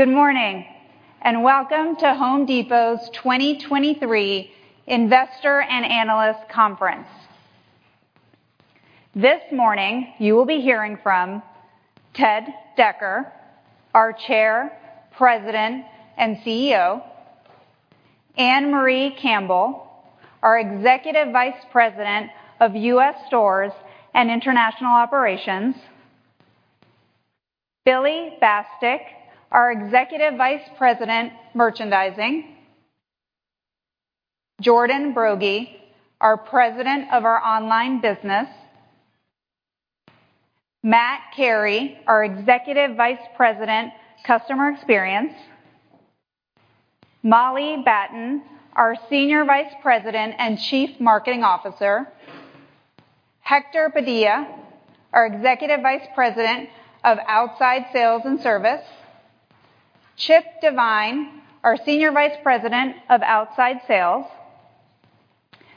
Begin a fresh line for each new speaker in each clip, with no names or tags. Good morning, and welcome to The Home Depot's 2023 Investor and Analyst Conference. This morning, you will be hearing from Ted Decker, our Chair, President, and CEO, Ann-Marie Campbell, our Executive Vice President of U.S. Stores and International Operations, Billy Bastek, our Executive Vice President, Merchandising, Jordan Broggi, our President of our online business, Matt Carey, our Executive Vice President, Customer Experience, Molly Battin, our Senior Vice President and Chief Marketing Officer, Hector Padilla, our Executive Vice President of Outside Sales and Service, Chip Devine, our Senior Vice President of Outside Sales,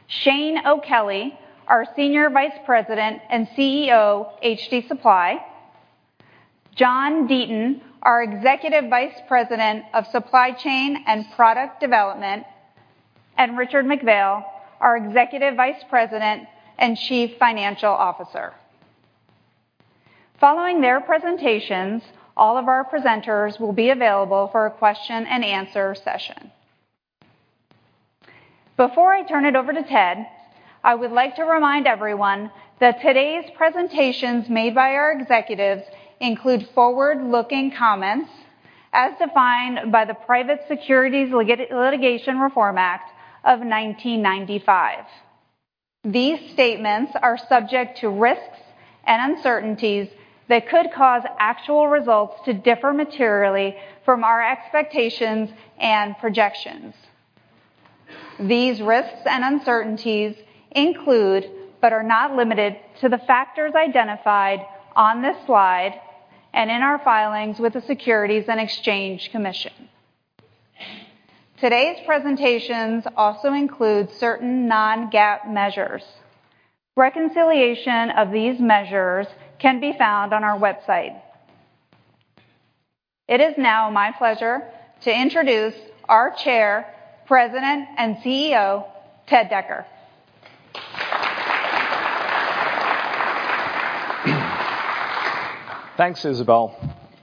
Shane O'Kelly, our Senior Vice President and CEO, HD Supply, John Deaton, our Executive Vice President of Supply Chain and Product Development, and Richard McPhail, our Executive Vice President and Chief Financial Officer. Following their presentations, all of our presenters will be available for a question-and-answer session. Before I turn it over to Ted, I would like to remind everyone that today's presentations made by our executives include forward-looking comments, as defined by the Private Securities Litigation Reform Act of 1995. These statements are subject to risks and uncertainties that could cause actual results to differ materially from our expectations and projections. These risks and uncertainties include, but are not limited to, the factors identified on this slide and in our filings with the Securities and Exchange Commission. Today's presentations also include certain non-GAAP measures. Reconciliation of these measures can be found on our website. It is now my pleasure to introduce our Chair, President, and CEO, Ted Decker.
Thanks, Isabelle.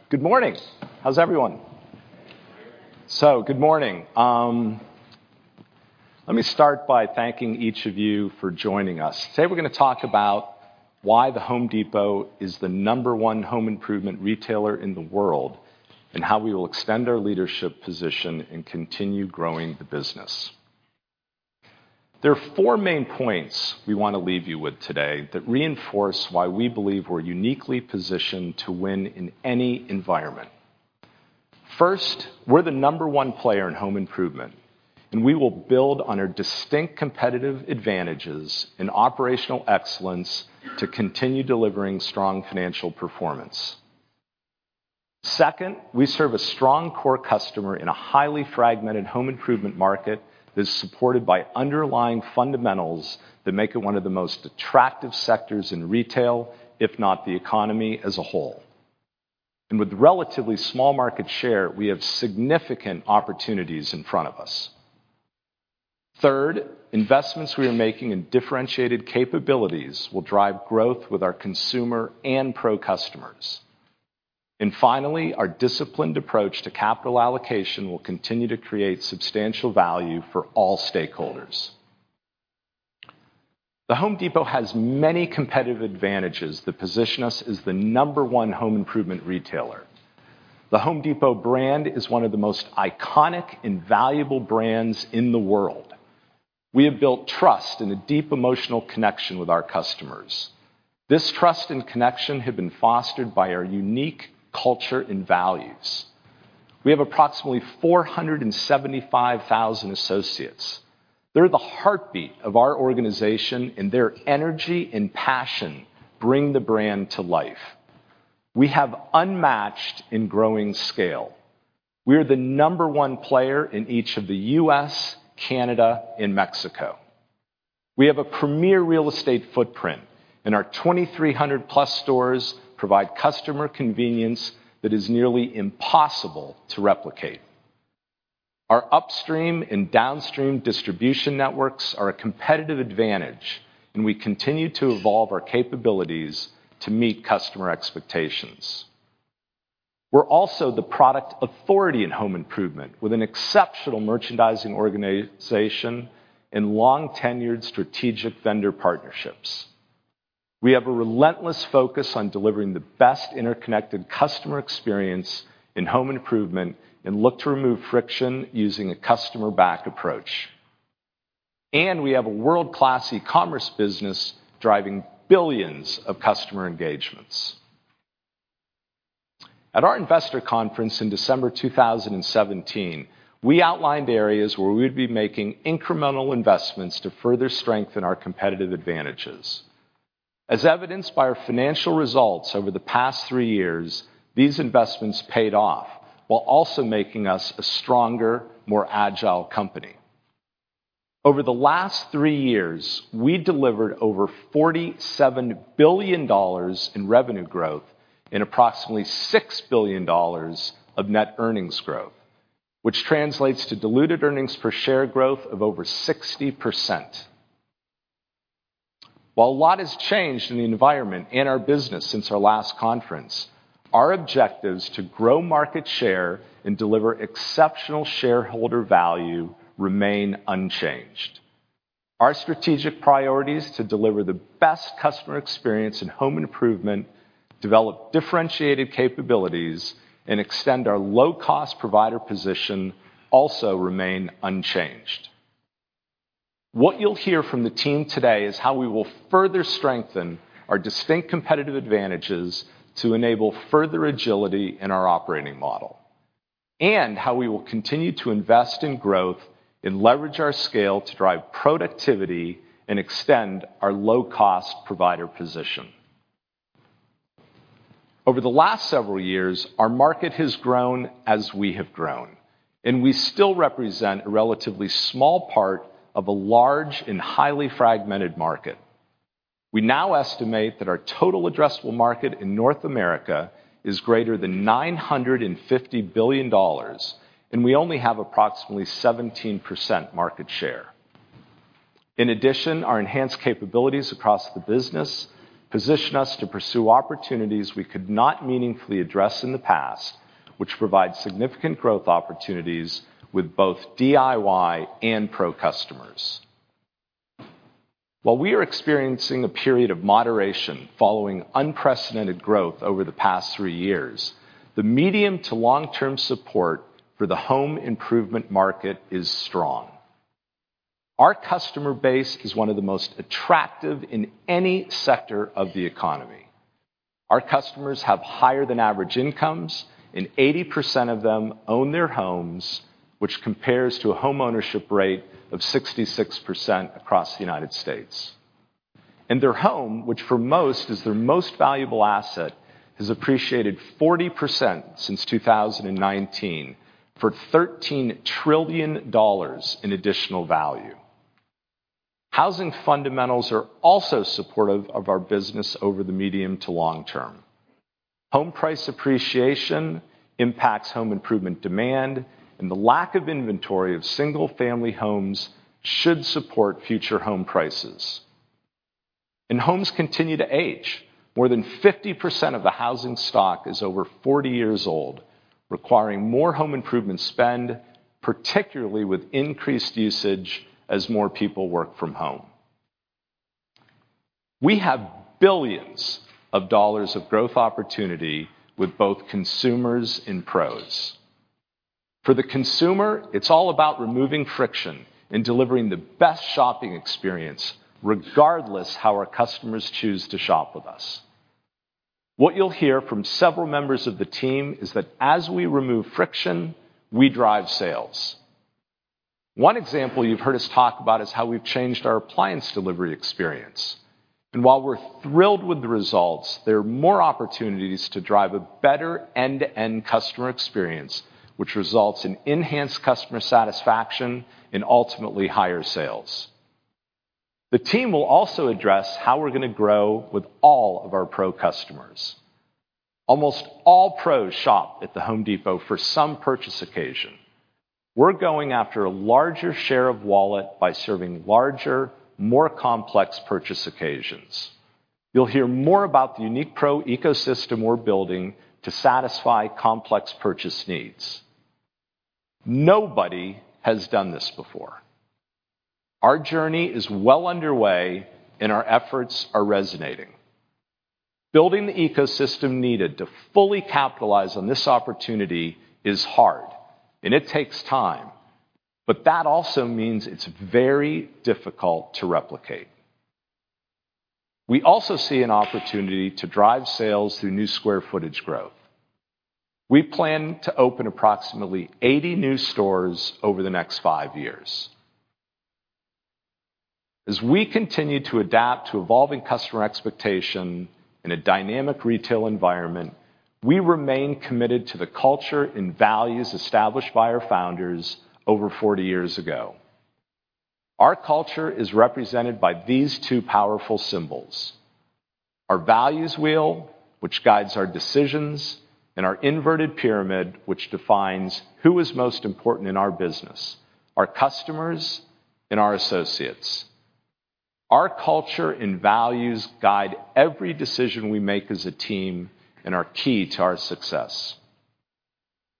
Good morning. How's everyone?
Good.
Good morning. Let me start by thanking each of you for joining us. Today, we're gonna talk about why The Home Depot is the number one home improvement retailer in the world, and how we will extend our leadership position and continue growing the business. There are four main points we want to leave you with today that reinforce why we believe we're uniquely positioned to win in any environment. First, we're the number one player in home improvement, and we will build on our distinct competitive advantages and operational excellence to continue delivering strong financial performance. Second, we serve a strong core customer in a highly fragmented home improvement market that is supported by underlying fundamentals that make it one of the most attractive sectors in retail, if not the economy as a whole. With relatively small market share, we have significant opportunities in front of us. Third, investments we are making in differentiated capabilities will drive growth with our consumer and pro customers. Finally, our disciplined approach to capital allocation will continue to create substantial value for all stakeholders. The Home Depot has many competitive advantages that position us as the number one home improvement retailer. The Home Depot brand is one of the most iconic and valuable brands in the world. We have built trust and a deep emotional connection with our customers. This trust and connection have been fostered by our unique culture and values. We have approximately 475,000 associates. They're the heartbeat of our organization, and their energy and passion bring the brand to life. We have unmatched and growing scale. We are the number one player in each of the U.S., Canada, and Mexico. We have a premier real estate footprint, our 2,300-plus stores provide customer convenience that is nearly impossible to replicate. Our upstream and downstream distribution networks are a competitive advantage; we continue to evolve our capabilities to meet customer expectations. We're also the product authority in home improvement, with an exceptional merchandising organization and long-tenured strategic vendor partnerships. We have a relentless focus on delivering the best interconnected customer experience in home improvement and look to remove friction using a customer-back approach. We have a world-class e-commerce business driving billions of customer engagements. At our investor conference in December 2017, we outlined areas where we would be making incremental investments to further strengthen our competitive advantages. As evidenced by our financial results over the past 3 years, these investments paid off while also making us a stronger, more agile company. Over the last 3 years, we delivered over $47 billion in revenue growth and approximately $6 billion of net earnings growth, which translates to diluted earnings per share growth of over 60%. While a lot has changed in the environment and our business since our last conference, our objectives to grow market share and deliver exceptional shareholder value remain unchanged. Our strategic priorities to deliver the best customer experience in home improvement, develop differentiated capabilities, and extend our low-cost provider position also remain unchanged. What you'll hear from the team today is how we will further strengthen our distinct competitive advantages to enable further agility in our operating model, and how we will continue to invest in growth and leverage our scale to drive productivity and extend our low-cost provider position. Over the last several years, our market has grown as we have grown, and we still represent a relatively small part of a large and highly fragmented market. We now estimate that our total addressable market in North America is greater than $950 billion, and we only have approximately 17% market share. In addition, our enhanced capabilities across the business position us to pursue opportunities we could not meaningfully address in the past, which provide significant growth opportunities with both DIY and Pro customers. While we are experiencing a period of moderation following unprecedented growth over the past three years, the medium to long-term support for the home improvement market is strong. Our customer base is one of the most attractive in any sector of the economy. Our customers have higher than average incomes, and 80% of them own their homes, which compares to a homeownership rate of 66% across the U.S. Their home, which for most is their most valuable asset, has appreciated 40% since 2019 for $13 trillion in additional value. Housing fundamentals are also supportive of our business over the medium to long term. Home price appreciation impacts home improvement demand, and the lack of inventory of single-family homes should support future home prices. Homes continue to age. More than 50% of the housing stock is over 40 years old, requiring more home improvement spend, particularly with increased usage as more people work from home. We have $ billions of growth opportunity with both consumers and pros. For the consumer, it's all about removing friction and delivering the best shopping experience, regardless how our customers choose to shop with us. What you'll hear from several members of the team is that as we remove friction, we drive sales. One example you've heard us talk about is how we've changed our appliance delivery experience. While we're thrilled with the results, there are more opportunities to drive a better end-to-end customer experience, which results in enhanced customer satisfaction and ultimately higher sales. The team will also address how we're gonna grow with all of our pro customers. Almost all pros shop at The Home Depot for some purchase occasion. We're going after a larger share of wallet by serving larger, more complex purchase occasions. You'll hear more about the unique pro ecosystem we're building to satisfy complex purchase needs. Nobody has done this before. Our journey is well underway, and our efforts are resonating. Building the ecosystem needed to fully capitalize on this opportunity is hard, and it takes time, but that also means it's very difficult to replicate. We also see an opportunity to drive sales through new square footage growth. We plan to open approximately 80 new stores over the next 5 years. As we continue to adapt to evolving customer expectation in a dynamic retail environment, we remain committed to the culture and values established by our founders over 40 years ago. Our culture is represented by these two powerful symbols: our values wheel, which guides our decisions, and our inverted pyramid, which defines who is most important in our business, our customers and our associates. Our culture and values guide every decision we make as a team and are key to our success.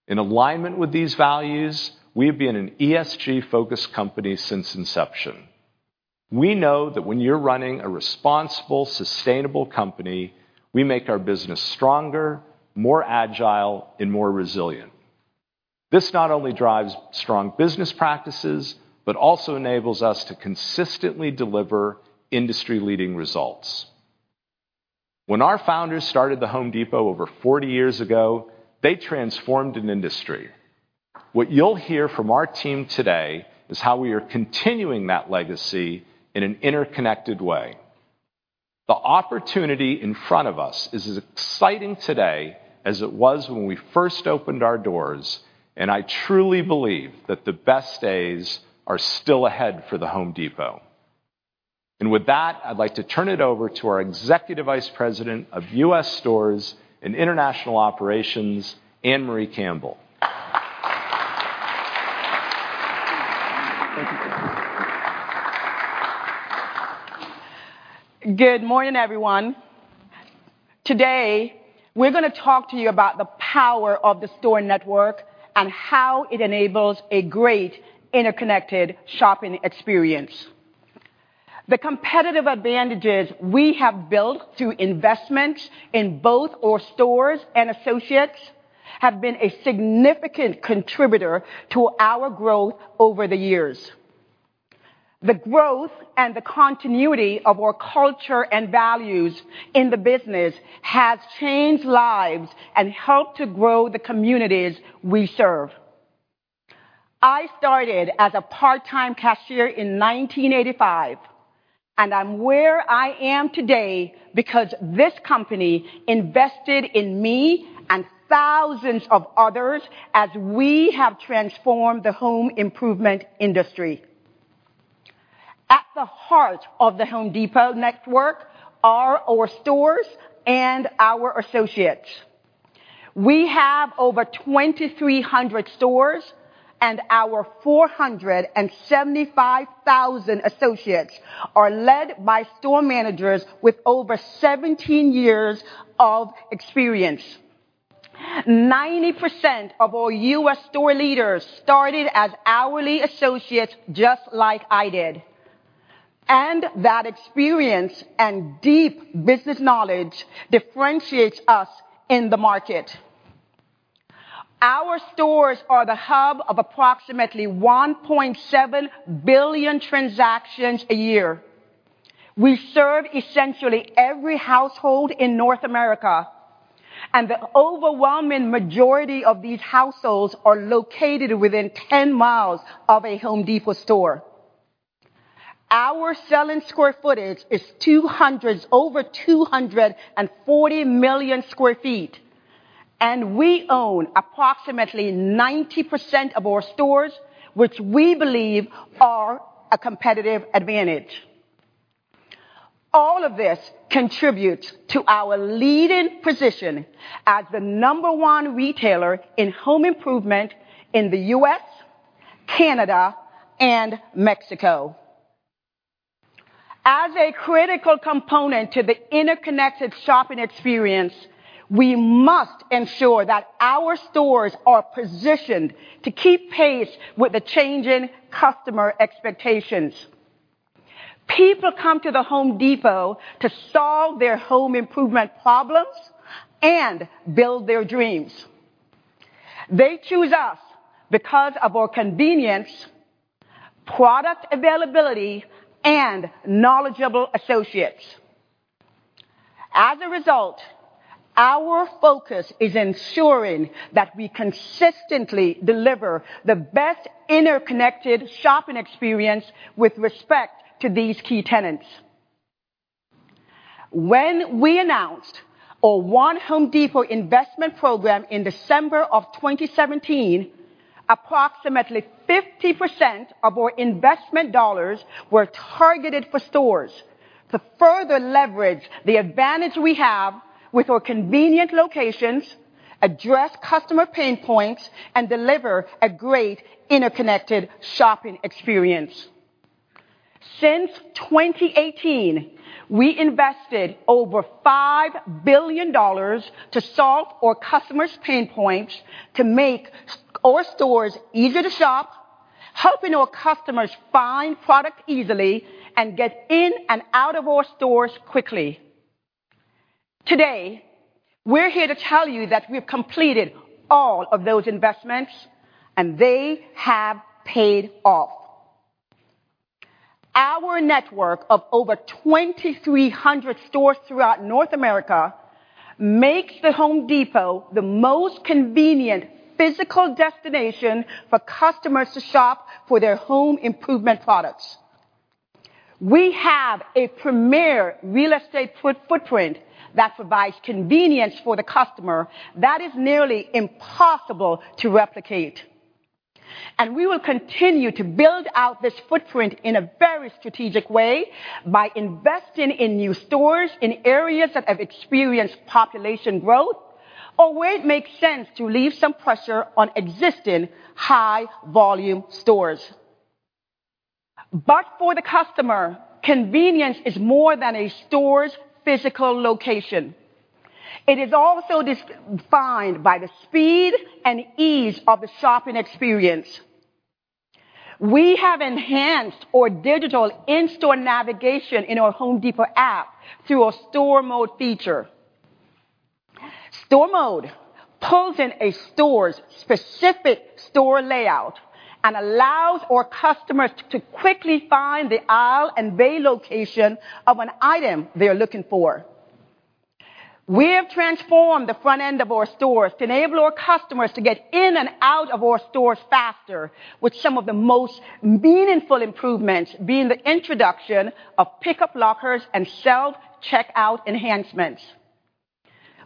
In alignment with these values, we have been an ESG-focused company since inception. We know that when you're running a responsible, sustainable company, we make our business stronger, more agile, and more resilient. This not only drives strong business practices but also enables us to consistently deliver industry-leading results. When our founders started The Home Depot over 40 years ago, they transformed an industry. What you'll hear from our team today is how we are continuing that legacy in an interconnected way. The opportunity in front of us is as exciting today as it was when we first opened our doors. I truly believe that the best days are still ahead for The Home Depot. With that, I'd like to turn it over to our Executive Vice President of U.S. Stores and International Operations, Ann-Marie Campbell.
Good morning, everyone. Today, we're going to talk to you about the power of the store network and how it enables a great interconnected shopping experience. The competitive advantages we have built through investments in both our stores and associates have been a significant contributor to our growth over the years. The growth and the continuity of our culture and values in the business has changed lives and helped to grow the communities we serve. I started as a part-time cashier in 1985, and I'm where I am today because this company invested in me and thousands of others as we have transformed the home improvement industry. At the heart of The Home Depot network are our stores and our associates. We have over 2,300 stores, and our 475,000 associates are led by store managers with over 17 years of experience. 90% of all U.S. store leaders started as hourly associates, just like I did, and that experience and deep business knowledge differentiates us in the market. Our stores are the hub of approximately 1.7 billion transactions a year. We serve essentially every household in North America, and the overwhelming majority of these households are located within 10 miles of a The Home Depot store. Our selling square footage is over 240 million sq ft, and we own approximately 90% of our stores, which we believe are a competitive advantage. All of this contributes to our leading position as the number one retailer in home improvement in the U.S., Canada, and Mexico. As a critical component to the interconnected shopping experience, we must ensure that our stores are positioned to keep pace with the changing customer expectations. People come to The Home Depot to solve their home improvement problems and build their dreams. They choose us because of our convenience, product availability, and knowledgeable associates. Our focus is ensuring that we consistently deliver the best interconnected shopping experience with respect to these key tenants. When we announced our One Home Depot investment program in December of 2017, approximately 50% of our investment dollars were targeted for stores to further leverage the advantage we have with our convenient locations, address customer pain points, and deliver a great interconnected shopping experience. Since 2018, we invested over $5 billion to solve our customers' pain points, to make our stores easier to shop, helping our customers find product easily, and get in and out of our stores quickly. Today, we're here to tell you that we've completed all of those investments, and they have paid off. Our network of over 2,300 stores throughout North America makes The Home Depot the most convenient physical destination for customers to shop for their home improvement products. We have a premier real estate footprint that provides convenience for the customer that is nearly impossible to replicate. We will continue to build out this footprint in a very strategic way by investing in new stores in areas that have experienced population growth or where it makes sense to relieve some pressure on existing high-volume stores. For the customer, convenience is more than a store's physical location. It is also defined by the speed and ease of the shopping experience. We have enhanced our digital in-store navigation in our Home Depot app through our Store Mode feature. Store Mode pulls in a store's specific store layout and allows our customers to quickly find the aisle and bay location of an item they are looking for. We have transformed the front end of our stores to enable our customers to get in and out of our stores faster, with some of the most meaningful improvements being the introduction of pickup lockers and self-checkout enhancements.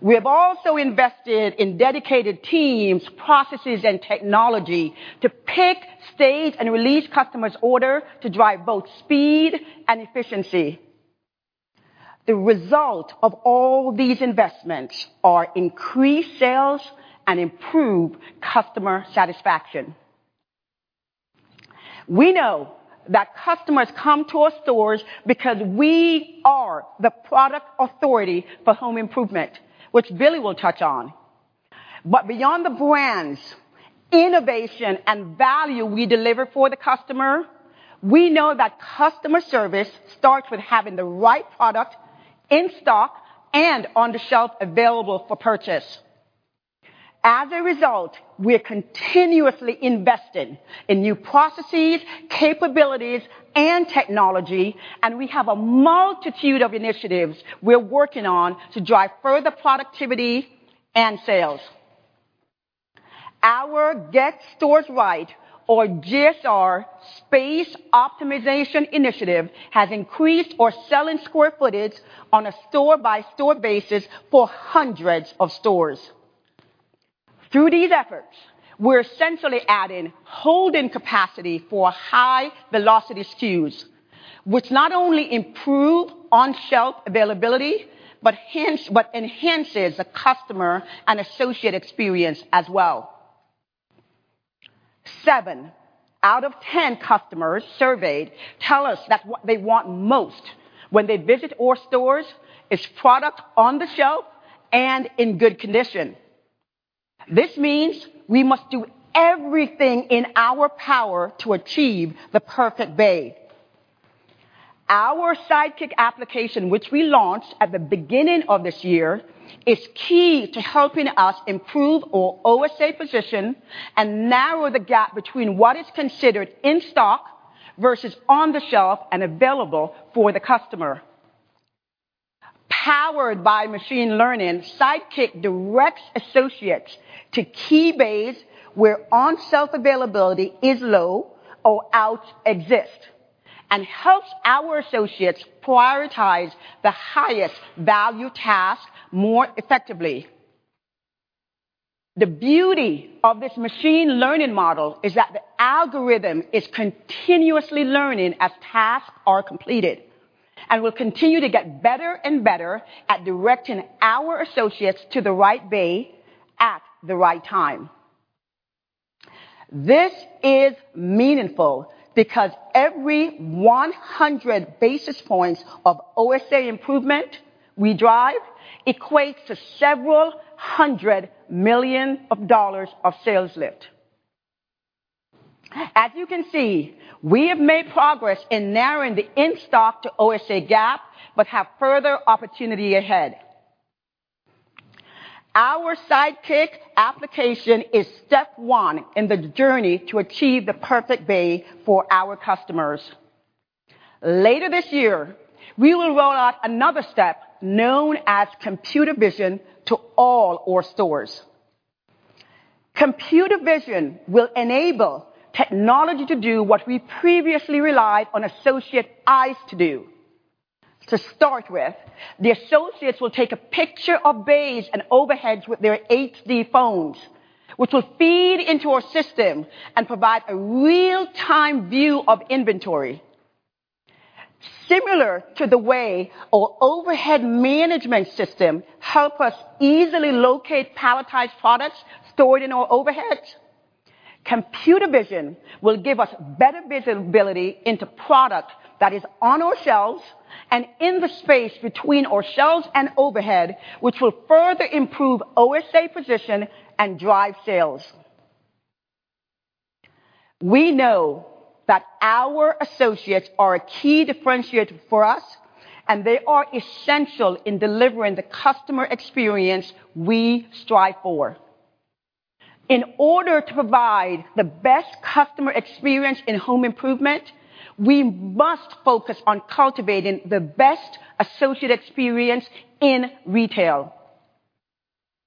We have also invested in dedicated teams, processes, and technology to pick, stage, and release customers' order to drive both speed and efficiency. The result of all these investments are increased sales and improved customer satisfaction. We know that customers come to our stores because we are the product authority for home improvement, which Billy will touch on. Beyond the brands, innovation, and value we deliver for the customer, we know that customer service starts with having the right product in stock and on the shelf available for purchase. As a result, we are continuously investing in new processes, capabilities, and technology, and we have a multitude of initiatives we're working on to drive further productivity and sales. Our Get Stores Right, or GSR, space optimization initiative has increased our selling square footage on a store-by-store basis for hundreds of stores. Through these efforts, we're essentially adding holding capacity for high-velocity SKUs, which not only improve on-shelf availability, but enhances the customer and associate experience as well. Seven out of 10 customers surveyed tell us that what they want most when they visit our stores is product on the shelf and in good condition. This means we must do everything in our power to achieve the perfect bay. Our Sidekick application, which we launched at the beginning of this year, is key to helping us improve our OSA position and narrow the gap between what is considered in stock versus on the shelf and available for the customer. Powered by machine learning, Sidekick directs associates to key bays where on-shelf availability is low or out exist and helps our associates prioritize the highest-value tasks more effectively. The beauty of this machine learning model is that the algorithm is continuously learning as tasks are completed and will continue to get better and better at directing our associates to the right bay at the right time. This is meaningful because every 100 basis points of OSA improvement we drive equates to $ several hundred million of sales lift. As you can see, we have made progress in narrowing the in-stock-to-OSA gap but have further opportunity ahead. Our Sidekick application is step one in the journey to achieve the perfect bay for our customers. Later this year, we will roll out another step, known as computer vision, to all our stores. Computer vision will enable technology to do what we previously relied on associate eyes to do. To start with, the associates will take a picture of bays and overheads with their HD phones, which will feed into our system and provide a real-time view of inventory. Similar to the way our Overhead Management System help us easily locate palletized products stored in our overheads, computer vision will give us better visibility into product that is on our shelves and in the space between our shelves and overhead, which will further improve OSA position and drive sales. We know that our associates are a key differentiator for us, and they are essential in delivering the customer experience we strive for. In order to provide the best customer experience in home improvement, we must focus on cultivating the best associate experience in retail.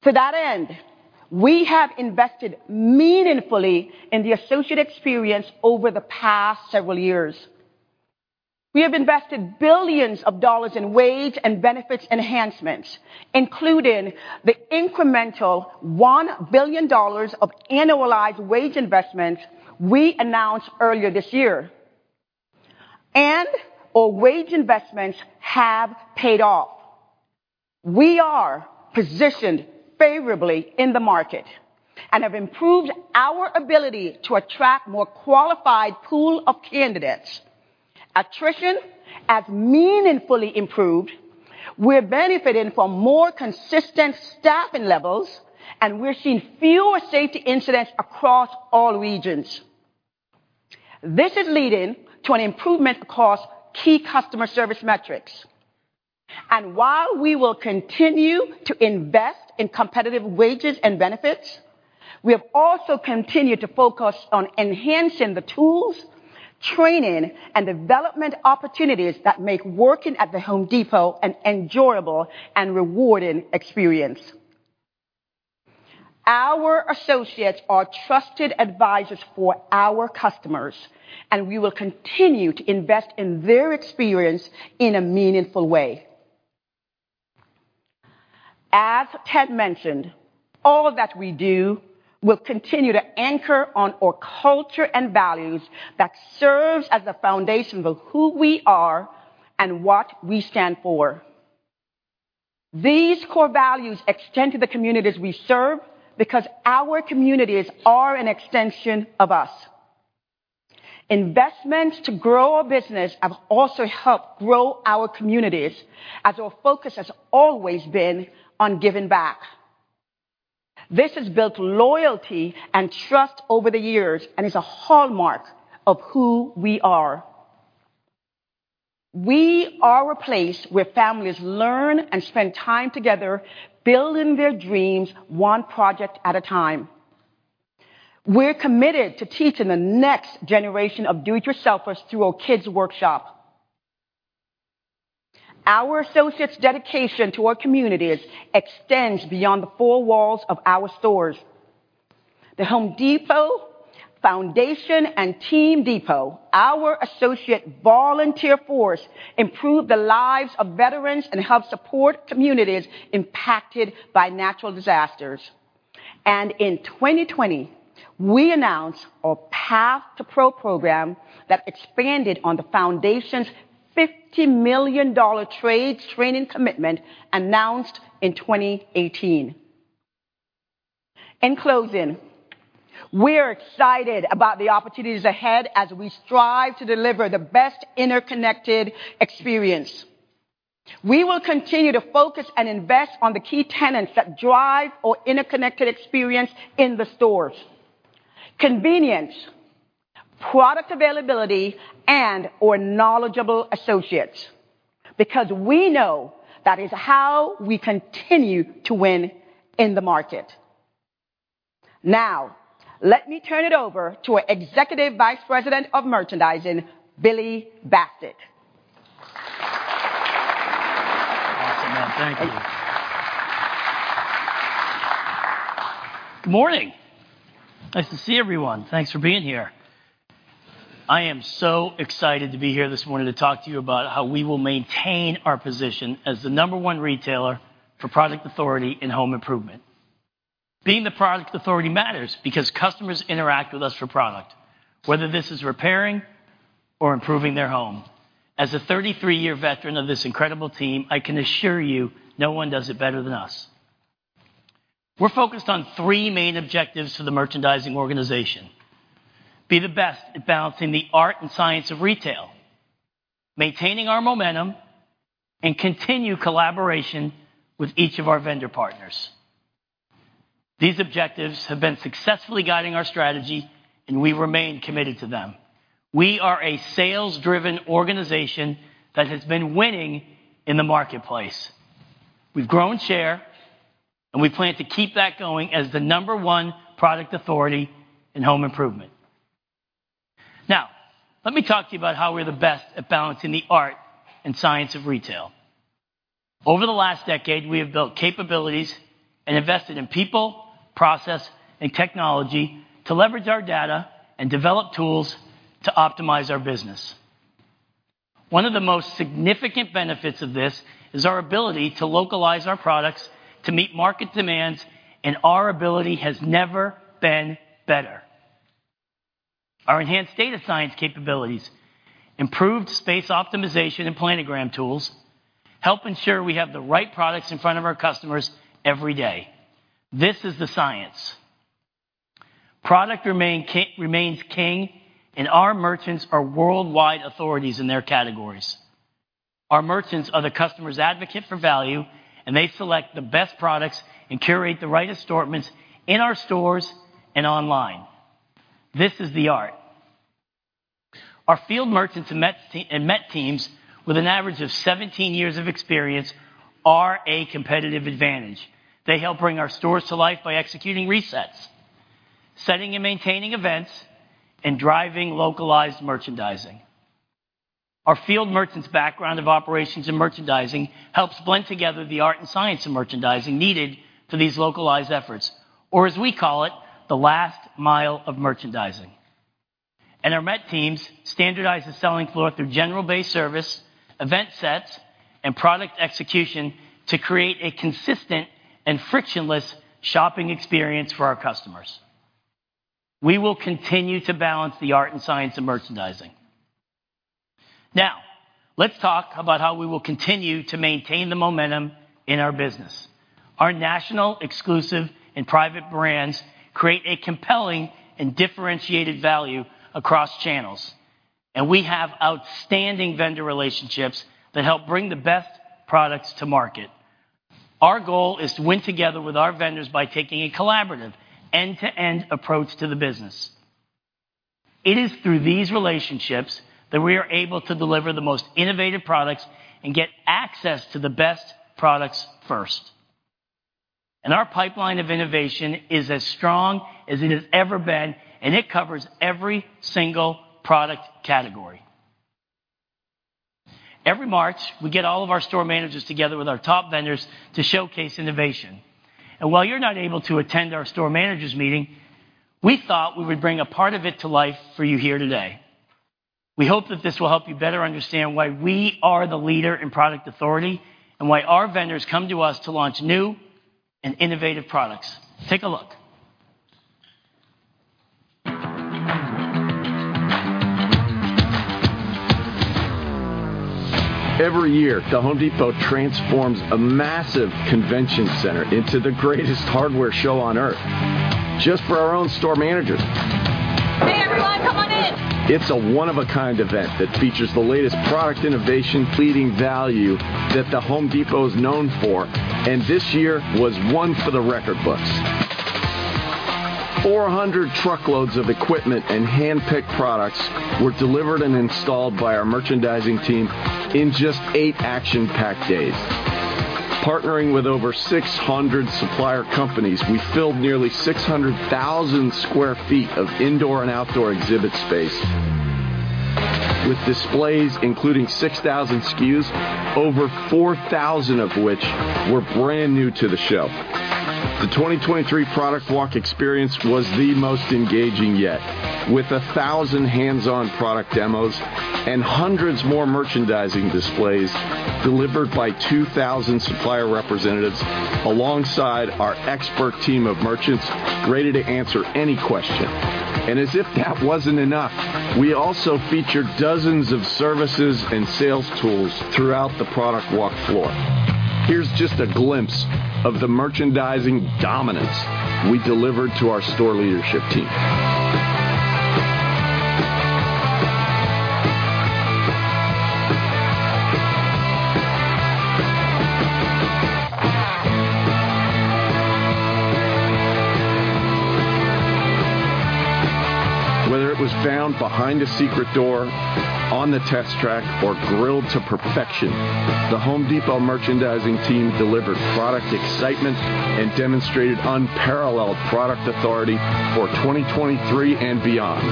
To that end, we have invested meaningfully in the associate experience over the past several years. We have invested billions of dollars in wage and benefits enhancements, including the incremental $1 billion of annualized wage investments we announced earlier this year. Our wage investments have paid off. We are positioned favorably in the market and have improved our ability to attract more qualified pool of candidates. Attrition has meaningfully improved. We're benefiting from more consistent staffing levels, and we're seeing fewer safety incidents across all regions. This is leading to an improvement across key customer service metrics. While we will continue to invest in competitive wages and benefits, we have also continued to focus on enhancing the tools, training, and development opportunities that make working at The Home Depot an enjoyable and rewarding experience. Our associates are trusted advisors for our customers, and we will continue to invest in their experience in a meaningful way. As Ted mentioned, all of that we do will continue to anchor on our culture and values that serves as the foundation of who we are and what we stand for. These core values extend to the communities we serve because our communities are an extension of us. Investments to grow our business have also helped grow our communities, as our focus has always been on giving back. This has built loyalty and trust over the years and is a hallmark of who we are. We are a place where families learn and spend time together, building their dreams one project at a time. We're committed to teaching the next generation of do-it-yourselfers through our Kids Workshops. Our associates' dedication to our communities extends beyond the four walls of our stores. The Home Depot Foundation and Team Depot, our associate volunteer force, improve the lives of veterans and help support communities impacted by natural disasters. In 2020, we announced our Path to Pro program that expanded on the foundation's $50 million trade training commitment, announced in 2018. In closing, we're excited about the opportunities ahead as we strive to deliver the best interconnected experience. We will continue to focus and invest on the key tenets that drive our interconnected experience in the stores: convenience, product availability, and our knowledgeable associates, because we know that is how we continue to win in the market. Now, let me turn it over to our Executive Vice President of Merchandising, Billy Bastek.
Awesome, thank you. Good morning! Nice to see everyone. Thanks for being here. I am so excited to be here this morning to talk to you about how we will maintain our position as the number one retailer for product authority in home improvement. Being the product authority matters because customers interact with us for product, whether this is repairing or improving their home. As a 33-year veteran of this incredible team, I can assure you, no one does it better than us. We're focused on 3 main objectives to the merchandising organization: be the best at balancing the art and science of retail, maintaining our momentum, and continue collaboration with each of our vendor partners. These objectives have been successfully guiding our strategy, and we remain committed to them. We are a sales-driven organization that has been winning in the marketplace. We've grown share, and we plan to keep that going as the number one product authority in home improvement. Now, let me talk to you about how we're the best at balancing the art and science of retail. Over the last decade, we have built capabilities and invested in people, process, and technology to leverage our data and develop tools to optimize our business. One of the most significant benefits of this is our ability to localize our products to meet market demands. Our ability has never been better. Our enhanced data science capabilities, improved space optimization and planogram tools, help ensure we have the right products in front of our customers every day. This is the science. Product remains king, and our merchants are worldwide authorities in their categories. Our merchants are the customer's advocate for value, and they select the best products and curate the right assortments in our stores and online. This is the art. Our field merchants and MET Teams, with an average of 17 years of experience, are a competitive advantage. They help bring our stores to life by executing resets, setting and maintaining events, and driving localized merchandising. Our field merchants' background of operations and merchandising helps blend together the art and science of merchandising needed for these localized efforts, or as we call it, the last mile of merchandising. Our MET Teams standardize the selling floor through general base service, event sets, and product execution to create a consistent and frictionless shopping experience for our customers. We will continue to balance the art and science of merchandising. Now, let's talk about how we will continue to maintain the momentum in our business. Our national, exclusive, and private brands create a compelling and differentiated value across channels, and we have outstanding vendor relationships that help bring the best products to market. Our goal is to win together with our vendors by taking a collaborative, end-to-end approach to the business. It is through these relationships that we are able to deliver the most innovative products and get access to the best products first. Our pipeline of innovation is as strong as it has ever been, and it covers every single product category. Every March, we get all of our store managers together with our top vendors to showcase innovation. While you're not able to attend our store managers meeting, we thought we would bring a part of it to life for you here today. We hope that this will help you better understand why we are the leader in product authority, and why our vendors come to us to launch new and innovative products. Take a look.
Every year, The Home Depot transforms a massive convention center into the greatest hardware show on earth, just for our own store managers. Hey, everyone, come on in! It's a one-of-a-kind event that features the latest product innovation, leading value that The Home Depot is known for, this year was one for the record books. 400 truckloads of equipment and handpicked products were delivered and installed by our merchandising team in just 8 action-packed days. Partnering with over 600 supplier companies, we filled nearly 600,000 sq ft of indoor and outdoor exhibit space, with displays including 6,000 SKUs, over 4,000 of which were brand new to the show. The 2023 product walk experience was the most engaging yet, with 1,000 hands-on product demos and hundreds more merchandising displays delivered by 2,000 supplier representatives, alongside our expert team of merchants, ready to answer any question. As if that wasn't enough, we also featured dozens of services and sales tools throughout the product walk floor. Here's just a glimpse of the merchandising dominance we delivered to our store leadership team. Whether it was found behind a secret door, on the test track, or grilled to perfection, The Home Depot merchandising team delivered product excitement and demonstrated unparalleled product authority for 2023 and beyond.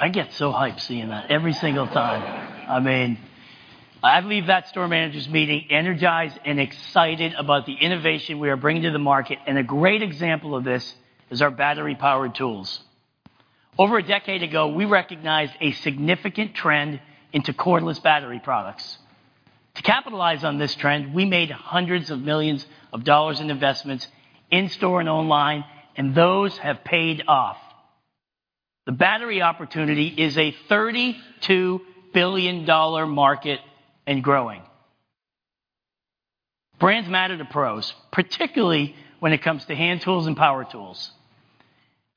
I get so hyped seeing that every single time. I mean, I leave that store managers meeting energized and excited about the innovation we are bringing to the market, and a great example of this is our battery-powered tools. Over 10 years ago, we recognized a significant trend into cordless battery products. To capitalize on this trend, we made hundreds of millions of dollars in investments in-store and online, and those have paid off. The battery opportunity is a $32 billion market and growing. Brands matter to pros, particularly when it comes to hand tools and power tools,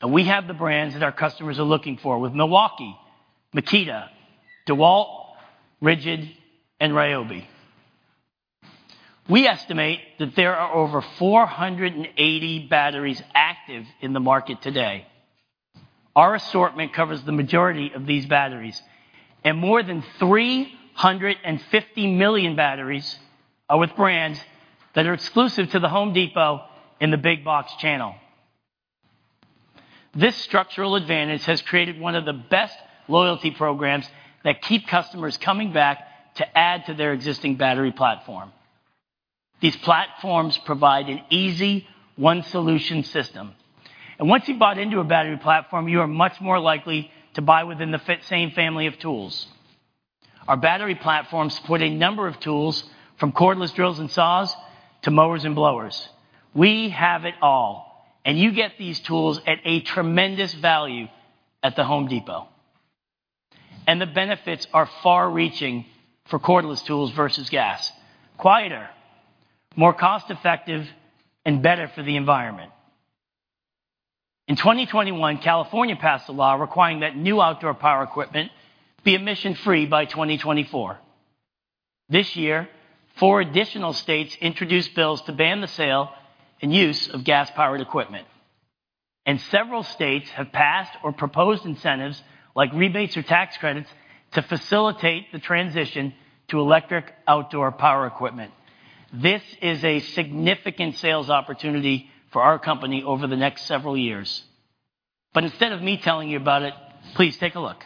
and we have the brands that our customers are looking for with Milwaukee, Makita, DeWalt, RIDGID, and Ryobi. We estimate that there are over 480 batteries active in the market today. Our assortment covers the majority of these batteries, and more than 350 million batteries are with brands that are exclusive to The Home Depot in the big box channel. This structural advantage has created one of the best loyalty programs that keep customers coming back to add to their existing battery platform. These platforms provide an easy one-solution system, and once you've bought into a battery platform, you are much more likely to buy within the fit same family of tools. Our battery platforms support a number of tools, from cordless drills and saws to mowers and blowers. We have it all, and you get these tools at a tremendous value at The Home Depot. The benefits are far reaching for cordless tools versus gas. Quieter, more cost-effective, and better for the environment. In 2021, California passed a law requiring that new outdoor power equipment be emission-free by 2024. This year, four additional states introduced bills to ban the sale and use of gas-powered equipment, and several states have passed or proposed incentives like rebates or tax credits, to facilitate the transition to electric outdoor power equipment. This is a significant sales opportunity for our company over the next several years. Instead of me telling you about it, please take a look.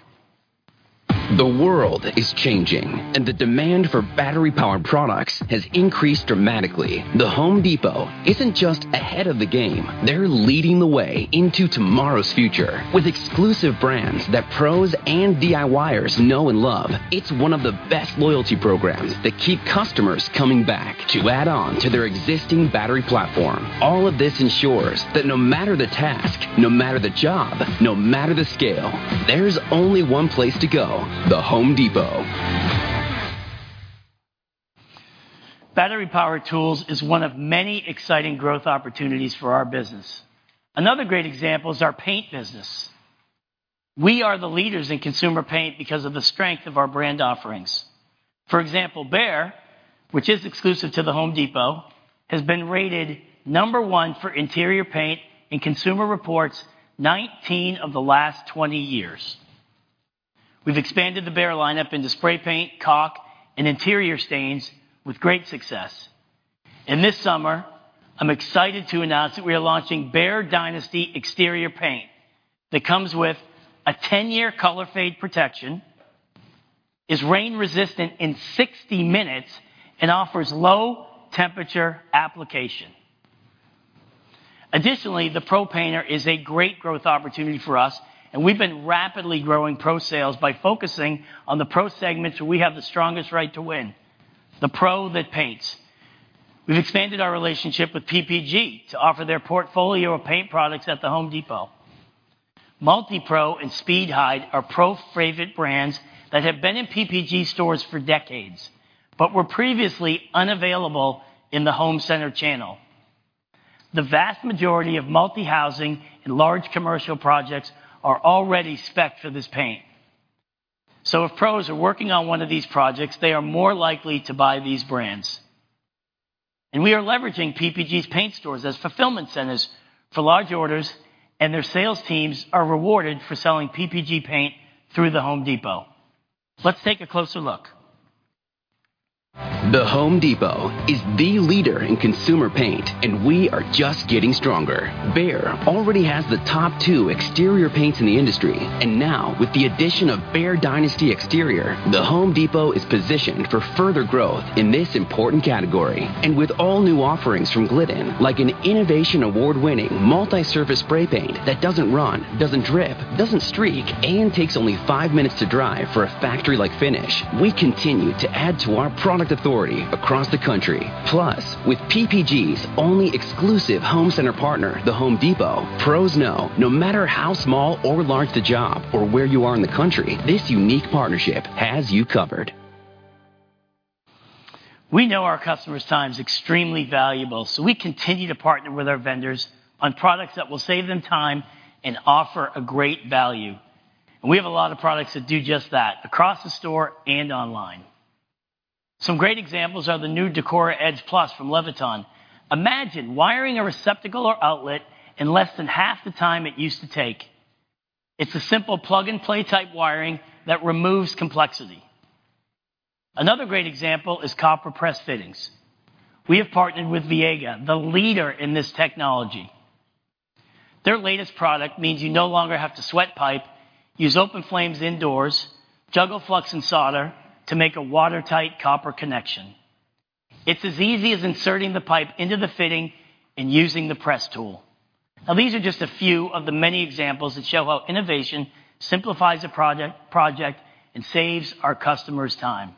The world is changing, and the demand for battery power products has increased dramatically. The Home Depot isn't just ahead of the game; they're leading the way into tomorrow's future with exclusive brands that pros and DIYers know and love. It's one of the best loyalty programs that keep customers coming back to add on to their existing battery platform. All of this ensures that no matter the task, no matter the job, no matter the scale, there's only one place to go, The Home Depot.
Battery power tools is one of many exciting growth opportunities for our business. Another great example is our paint business. We are the leaders in consumer paint because of the strength of our brand offerings. For example, Behr, which is exclusive to The Home Depot, has been rated number one for interior paint in Consumer Reports 19 of the last 20 years. We've expanded the Behr lineup into spray paint, caulk, and interior stains with great success. This summer, I'm excited to announce that we are launching BEHR DYNASTY Exterior Paint that comes with a 10-year color fade protection, is rain resistant in 60 minutes, and offers low temperature application. Additionally, the ProPainter is a great growth opportunity for us, and we've been rapidly growing pro sales by focusing on the pro segments where we have the strongest right to win, the pro that paints. We've expanded our relationship with PPG to offer their portfolio of paint products at The Home Depot. MULTI-PRO and SPEEDHIDE are pro favorite brands that have been in PPG stores for decades but were previously unavailable in the home center channel. The vast majority of multi-housing and large commercial projects are already spec'd for this paint. If pros are working on one of these projects, they are more likely to buy these brands. We are leveraging PPG's paint stores as fulfillment centers for large orders, and their sales teams are rewarded for selling PPG paint through The Home Depot. Let's take a closer look.
The Home Depot is the leader in consumer paint, and we are just getting stronger. Behr already has the top 2 exterior paints in the industry, and now with the addition of Behr Dynasty Exterior, The Home Depot is positioned for further growth in this important category. With all new offerings from Glidden, like an innovation award-winning multi-surface spray paint that doesn't run, doesn't drip, doesn't streak, and takes only 5 minutes to dry for a factory-like finish, we continue to add to our product authority across the country. With PPG's only exclusive home center partner, The Home Depot, pros know no matter how small or large the job or where you are in the country, this unique partnership has you covered.
We know our customers' time is extremely valuable, we continue to partner with our vendors on products that will save them time and offer a great value. We have a lot of products that do just that, across the store and online. Some great examples are the new Decora Edge Plus from Leviton. Imagine wiring a receptacle or outlet in less than half the time it used to take. It's a simple plug-and-play type wiring that removes complexity. Another great example is copper press fittings. We have partnered with Viega, the leader in this technology. Their latest product means you no longer have to sweat pipe, use open flames indoors, juggle flux and solder to make a watertight copper connection. It's as easy as inserting the pipe into the fitting and using the press tool. These are just a few of the many examples that show how innovation simplifies a project and saves our customers time.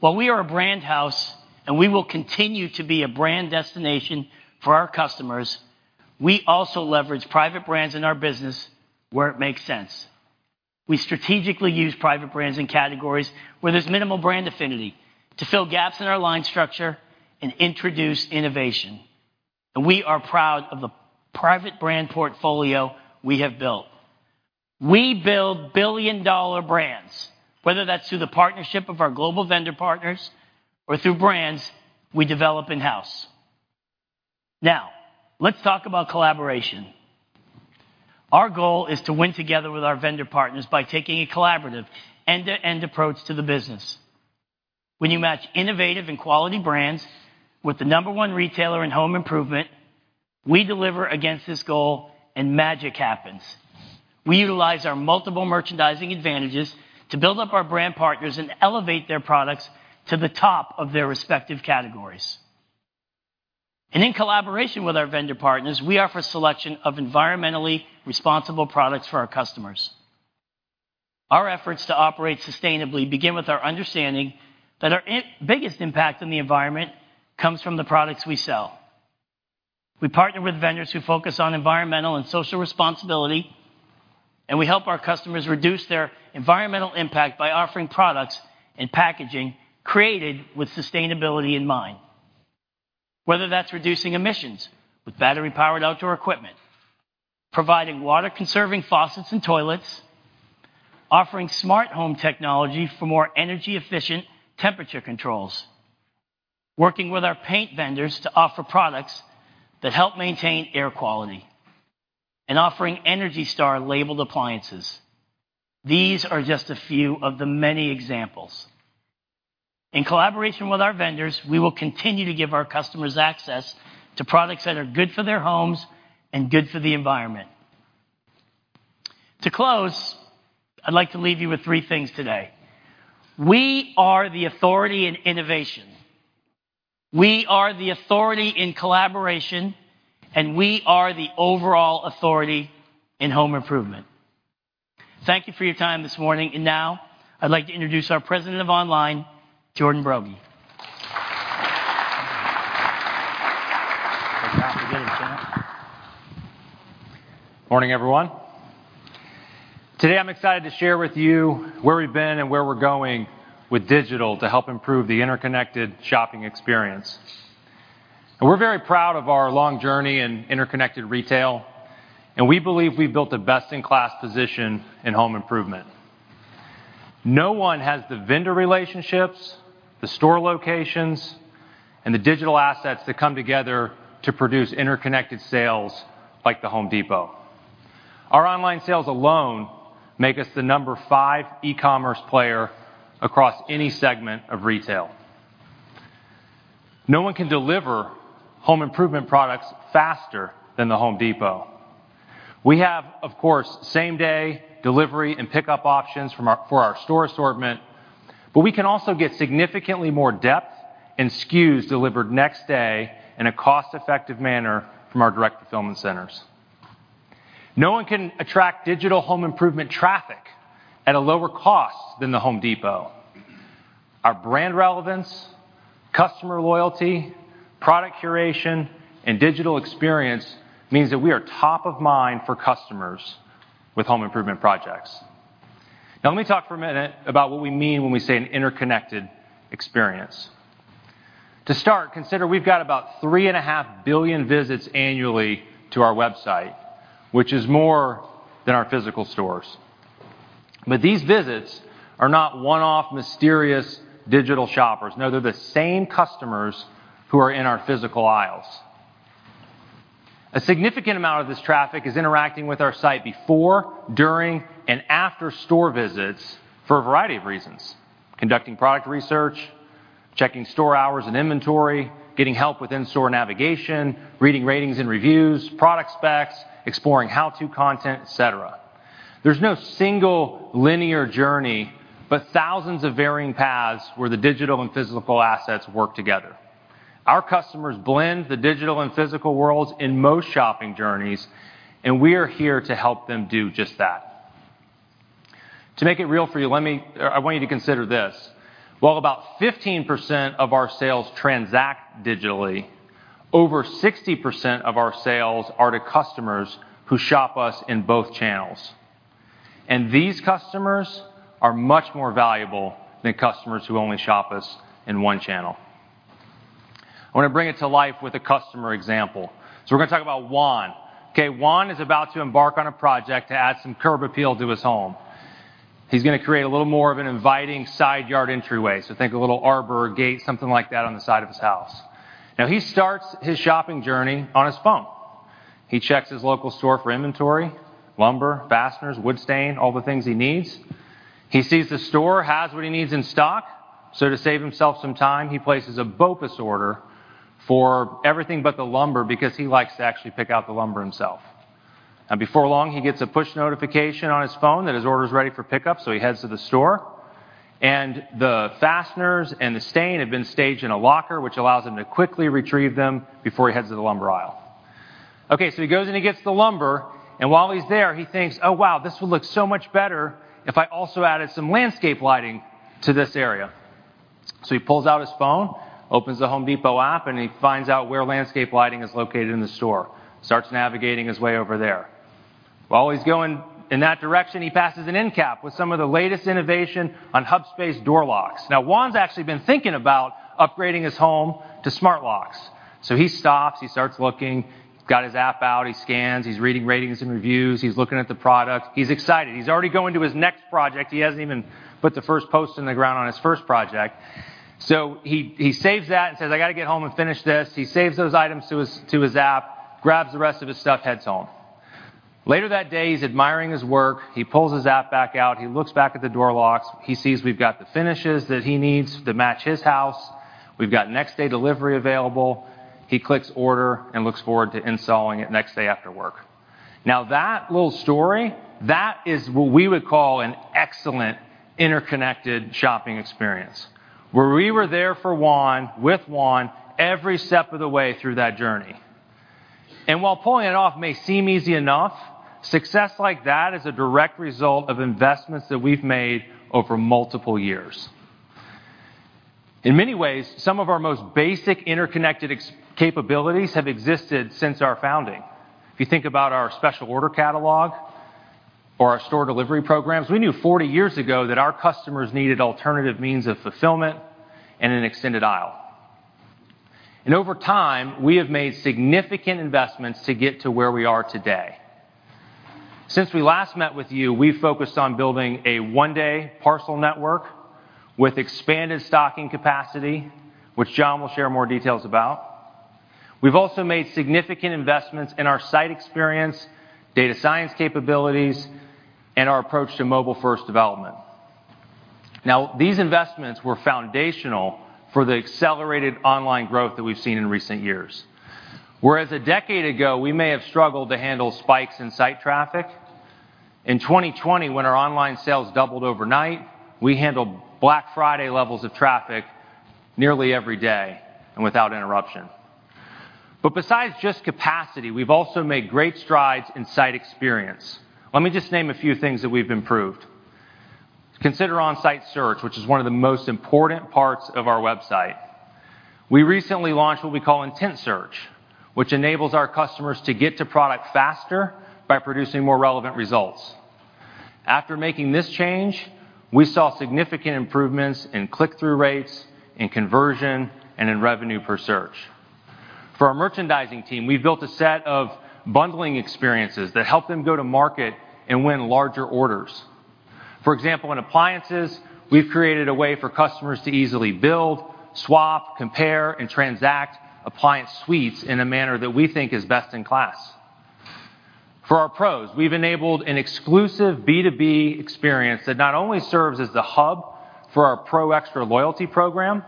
While we are a brand house, and we will continue to be a brand destination for our customers, we also leverage private brands in our business where it makes sense. We strategically use private brands in categories where there's minimal brand affinity, to fill gaps in our line structure and introduce innovation. We are proud of the private brand portfolio we have built. We build billion-dollar brands, whether that's through the partnership of our global vendor partners or through brands we develop in-house. Let's talk about collaboration. Our goal is to win together with our vendor partners by taking a collaborative end-to-end approach to the business. When you match innovative and quality brands with the number 1 retailer in home improvement, we deliver against this goal and magic happens. We utilize our multiple merchandising advantages to build up our brand partners and elevate their products to the top of their respective categories. In collaboration with our vendor partners, we offer a selection of environmentally responsible products for our customers. Our efforts to operate sustainably begin with our understanding that our biggest impact on the environment comes from the products we sell. We partner with vendors who focus on environmental and social responsibility, and we help our customers reduce their environmental impact by offering products and packaging created with sustainability in mind. Whether that's reducing emissions with battery-powered outdoor equipment, providing water-conserving faucets and toilets, offering smart home technology for more energy-efficient temperature controls, working with our paint vendors to offer products that help maintain air quality, and offering ENERGY STAR labeled appliances. These are just a few of the many examples. In collaboration with our vendors, we will continue to give our customers access to products that are good for their homes and good for the environment. To close, I'd like to leave you with three things today. We are the authority in innovation, we are the authority in collaboration, and we are the overall authority in home improvement. Thank you for your time this morning, and now I'd like to introduce our President of Online, Jordan Broggi.
Good afternoon, gentlemen. Morning, everyone. Today, I'm excited to share with you where we've been and where we're going with digital to help improve the interconnected shopping experience. We're very proud of our long journey in interconnected retail, and we believe we've built a best-in-class position in home improvement. No one has the vendor relationships, the store locations, and the digital assets that come together to produce interconnected sales like The Home Depot. Our online sales alone make us the number five e-commerce player across any segment of retail. No one can deliver home improvement products faster than The Home Depot. We have, of course, same-day delivery and pickup options for our store assortment, but we can also get significantly more depth and SKUs delivered next day in a cost-effective manner from our Direct Fulfillment Center. No one can attract digital home improvement traffic at a lower cost than The Home Depot. Our brand relevance, customer loyalty, product curation, and digital experience means that we are top of mind for customers with home improvement projects. Let me talk for a minute about what we mean when we say an interconnected experience. To start, consider we've got about 3.5 billion visits annually to our website, which is more than our physical stores. These visits are not one-off, mysterious digital shoppers. No, they're the same customers who are in our physical aisles. A significant amount of this traffic is interacting with our site before, during, and after store visits for a variety of reasons: conducting product research, checking store hours and inventory, getting help with in-store navigation, reading ratings and reviews, product specs, exploring how-to content, et cetera. There's no single linear journey, but thousands of varying paths where the digital and physical assets work together. Our customers blend the digital and physical worlds in most shopping journeys. We are here to help them do just that. To make it real for you, I want you to consider this: while about 15% of our sales transact digitally, over 60% of our sales are to customers who shop us in both channels. These customers are much more valuable than customers who only shop us in one channel. I want to bring it to life with a customer example. We're going to talk about Juan. Okay, Juan is about to embark on a project to add some curb appeal to his home. He's gonna create a little more of an inviting side yard entryway, so think a little arbor or gate, something like that, on the side of his house. He starts his shopping journey on his phone. He checks his local store for inventory, lumber, fasteners, wood stain, all the things he needs. He sees the store has what he needs in stock, so to save himself some time, he places a BOPUS order for everything but the lumber because he likes to actually pick out the lumber himself. Before long, he gets a push notification on his phone that his order is ready for pickup, so he heads to the store, and the fasteners and the stain have been staged in a locker, which allows him to quickly retrieve them before he heads to the lumber aisle. Okay, he goes and he gets the lumber, and while he's there, he thinks, "Oh, wow, this would look so much better if I also added some landscape lighting to this area." He pulls out his phone, opens The Home Depot app, and he finds out where landscape lighting is located in the store, starts navigating his way over there. While he's going in that direction, he passes an end cap with some of the latest innovation on hub-based door locks. Juan's actually been thinking about upgrading his home to smart locks. He stops, he starts looking, got his app out, he scans, he's reading ratings and reviews. He's looking at the product. He's excited. He's already going to his next project. He hasn't even put the first post in the ground on his first project. He saves that and says, "I got to get home and finish this." He saves those items to his, to his app, grabs the rest of his stuff, heads home. Later that day, he's admiring his work. He pulls his app back out. He looks back at the door locks. He sees we've got the finishes that he needs to match his house. We've got next-day delivery available. He clicks order and looks forward to installing it next day after work. That little story, that is what we would call an excellent interconnected shopping experience, where we were there for Juan, with Juan every step of the way through that journey. While pulling it off may seem easy enough, success like that is a direct result of investments that we've made over multiple years. In many ways, some of our most basic interconnected capabilities have existed since our founding. If you think about our special order catalog or our store delivery programs, we knew 40 years ago that our customers needed alternative means of fulfillment and an extended aisle. Over time, we have made significant investments to get to where we are today. Since we last met with you, we've focused on building a one-day parcel network with expanded stocking capacity, which John will share more details about. We've also made significant investments in our site experience, data science capabilities, and our approach to mobile-first development. These investments were foundational for the accelerated online growth that we've seen in recent years. Whereas a decade ago, we may have struggled to handle spikes in site traffic, in 2020, when our online sales doubled overnight, we handled Black Friday levels of traffic nearly every day and without interruption. Besides just capacity, we've also made great strides in site experience. Let me just name a few things that we've improved. Consider on-site search, which is one of the most important parts of our website. We recently launched what we call Intent Search, which enables our customers to get to product faster by producing more relevant results. After making this change, we saw significant improvements in click-through rates, in conversion, and in revenue per search. For our merchandising team, we've built a set of bundling experiences that help them go to market and win larger orders. For example, in appliances, we've created a way for customers to easily build, swap, compare, and transact appliance suites in a manner that we think is best in class. For our pros, we've enabled an exclusive B2B experience that not only serves as the hub for our Pro Xtra loyalty program,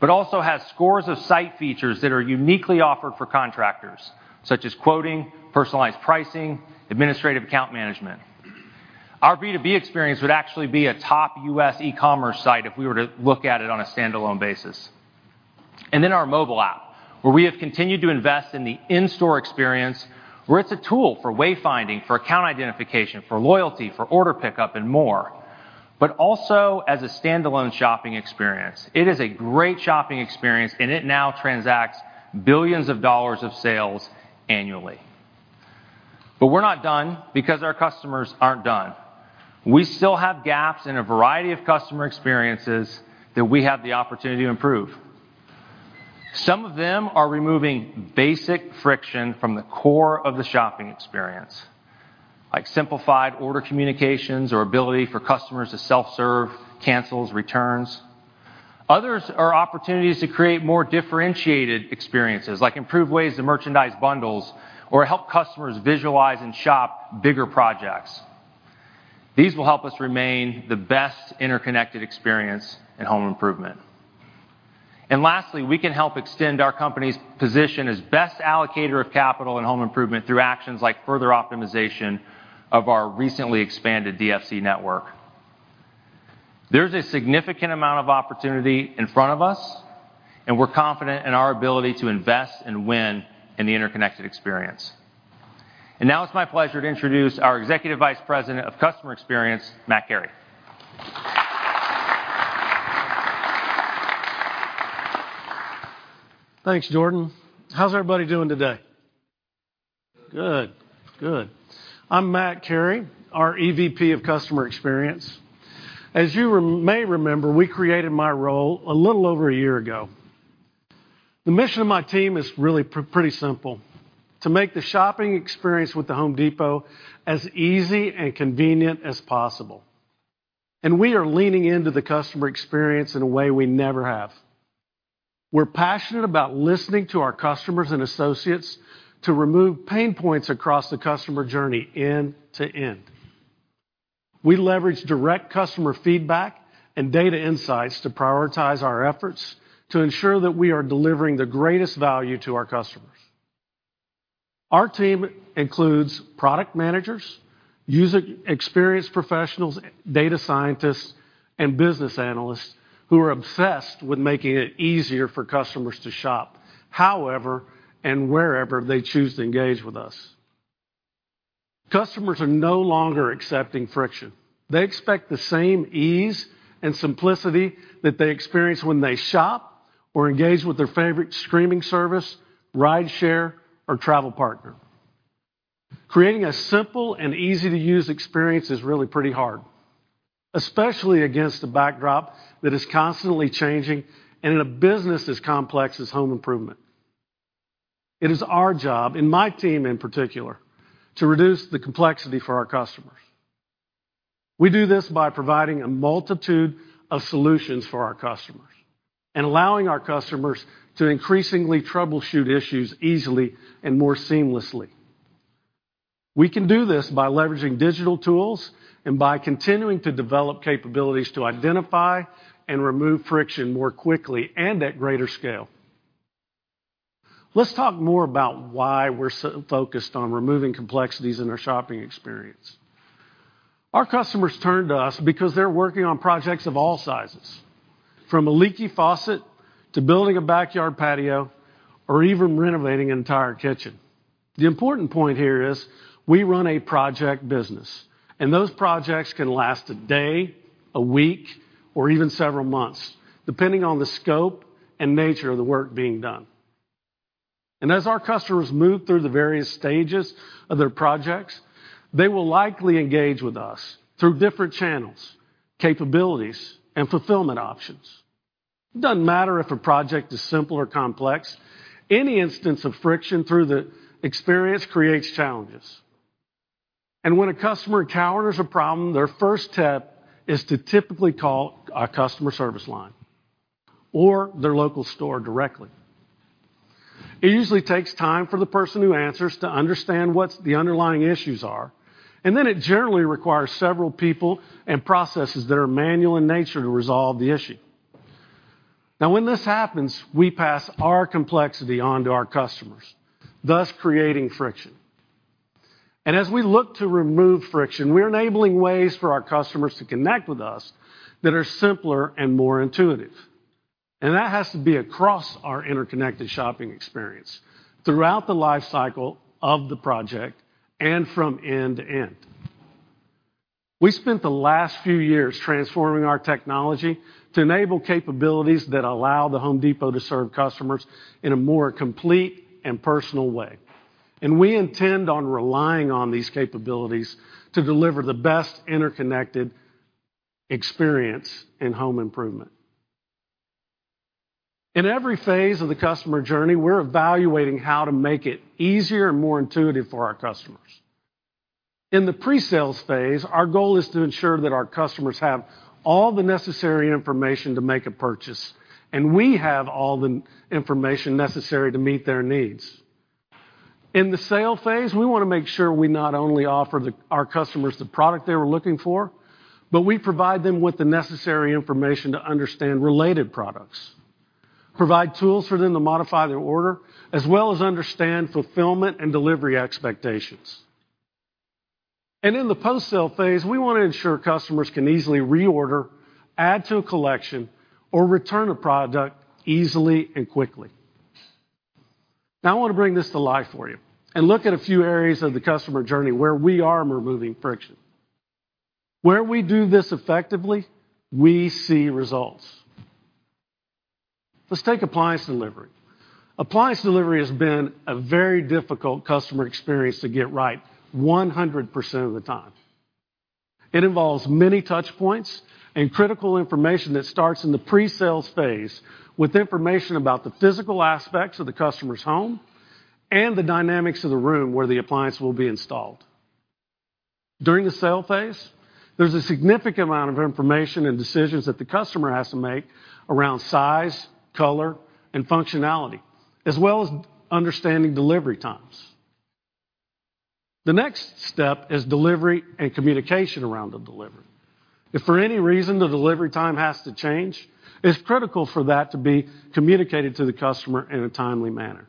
but also has scores of site features that are uniquely offered for contractors, such as quoting, personalized pricing, administrative account management. Our B2B experience would actually be a top U.S. e-commerce site if we were to look at it on a standalone basis. Our mobile app, where we have continued to invest in the in-store experience, where it's a tool for wayfinding, for account identification, for loyalty, for order pickup, and more, but also as a standalone shopping experience. It is a great shopping experience, and it now transacts billions of dollars of sales annually. We're not done because our customers aren't done. We still have gaps in a variety of customer experiences that we have the opportunity to improve. Some of them are removing basic friction from the core of the shopping experience, like simplified order communications or ability for customers to self-serve, cancels, returns. Others are opportunities to create more differentiated experiences, like improved ways to merchandise bundles or help customers visualize and shop bigger projects. These will help us remain the best interconnected experience in home improvement. Lastly, we can help extend our company's position as best allocator of capital and home improvement through actions like further optimization of our recently expanded DFC network. There's a significant amount of opportunity in front of us, and we're confident in our ability to invest and win in the interconnected experience. Now it's my pleasure to introduce our Executive Vice President of Customer Experience, Matt Carey.
Thanks, Jordan. How's everybody doing today? Good. I'm Matt Carey, our EVP of Customer Experience. As you may remember, we created my role a little over a year ago. The mission of my team is really pretty simple: to make the shopping experience with The Home Depot as easy and convenient as possible. We are leaning into the customer experience in a way we never have. We're passionate about listening to our customers and associates to remove pain points across the customer journey end to end. We leverage direct customer feedback and data insights to prioritize our efforts to ensure that we are delivering the greatest value to our customers. Our team includes product managers, user experience professionals, data scientists, and business analysts who are obsessed with making it easier for customers to shop, however, and wherever they choose to engage with us. Customers are no longer accepting friction. They expect the same ease and simplicity that they experience when they shop or engage with their favorite streaming service, ride share, or travel partner. Creating a simple and easy-to-use experience is really pretty hard, especially against a backdrop that is constantly changing and in a business as complex as home improvement. It is our job, and my team in particular, to reduce the complexity for our customers. We do this by providing a multitude of solutions for our customers and allowing our customers to increasingly troubleshoot issues easily and more seamlessly. We can do this by leveraging digital tools and by continuing to develop capabilities to identify and remove friction more quickly and at greater scale. Let's talk more about why we're so focused on removing complexities in our shopping experience. Our customers turn to us because they're working on projects of all sizes, from a leaky faucet to building a backyard patio or even renovating an entire kitchen. The important point here is we run a project business, those projects can last a day, a week, or even several months, depending on the scope and nature of the work being done. As our customers move through the various stages of their projects, they will likely engage with us through different channels, capabilities, and fulfillment options. It doesn't matter if a project is simple or complex, any instance of friction through the experience creates challenges. When a customer encounters a problem, their first step is to typically call our customer service line or their local store directly. It usually takes time for the person who answers to understand what the underlying issues are, and then it generally requires several people and processes that are manual in nature to resolve the issue. When this happens, we pass our complexity on to our customers, thus creating friction. As we look to remove friction, we're enabling ways for our customers to connect with us that are simpler and more intuitive. That has to be across our interconnected shopping experience, throughout the life cycle of the project, and from end to end. We spent the last few years transforming our technology to enable capabilities that allow The Home Depot to serve customers in a more complete and personal way, and we intend on relying on these capabilities to deliver the best interconnected experience in home improvement. In every phase of the customer journey, we're evaluating how to make it easier and more intuitive for our customers. In the pre-sales phase, our goal is to ensure that our customers have all the necessary information to make a purchase, and we have all the information necessary to meet their needs. In the sale phase, we want to make sure we not only offer our customers the product they were looking for, but we provide them with the necessary information to understand related products, provide tools for them to modify their order, as well as understand fulfillment and delivery expectations. In the post-sale phase, we want to ensure customers can easily reorder, add to a collection, or return a product easily and quickly. I want to bring this to life for you and look at a few areas of the customer journey where we are removing friction. Where we do this effectively, we see results. Let's take appliance delivery. Appliance delivery has been a very difficult customer experience to get right 100% of the time. It involves many touch points and critical information that starts in the pre-sale phase, with information about the physical aspects of the customer's home and the dynamics of the room where the appliance will be installed. During the sale phase, there's a significant amount of information and decisions that the customer has to make around size, color, and functionality, as well as understanding delivery times. The next step is delivery and communication around the delivery. If for any reason, the delivery time has to change, it's critical for that to be communicated to the customer in a timely manner.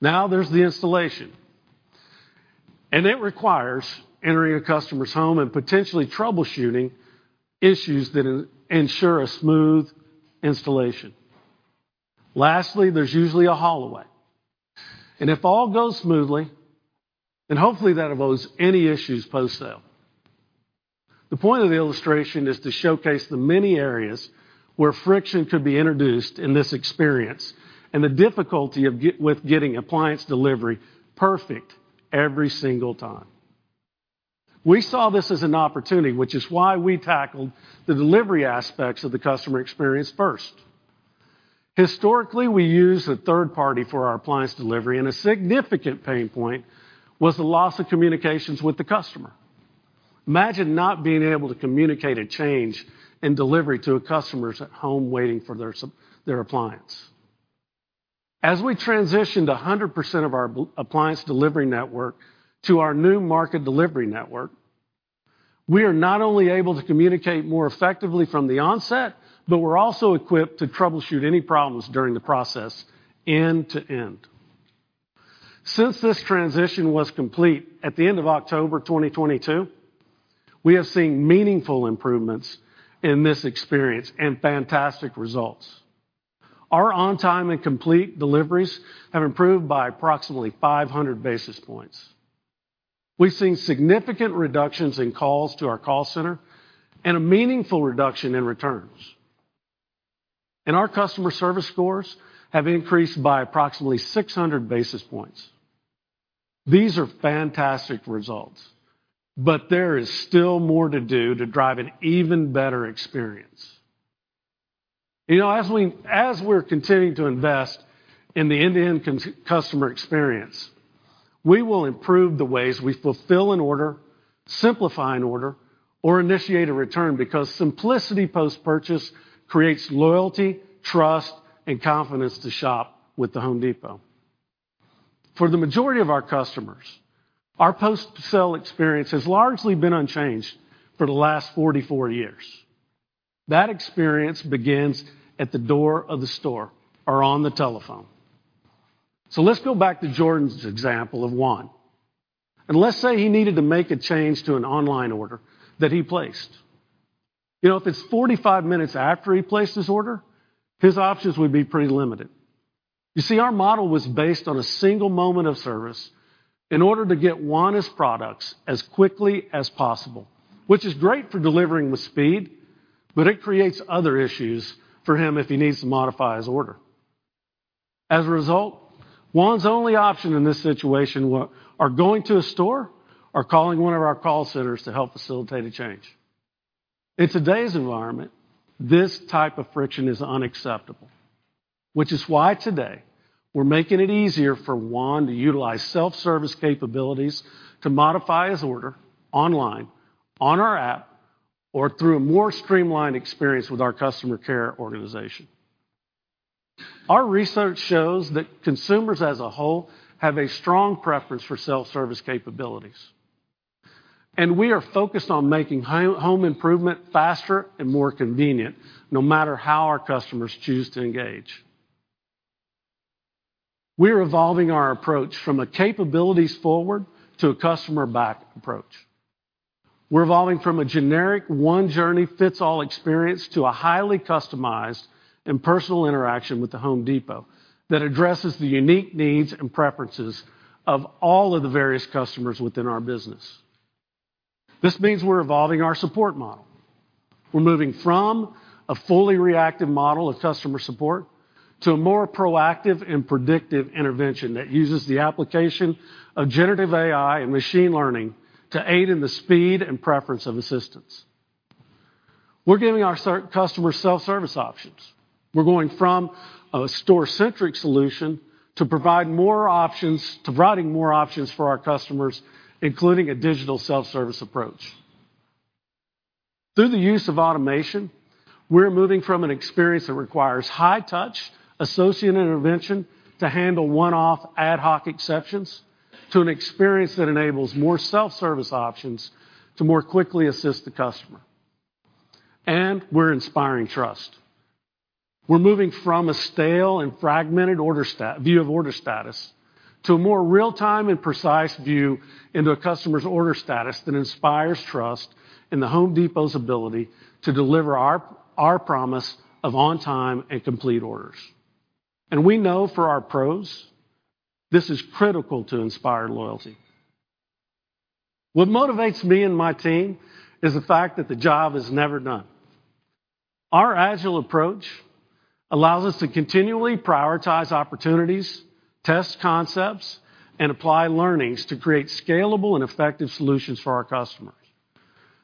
There's the installation. It requires entering a customer's home and potentially troubleshooting issues that ensure a smooth installation. Lastly, there's usually a haul away. If all goes smoothly, then hopefully, that avoids any issues post-sale. The point of the illustration is to showcase the many areas where friction could be introduced in this experience and the difficulty with getting appliance delivery perfect every single time. We saw this as an opportunity, which is why we tackled the delivery aspects of the customer experience first. Historically, we used a third party for our appliance delivery. A significant pain point was the loss of communications with the customer. Imagine not being able to communicate a change in delivery to a customer who's at home waiting for their appliance. As we transition to 100% of our appliance delivery network to our new Market Delivery Network, we are not only able to communicate more effectively from the onset, but we're also equipped to troubleshoot any problems during the process, end to end. Since this transition was complete at the end of October 2022, we have seen meaningful improvements in this experience and fantastic results. Our on-time and complete deliveries have improved by approximately 500 basis points. We've seen significant reductions in calls to our call center and a meaningful reduction in returns. Our customer service scores have increased by approximately 600 basis points. These are fantastic results, but there is still more to do to drive an even better experience. You know, as we're continuing to invest in the end-to-end customer experience, we will improve the ways we fulfill an order, simplify an order, or initiate a return, because simplicity post-purchase creates loyalty, trust, and confidence to shop with The Home Depot. For the majority of our customers, our post-sale experience has largely been unchanged for the last 44 years. That experience begins at the door of the store or on the telephone. Let's go back to Jordan's example of Juan, and let's say he needed to make a change to an online order that he placed. You know, if it's 45 minutes after he placed his order, his options would be pretty limited. You see, our model was based on a single moment of service in order to get Juan his products as quickly as possible, which is great for delivering with speed, it creates other issues for him if he needs to modify his order. As a result, Juan's only option in this situation are going to a store or calling one of our call centers to help facilitate a change. In today's environment, this type of friction is unacceptable, which is why today, we're making it easier for Juan to utilize self-service capabilities to modify his order online, on our app, or through a more streamlined experience with our customer care organization. Our research shows that consumers as a whole have a strong preference for self-service capabilities, we are focused on making home improvement faster and more convenient, no matter how our customers choose to engage. We're evolving our approach from a capabilities forward to a customer-backed approach. We're evolving from a generic one-journey-fits-all experience to a highly customized and personal interaction with The Home Depot that addresses the unique needs and preferences of all of the various customers within our business. This means we're evolving our support model. We're moving from a fully reactive model of customer support to a more proactive and predictive intervention that uses the application of generative AI and machine learning to aid in the speed and preference of assistance. We're giving our customers self-service options. We're going from a store-centric solution to providing more options for our customers, including a digital self-service approach. Through the use of automation, we're moving from an experience that requires high touch, associate intervention to handle one-off, ad hoc exceptions, to an experience that enables more self-service options to more quickly assist the customer. We're inspiring trust. We're moving from a stale and fragmented view of order status to a more real-time and precise view into a customer's order status that inspires trust in The Home Depot's ability to deliver our promise of on-time and complete orders. We know for our Pros, this is critical to inspire loyalty. What motivates me and my team is the fact that the job is never done. Our agile approach allows us to continually prioritize opportunities, test concepts, and apply learnings to create scalable and effective solutions for our customers.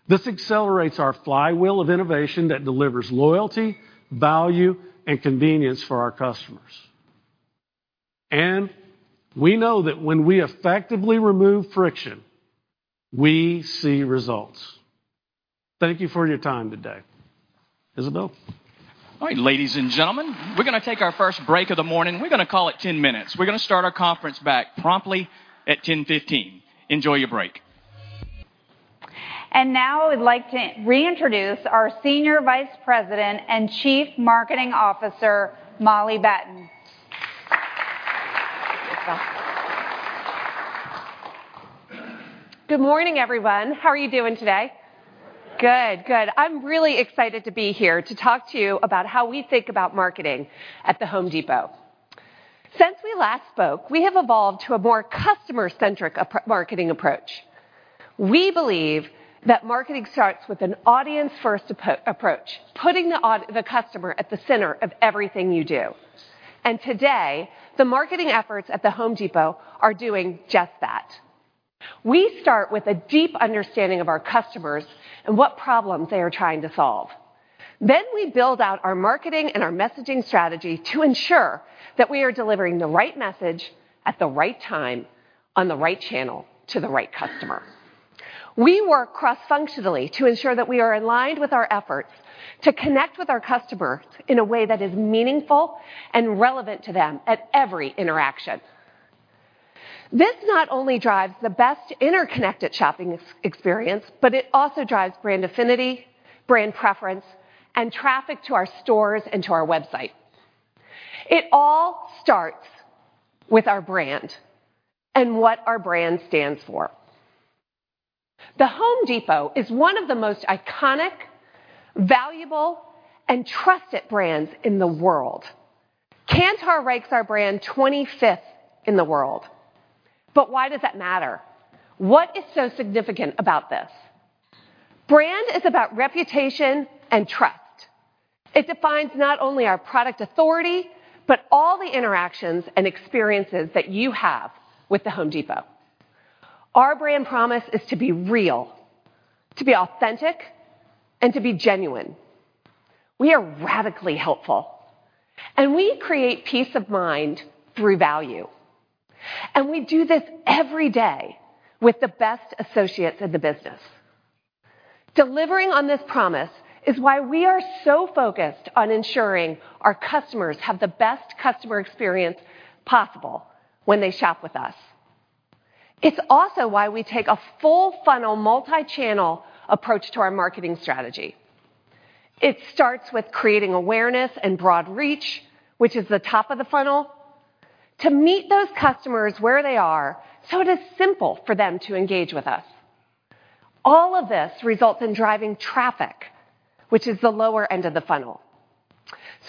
This accelerates our flywheel of innovation that delivers loyalty, value, and convenience for our customers. We know that when we effectively remove friction, we see results. Thank you for your time today. Isabel?
All right, ladies and gentlemen, we're gonna take our first break of the morning. We're gonna call it 10 minutes. We're gonna start our conference back promptly at 10:15 A.M. Enjoy your break.
Now I would like to reintroduce our Senior Vice President and Chief Marketing Officer, Molly Battin.
Good morning, everyone. How are you doing today?
Good.
Good, good. I'm really excited to be here to talk to you about how we think about marketing at The Home Depot. Since we last spoke, we have evolved to a more customer-centric marketing approach. We believe that marketing starts with an audience-first approach, putting the customer at the center of everything you do. Today, the marketing efforts at The Home Depot are doing just that. We start with a deep understanding of our customers and what problems they are trying to solve. We build out our marketing and our messaging strategy to ensure that we are delivering the right message at the right time, on the right channel to the right customer. We work cross-functionally to ensure that we are aligned with our efforts to connect with our customer in a way that is meaningful and relevant to them at every interaction. This not only drives the best interconnected shopping experience, it also drives brand affinity, brand preference, and traffic to our stores and to our website. It all starts with our brand and what our brand stands for. The Home Depot is one of the most iconic, valuable, and trusted brands in the world. Kantar ranks our brand twenty-fifth in the world. Why does that matter? What is so significant about this? Brand is about reputation and trust. It defines not only our product authority, but all the interactions and experiences that you have with The Home Depot. Our brand promise is to be real, to be authentic, and to be genuine. We are radically helpful, we create peace of mind through value, and we do this every day with the best associates in the business. Delivering on this promise is why we are so focused on ensuring our customers have the best customer experience possible when they shop with us. It's also why we take a full-funnel, multi-channel approach to our marketing strategy. It starts with creating awareness and broad reach, which is the top of the funnel, to meet those customers where they are, so it is simple for them to engage with us. All of this results in driving traffic, which is the lower end of the funnel.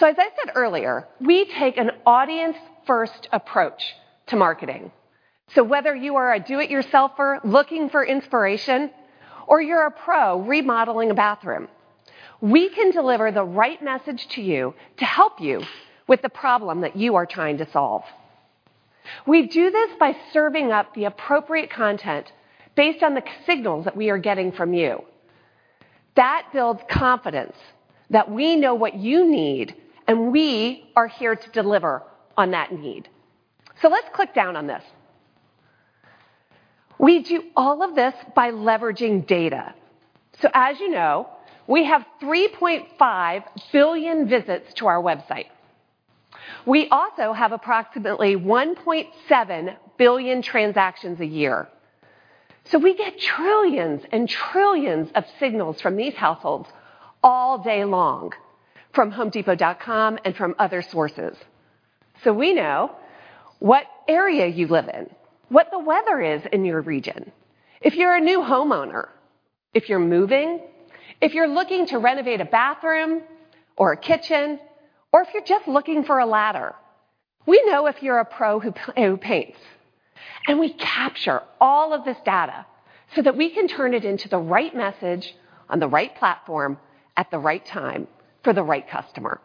As I said earlier, we take an audience-first approach to marketing. Whether you are a do-it-yourselfer looking for inspiration, or you're a Pro remodeling a bathroom, we can deliver the right message to you to help you with the problem that you are trying to solve. We do this by serving up the appropriate content based on the signals that we are getting from you. That builds confidence that we know what you need, and we are here to deliver on that need. Let's click down on this. We do all of this by leveraging data. As you know, we have 3.5 billion visits to our website. We also have approximately 1.7 billion transactions a year. We get trillions and trillions of signals from these households all day long, from homedepot.com and from other sources. We know what area you live in, what the weather is in your region, if you're a new homeowner, if you're moving, if you're looking to renovate a bathroom or a kitchen, or if you're just looking for a ladder. We know if you're a pro who paints. We capture all of this data so that we can turn it into the right message on the right platform at the right time for the right customer.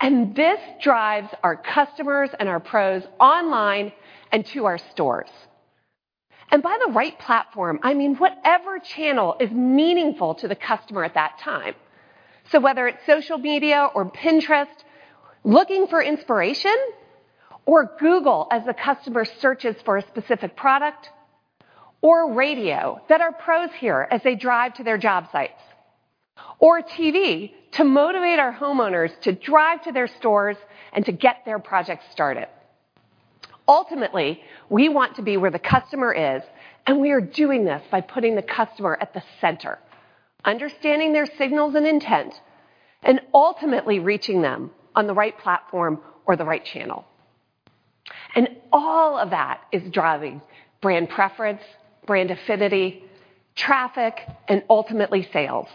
This drives our customers and our pros online and to our stores. By the right platform, I mean, whatever channel is meaningful to the customer at that time. Whether it's social media or Pinterest, looking for inspiration, or Google as the customer searches for a specific product, or radio that our pros hear as they drive to their job sites, or TV to motivate our homeowners to drive to their stores and to get their projects started. Ultimately, we want to be where the customer is. We are doing this by putting the customer at the center, understanding their signals and intent, and ultimately reaching them on the right platform or the right channel. All of that is driving brand preference, brand affinity, traffic, and ultimately sales.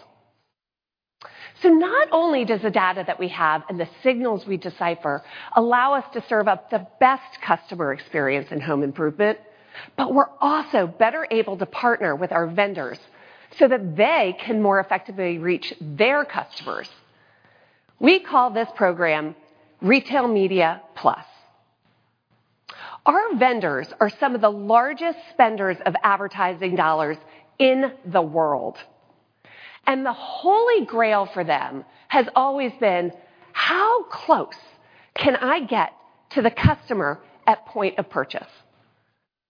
Not only does the data that we have and the signals we decipher allow us to serve up the best customer experience in home improvement, but we're also better able to partner with our vendors so that they can more effectively reach their customers. We call this program Retail Media+. Our vendors are some of the largest spenders of advertising dollars in the world. The Holy Grail for them has always been: How close can I get to the customer at point of purchase?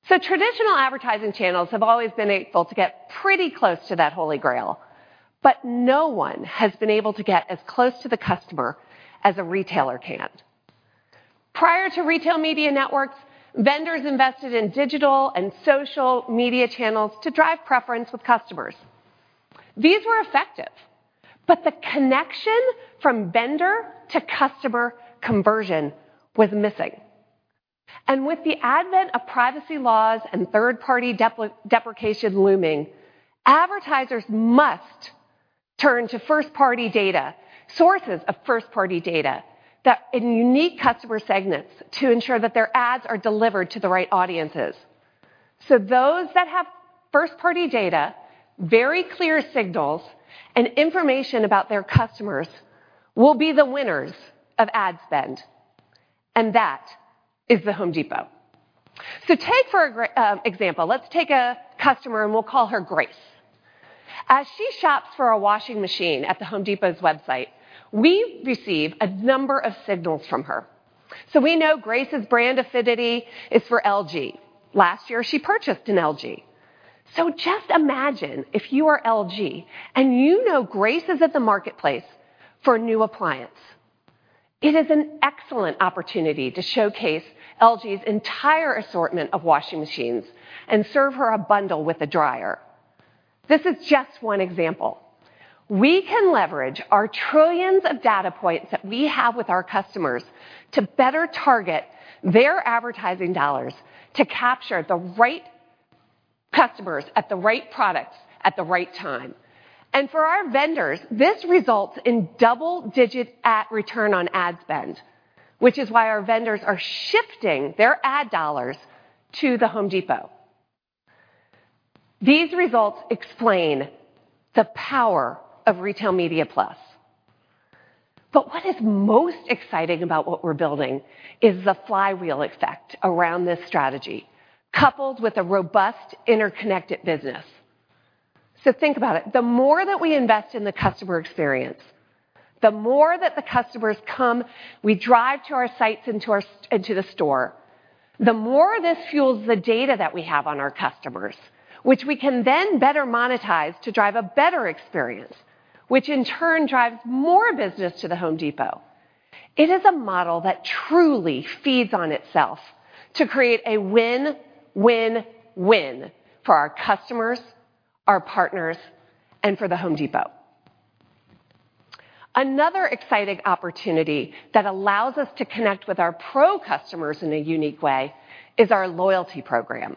Traditional advertising channels have always been able to get pretty close to that Holy Grail, but no one has been able to get as close to the customer as a retailer can. Prior to retail media networks, vendors invested in digital and social media channels to drive preference with customers. These were effective, but the connection from vendor to customer conversion was missing. With the advent of privacy laws and third-party deprecation looming, advertisers must turn to first-party data, sources of first-party data, unique customer segments to ensure that their ads are delivered to the right audiences. Those that have first-party data, very clear signals, and information about their customers will be the winners of ad spend, and that is The Home Depot. Take, for example, let's take a customer, and we'll call her Grace. As she shops for a washing machine at The Home Depot's website, we receive a number of signals from her. We know Grace's brand affinity is for LG. Last year, she purchased an LG. Just imagine if you are LG, and you know Grace is at the marketplace for a new appliance. It is an excellent opportunity to showcase LG's entire assortment of washing machines and serve her a bundle with a dryer. This is just one example. We can leverage our trillions of data points that we have with our customers to better target their advertising dollars to capture the right customers at the right products at the right time. For our vendors, this results in double-digit at return on ad spend, which is why our vendors are shifting their ad dollars to The Home Depot. These results explain the power of Retail Media+. What is most exciting about what we're building is the flywheel effect around this strategy, coupled with a robust, interconnected business. Think about it. The more that we invest in the customer experience, the more that the customers come, we drive to our sites, and to the store, the more this fuels the data that we have on our customers, which we can then better monetize to drive a better experience, which in turn drives more business to The Home Depot. It is a model that truly feeds on itself to create a win-win-win for our customers, our partners, and for The Home Depot. Another exciting opportunity that allows us to connect with our Pro customers in a unique way is our loyalty program.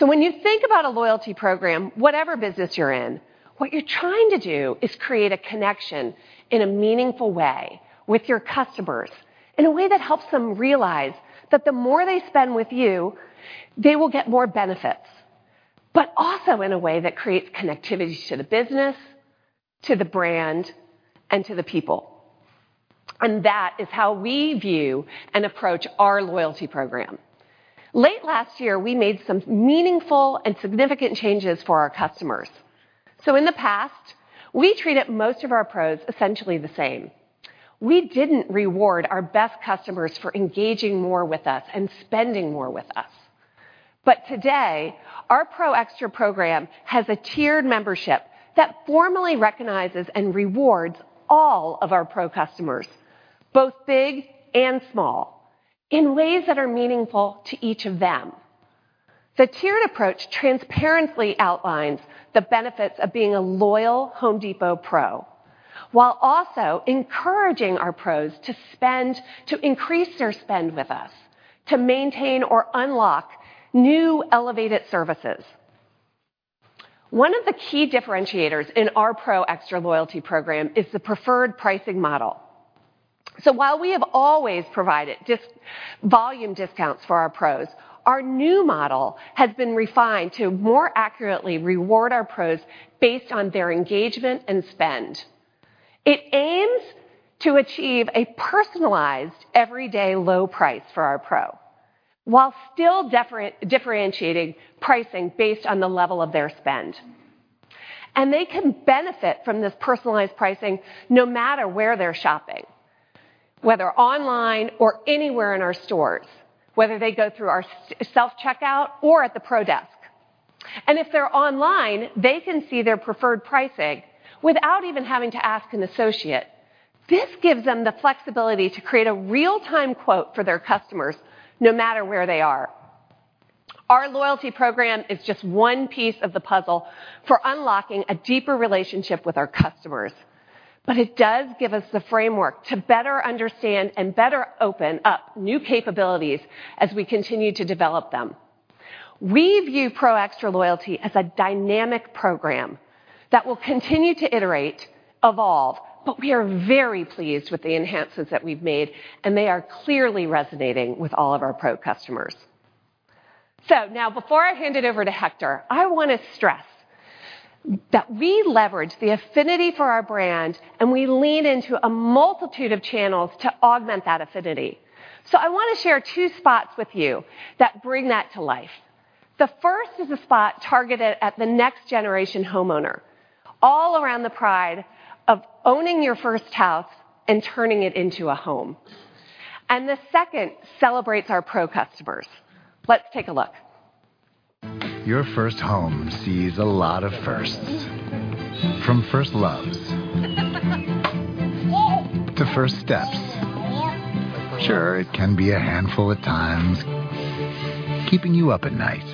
When you think about a loyalty program, whatever business you're in, what you're trying to do is create a connection in a meaningful way with your customers, in a way that helps them realize that the more they spend with you, they will get more benefits, but also in a way that creates connectivity to the business, to the brand, and to the people. That is how we view and approach our loyalty program. Late last year, we made some meaningful and significant changes for our customers. In the past, we treated most of our pros essentially the same. We didn't reward our best customers for engaging more with us and spending more with us. Today, our Pro Xtra program has a tiered membership that formally recognizes and rewards all of our pro customers, both big and small. in ways that are meaningful to each of them. The tiered approach transparently outlines the benefits of being a loyal Home Depot Pro, while also encouraging our Pros to increase their spend with us, to maintain or unlock new elevated services. One of the key differentiators in our Pro Xtra Loyalty program is the preferred pricing model. While we have always provided volume discounts for our Pros, our new model has been refined to more accurately reward our Pros based on their engagement and spend. It aims to achieve a personalized, everyday low price for our Pro, while still differentiating pricing based on the level of their spend. They can benefit from this personalized pricing no matter where they're shopping, whether online or anywhere in our stores, whether they go through our self-checkout or at the Pro Desk. If they're online, they can see their preferred pricing without even having to ask an associate. This gives them the flexibility to create a real-time quote for their customers, no matter where they are. Our loyalty program is just one piece of the puzzle for unlocking a deeper relationship with our customers, but it does give us the framework to better understand and better open up new capabilities as we continue to develop them. We view Pro Xtra Loyalty as a dynamic program that will continue to iterate, evolve, but we are very pleased with the enhances that we've made, and they are clearly resonating with all of our pro customers. Now, before I hand it over to Hector, I wanna stress that we leverage the affinity for our brand, and we lean into a multitude of channels to augment that affinity. I wanna share 2 spots with you that bring that to life. The first is a spot targeted at the next generation homeowner, all around the pride of owning your first house and turning it into a home, and the second celebrates our pro customers. Let's take a look.
Your first home sees a lot of firsts, from first loves, to first steps. Sure, it can be a handful at times, keeping you up at night.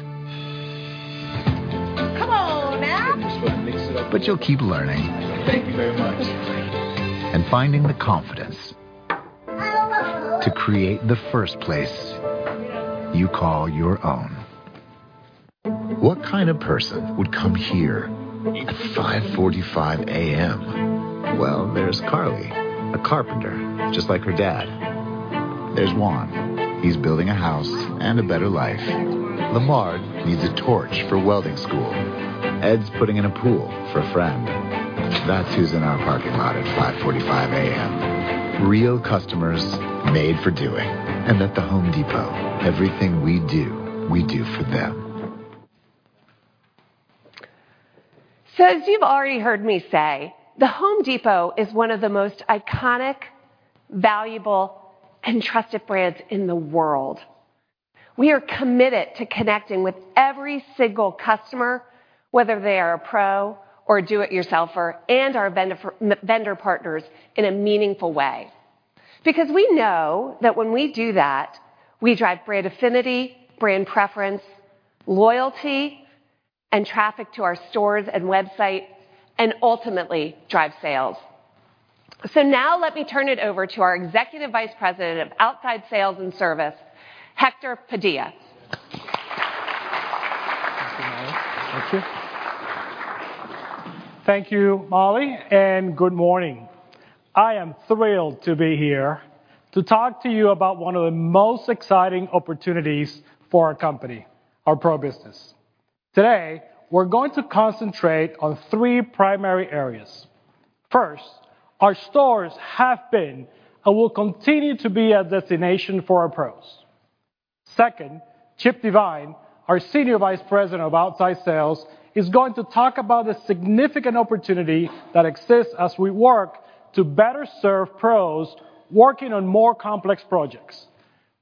Come on, now! You'll keep learning... Thank you very much. Finding the confidence to create the first place you call your own. What kind of person would come here at 5:45 A.M.? Well, there's Carly, a carpenter, just like her dad. There's Juan. He's building a house and a better life. Lamar needs a torch for welding school. Ed's putting in a pool for a friend. That's who's in our parking lot at 5:45 A.M. Real customers made for doing, and at The Home Depot, everything we do, we do for them.
As you've already heard me say, The Home Depot is one of the most iconic, valuable, and trusted brands in the world. We are committed to connecting with every single customer, whether they are a pro or a do-it-yourselfer, and our vendor partners in a meaningful way. We know that when we do that, we drive brand affinity, brand preference, loyalty, and traffic to our stores and website, and ultimately drive sales. Now let me turn it over to our Executive Vice President of Outside Sales and Service, Hector Padilla.
Thank you. Thank you, Molly, and good morning. I am thrilled to be here to talk to you about one of the most exciting opportunities for our company, our Pro business. Today, we're going to concentrate on three primary areas. First, our stores have been and will continue to be a destination for our Pros. Second, Chip Devine, our Senior Vice President of Outside Sales, is going to talk about the significant opportunity that exists as we work to better serve Pros working on more complex projects,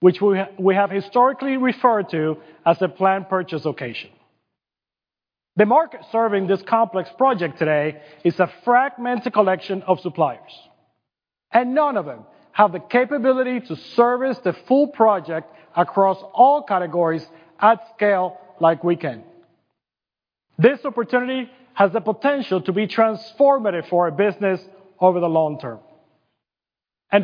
which we have historically referred to as a planned purchase occasion. The market serving this complex project today is a fragmented collection of suppliers, and none of them have the capability to service the full project across all categories at scale like we can. This opportunity has the potential to be transformative for our business over the long term.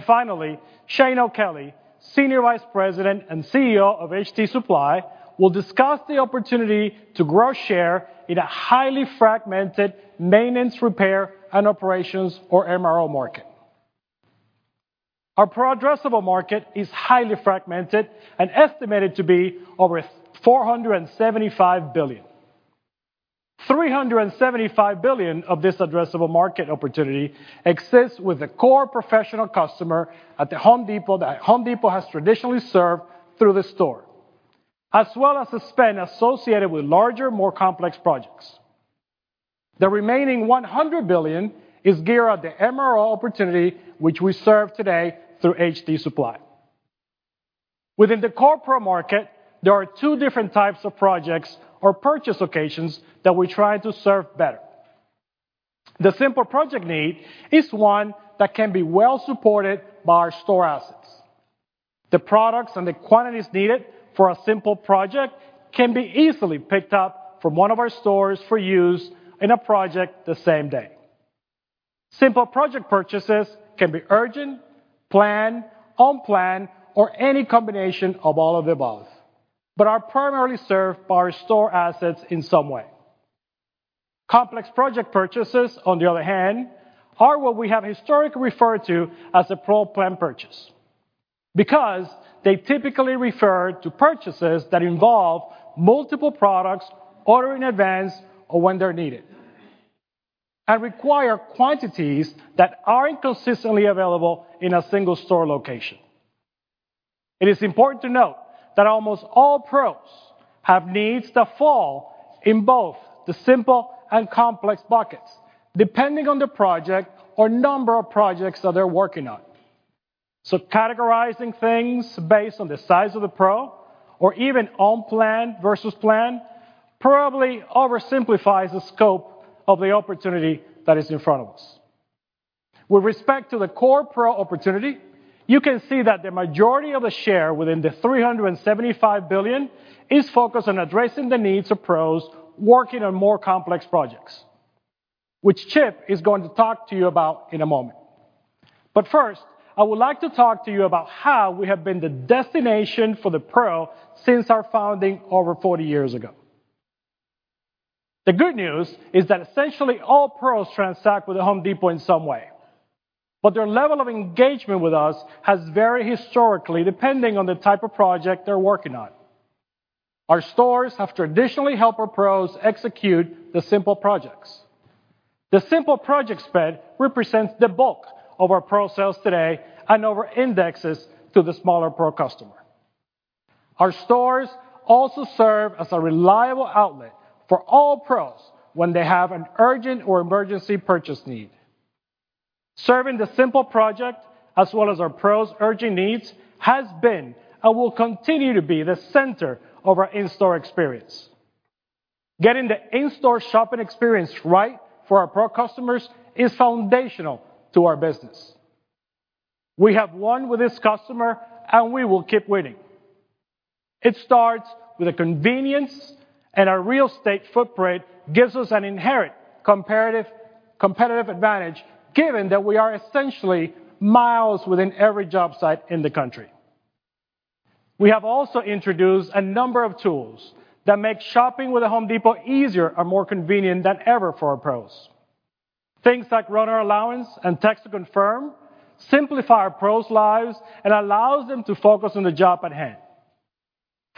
Finally, Shane O'Kelly, Senior Vice President and CEO of HD Supply, will discuss the opportunity to grow share in a highly fragmented maintenance, repair, and operations or MRO market. Our Pro addressable market is highly fragmented and estimated to be over $475 billion. $375 billion of this addressable market opportunity exists with the core professional customer at The Home Depot, that The Home Depot has traditionally served through the store, as well as the spend associated with larger, more complex projects. The remaining $100 billion is geared at the MRO opportunity, which we serve today through HD Supply. Within the core Pro market, there are two different types of projects or purchase occasions that we're trying to serve better. The simple project need is one that can be well supported by our store assets. The products and the quantities needed for a simple project can be easily picked up from one of our stores for use in a project the same day. Simple project purchases can be urgent, planned, unplanned, or any combination of all of the above, but are primarily served by our store assets in some way. Complex project purchases, on the other hand, are what we have historically referred to as a pro plan purchase, because they typically refer to purchases that involve multiple products, ordered in advance or when they're needed, and require quantities that aren't consistently available in a single store location. It is important to note that almost all pros have needs that fall in both the simple and complex buckets, depending on the project or number of projects that they're working on. Categorizing things based on the size of the pro or even unplanned versus planned, probably oversimplifies the scope of the opportunity that is in front of us. With respect to the core pro opportunity, you can see that the majority of the share within the $375 billion is focused on addressing the needs of pros working on more complex projects, which Chip is going to talk to you about in a moment. First, I would like to talk to you about how we have been the destination for the pro since our founding over 40 years ago. The good news is that essentially all pros transact with The Home Depot in some way, but their level of engagement with us has varied historically, depending on the type of project they're working on. Our stores have traditionally helped our pros execute the simple projects. The simple project spend represents the bulk of our Pro sales today and over-indexes to the smaller Pro customer. Our stores also serve as a reliable outlet for all Pros when they have an urgent or emergency purchase need. Serving the simple project, as well as our Pros' urgent needs, has been, and will continue to be the center of our in-store experience. Getting the in-store shopping experience right for our Pro customers is foundational to our business. We have won with this customer, and we will keep winning. It starts with the convenience, and our real estate footprint gives us an inherent competitive advantage, given that we are essentially miles within every job site in the country. We have also introduced a number of tools that make shopping with The Home Depot easier and more convenient than ever for our Pros. Things like runner allowance and text to confirm, simplify our pros' lives, and allows them to focus on the job at hand.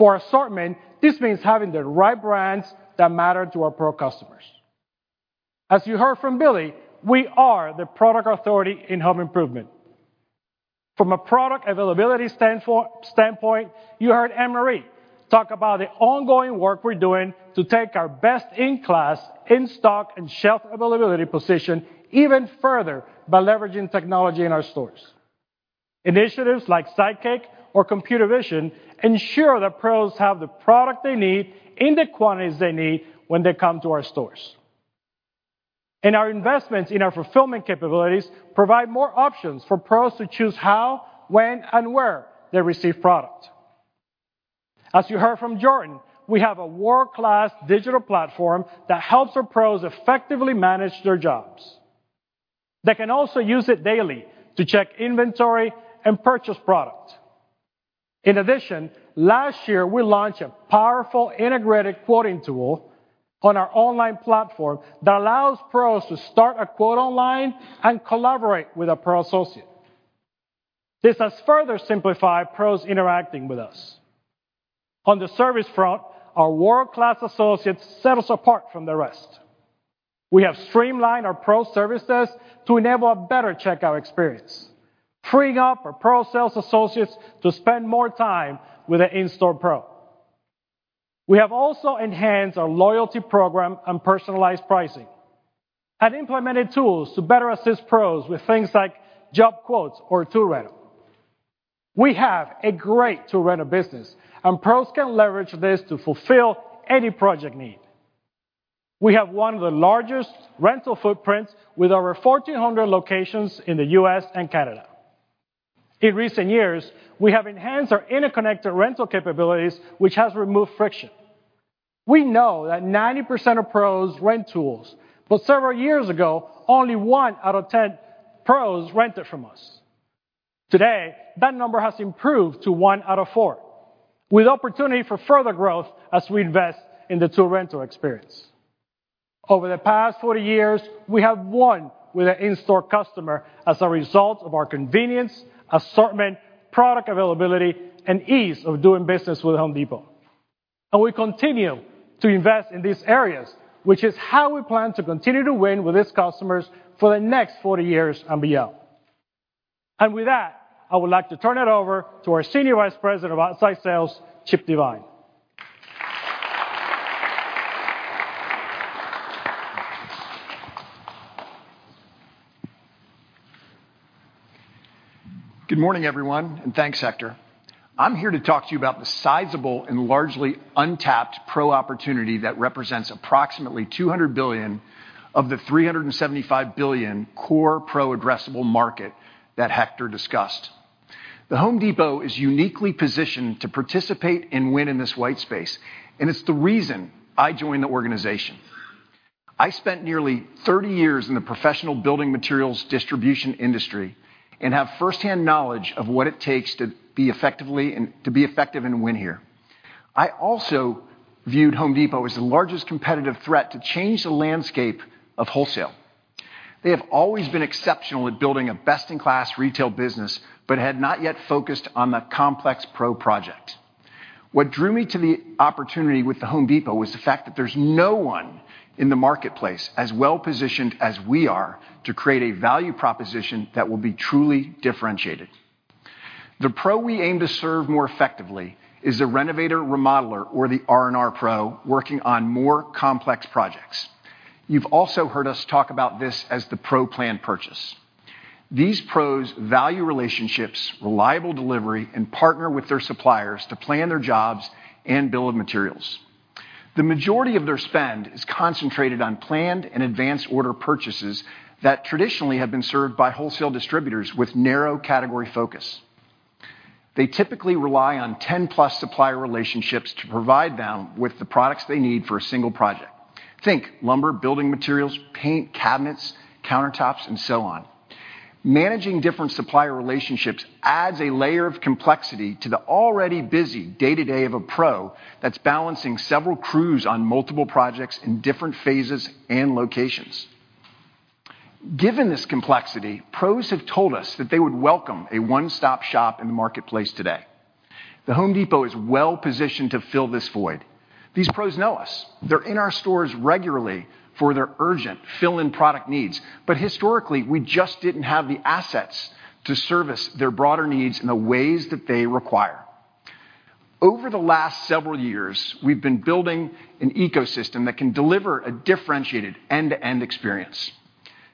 Assortment, this means having the right brands that matter to our pro customers. As you heard from Billy, we are the product authority in home improvement. From a product availability standpoint, you heard Ann-Marie talk about the ongoing work we're doing to take our best-in-class, in-stock, and shelf availability position even further by leveraging technology in our stores. Initiatives like Sidekick or computer vision ensure that pros have the product they need in the quantities they need when they come to our stores. Our investments in our fulfillment capabilities provide more options for pros to choose how, when, and where they receive product. As you heard from Jordan, we have a world-class digital platform that helps our pros effectively manage their jobs. They can also use it daily to check inventory and purchase product. Last year, we launched a powerful integrated quoting tool on our online platform that allows Pros to start a quote online and collaborate with a Pro associate. This has further simplified Pros interacting with us. On the service front, our world-class associates set us apart from the rest. We have streamlined our Pro services to enable a better checkout experience, freeing up our Pro sales associates to spend more time with an in-store Pro. We have also enhanced our loyalty program and personalized pricing, and implemented tools to better assist Pros with things like job quotes or tool rental. We have a great tool rental business, Pros can leverage this to fulfill any project need. We have one of the largest rental footprints, with over 1,400 locations in the U.S. and Canada. In recent years, we have enhanced our interconnected rental capabilities, which has removed friction. We know that 90% of pros rent tools, but several years ago, only 1 out of 10 pros rented from us. Today, that number has improved to 1 out of 4, with opportunity for further growth as we invest in the tool rental experience. Over the past 40 years, we have won with an in-store customer as a result of our convenience, assortment, product availability, and ease of doing business with The Home Depot. We continue to invest in these areas, which is how we plan to continue to win with its customers for the next 40 years and beyond. With that, I would like to turn it over to our Senior Vice President of Outside Sales, Chip Devine.
Good morning, everyone, and thanks, Hector. I'm here to talk to you about the sizable and largely untapped Pro opportunity that represents approximately $200 billion of the $375 billion core Pro addressable market that Hector discussed. The Home Depot is uniquely positioned to participate and win in this white space, and it's the reason I joined the organization. I spent nearly 30 years in the professional building materials distribution industry and have first-hand knowledge of what it takes to be effective and win here. I also viewed The Home Depot as the largest competitive threat to change the landscape of wholesale. They have always been exceptional at building a best-in-class retail business, but had not yet focused on the complex Pro project. What drew me to the opportunity with The Home Depot was the fact that there's no one in the marketplace as well-positioned as we are to create a value proposition that will be truly differentiated. The pro we aim to serve more effectively is the renovator, remodeler, or the RNR pro, working on more complex projects. You've also heard us talk about this as the pro plan purchase. These pros value relationships, reliable delivery, and partner with their suppliers to plan their jobs and bill of materials. The majority of their spend is concentrated on planned and advance order purchases that traditionally have been served by wholesale distributors with narrow category focus. They typically rely on 10 plus supplier relationships to provide them with the products they need for a single project. Think lumber, building materials, paint, cabinets, countertops, and so on. Managing different supplier relationships adds a layer of complexity to the already busy day-to-day of a Pro that's balancing several crews on multiple projects in different phases and locations. Given this complexity, Pros have told us that they would welcome a one-stop shop in the marketplace today. The Home Depot is well positioned to fill this void. These Pros know us. They're in our stores regularly for their urgent fill-in product needs. Historically, we just didn't have the assets to service their broader needs in the ways that they require. Over the last several years, we've been building an ecosystem that can deliver a differentiated end-to-end experience.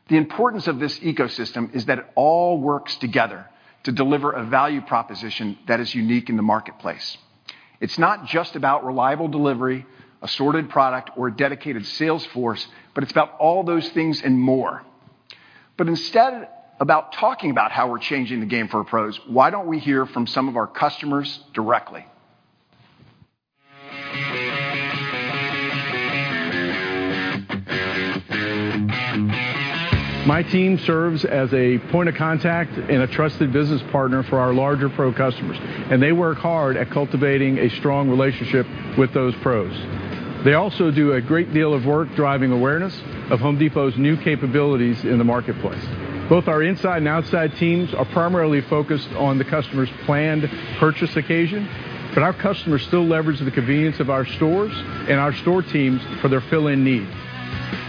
The importance of this ecosystem is that it all works together to deliver a value proposition that is unique in the marketplace. It's not just about reliable delivery, assorted product, or a dedicated sales force, but it's about all those things and more. Instead about talking about how we're changing the game for our pros, why don't we hear from some of our customers directly?
My team serves as a point of contact and a trusted business partner for our larger pro customers, and they work hard at cultivating a strong relationship with those pros. They also do a great deal of work driving awareness of Home Depot's new capabilities in the marketplace. Both our inside and outside teams are primarily focused on the customer's planned purchase occasion, but our customers still leverage the convenience of our stores and our store teams for their fill-in needs.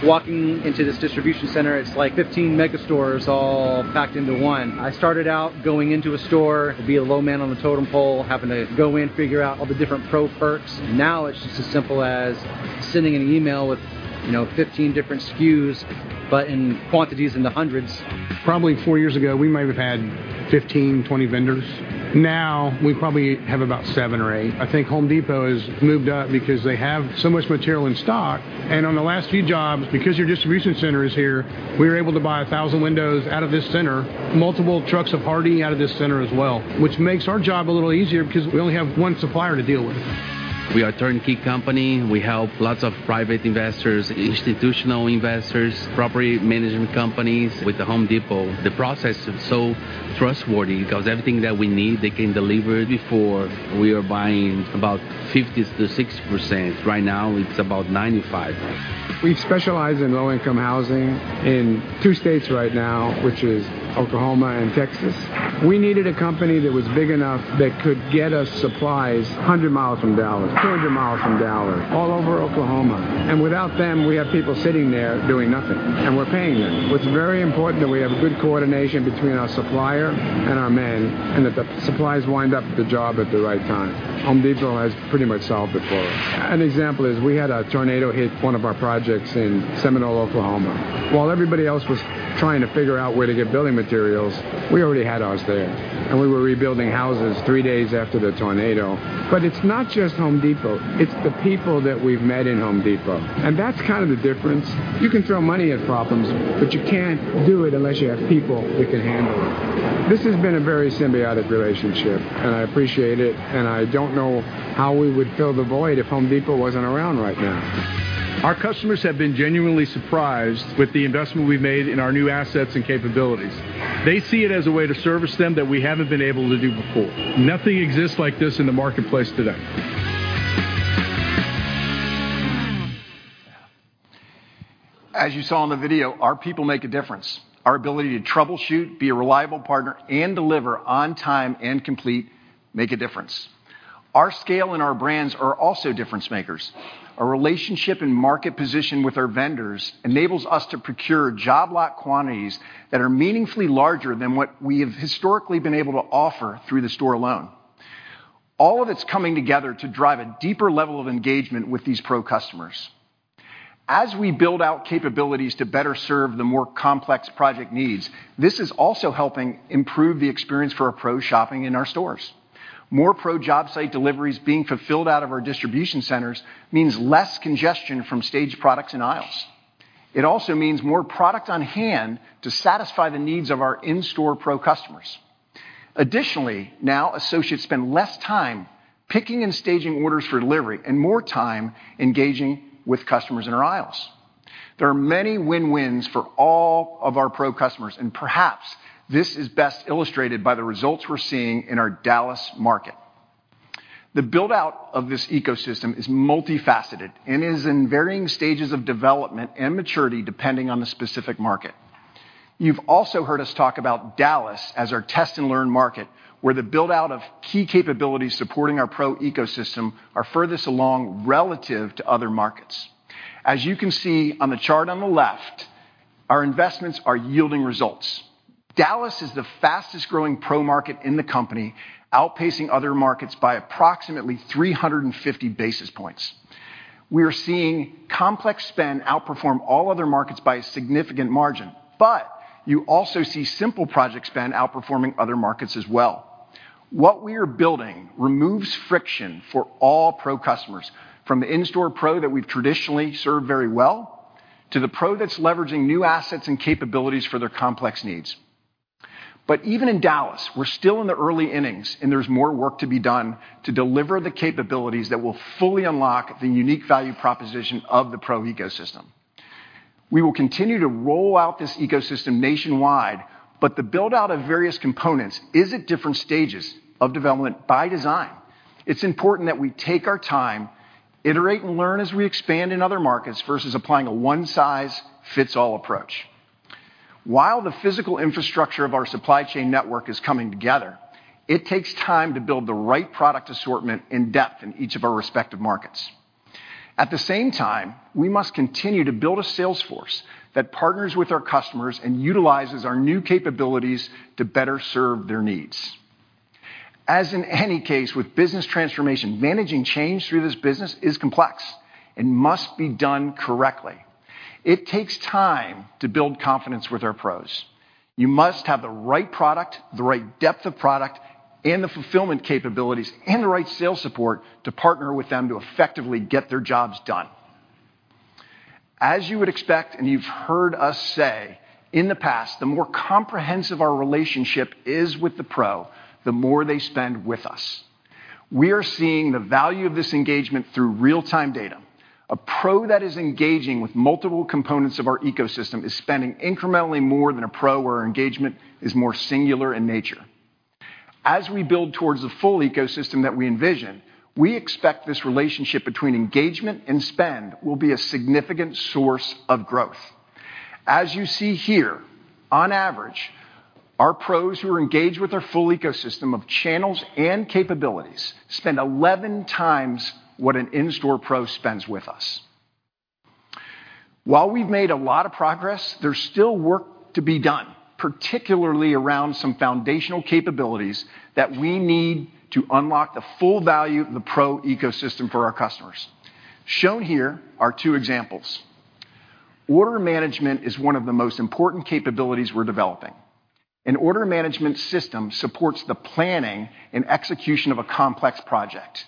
Walking into this distribution center, it's like 15 mega stores all packed into one. I started out going into a store to be a low man on the totem pole, having to go in, figure out all the different pro perks. Now, it's just as simple as sending an email with, you know, 15 different SKUs, but in quantities in the hundreds.
Probably four years ago, we might have had 15, 20 vendors. Now, we probably have about seven or eight. I think Home Depot has moved up because they have so much material in stock, and on the last few jobs, because their distribution center is here, we were able to buy 1,000 windows out of this center, multiple trucks of Hardie out of this center as well, which makes our job a little easier because we only have one supplier to deal with.
We are a turnkey company. We help lots of private investors, institutional investors, property management companies. With The Home Depot, the process is so trustworthy because everything that we need, they can deliver. Before, we were buying about 50 to 60%. Right now, it's about 95%.
We specialize in low-income housing in two states right now, which is Oklahoma and Texas. Without them, we have people sitting there doing nothing, and we're paying them. What's very important that we have good coordination between our supplier and our men, and that the supplies wind up at the job at the right time. The Home Depot has pretty much solved it for us. An example is we had a tornado hit one of our projects in Seminole, Oklahoma. While everybody else was trying to figure out where to get building materials, we already had ours there, and we were rebuilding houses three days after the tornado.
It's not just The Home Depot, it's the people that we've met in The Home Depot, and that's kind of the difference. You can throw money at problems, but you can't do it unless you have people that can handle it. This has been a very symbiotic relationship, and I appreciate it, and I don't know how we would fill the void if The Home Depot wasn't around right now.
Our customers have been genuinely surprised with the investment we've made in our new assets and capabilities. They see it as a way to service them that we haven't been able to do before. Nothing exists like this in the marketplace today.
As you saw in the video, our people make a difference. Our ability to troubleshoot, be a reliable partner, and deliver on time and complete make a difference. Our scale and our brands are also difference makers. Our relationship and market position with our vendors enables us to procure job lot quantities that are meaningfully larger than what we have historically been able to offer through the store alone. All of it's coming together to drive a deeper level of engagement with these pro customers. As we build out capabilities to better serve the more complex project needs, this is also helping improve the experience for our pro shopping in our stores. More pro job site deliveries being fulfilled out of our distribution centers means less congestion from staged products in aisles. It also means more product on hand to satisfy the needs of our in-store pro customers. Now, associates spend less time picking and staging orders for delivery, and more time engaging with customers in our aisles. There are many win-wins for all of our Pro customers, and perhaps this is best illustrated by the results we're seeing in our Dallas market. The build-out of this ecosystem is multifaceted and is in varying stages of development and maturity, depending on the specific market. You've also heard us talk about Dallas as our test-and-learn market, where the build-out of key capabilities supporting our Pro ecosystem are furthest along relative to other markets. You can see on the chart on the left, our investments are yielding results. Dallas is the fastest growing Pro market in the company, outpacing other markets by approximately 350 basis points. We are seeing complex spend outperform all other markets by a significant margin, you also see simple project spend outperforming other markets as well. What we are building removes friction for all Pro customers, from the in-store Pro that we've traditionally served very well, to the Pro that's leveraging new assets and capabilities for their complex needs. Even in Dallas, we're still in the early innings, and there's more work to be done to deliver the capabilities that will fully unlock the unique value proposition of the pro ecosystem. We will continue to roll out this ecosystem nationwide, the build-out of various components is at different stages of development by design. It's important that we take our time, iterate, and learn as we expand in other markets versus applying a one-size-fits-all approach. While the physical infrastructure of our supply chain network is coming together, it takes time to build the right product assortment in depth in each of our respective markets. At the same time, we must continue to build a sales force that partners with our customers and utilizes our new capabilities to better serve their needs. As in any case, with business transformation, managing change through this business is complex and must be done correctly. It takes time to build confidence with our pros. You must have the right product, the right depth of product, and the fulfillment capabilities, and the right sales support to partner with them to effectively get their jobs done. As you would expect, and you've heard us say in the past, the more comprehensive our relationship is with the pro, the more they spend with us. We are seeing the value of this engagement through real-time data. A pro that is engaging with multiple components of our ecosystem is spending incrementally more than a pro, where engagement is more singular in nature. As we build towards the full ecosystem that we envision, we expect this relationship between engagement and spend will be a significant source of growth. As you see here, on average, our pros who are engaged with our full ecosystem of channels and capabilities spend 11 times what an in-store pro spends with us. While we've made a lot of progress, there's still work to be done, particularly around some foundational capabilities that we need to unlock the full value of the pro ecosystem for our customers. Shown here are two examples. Order management is one of the most important capabilities we're developing. An order management system supports the planning and execution of a complex project.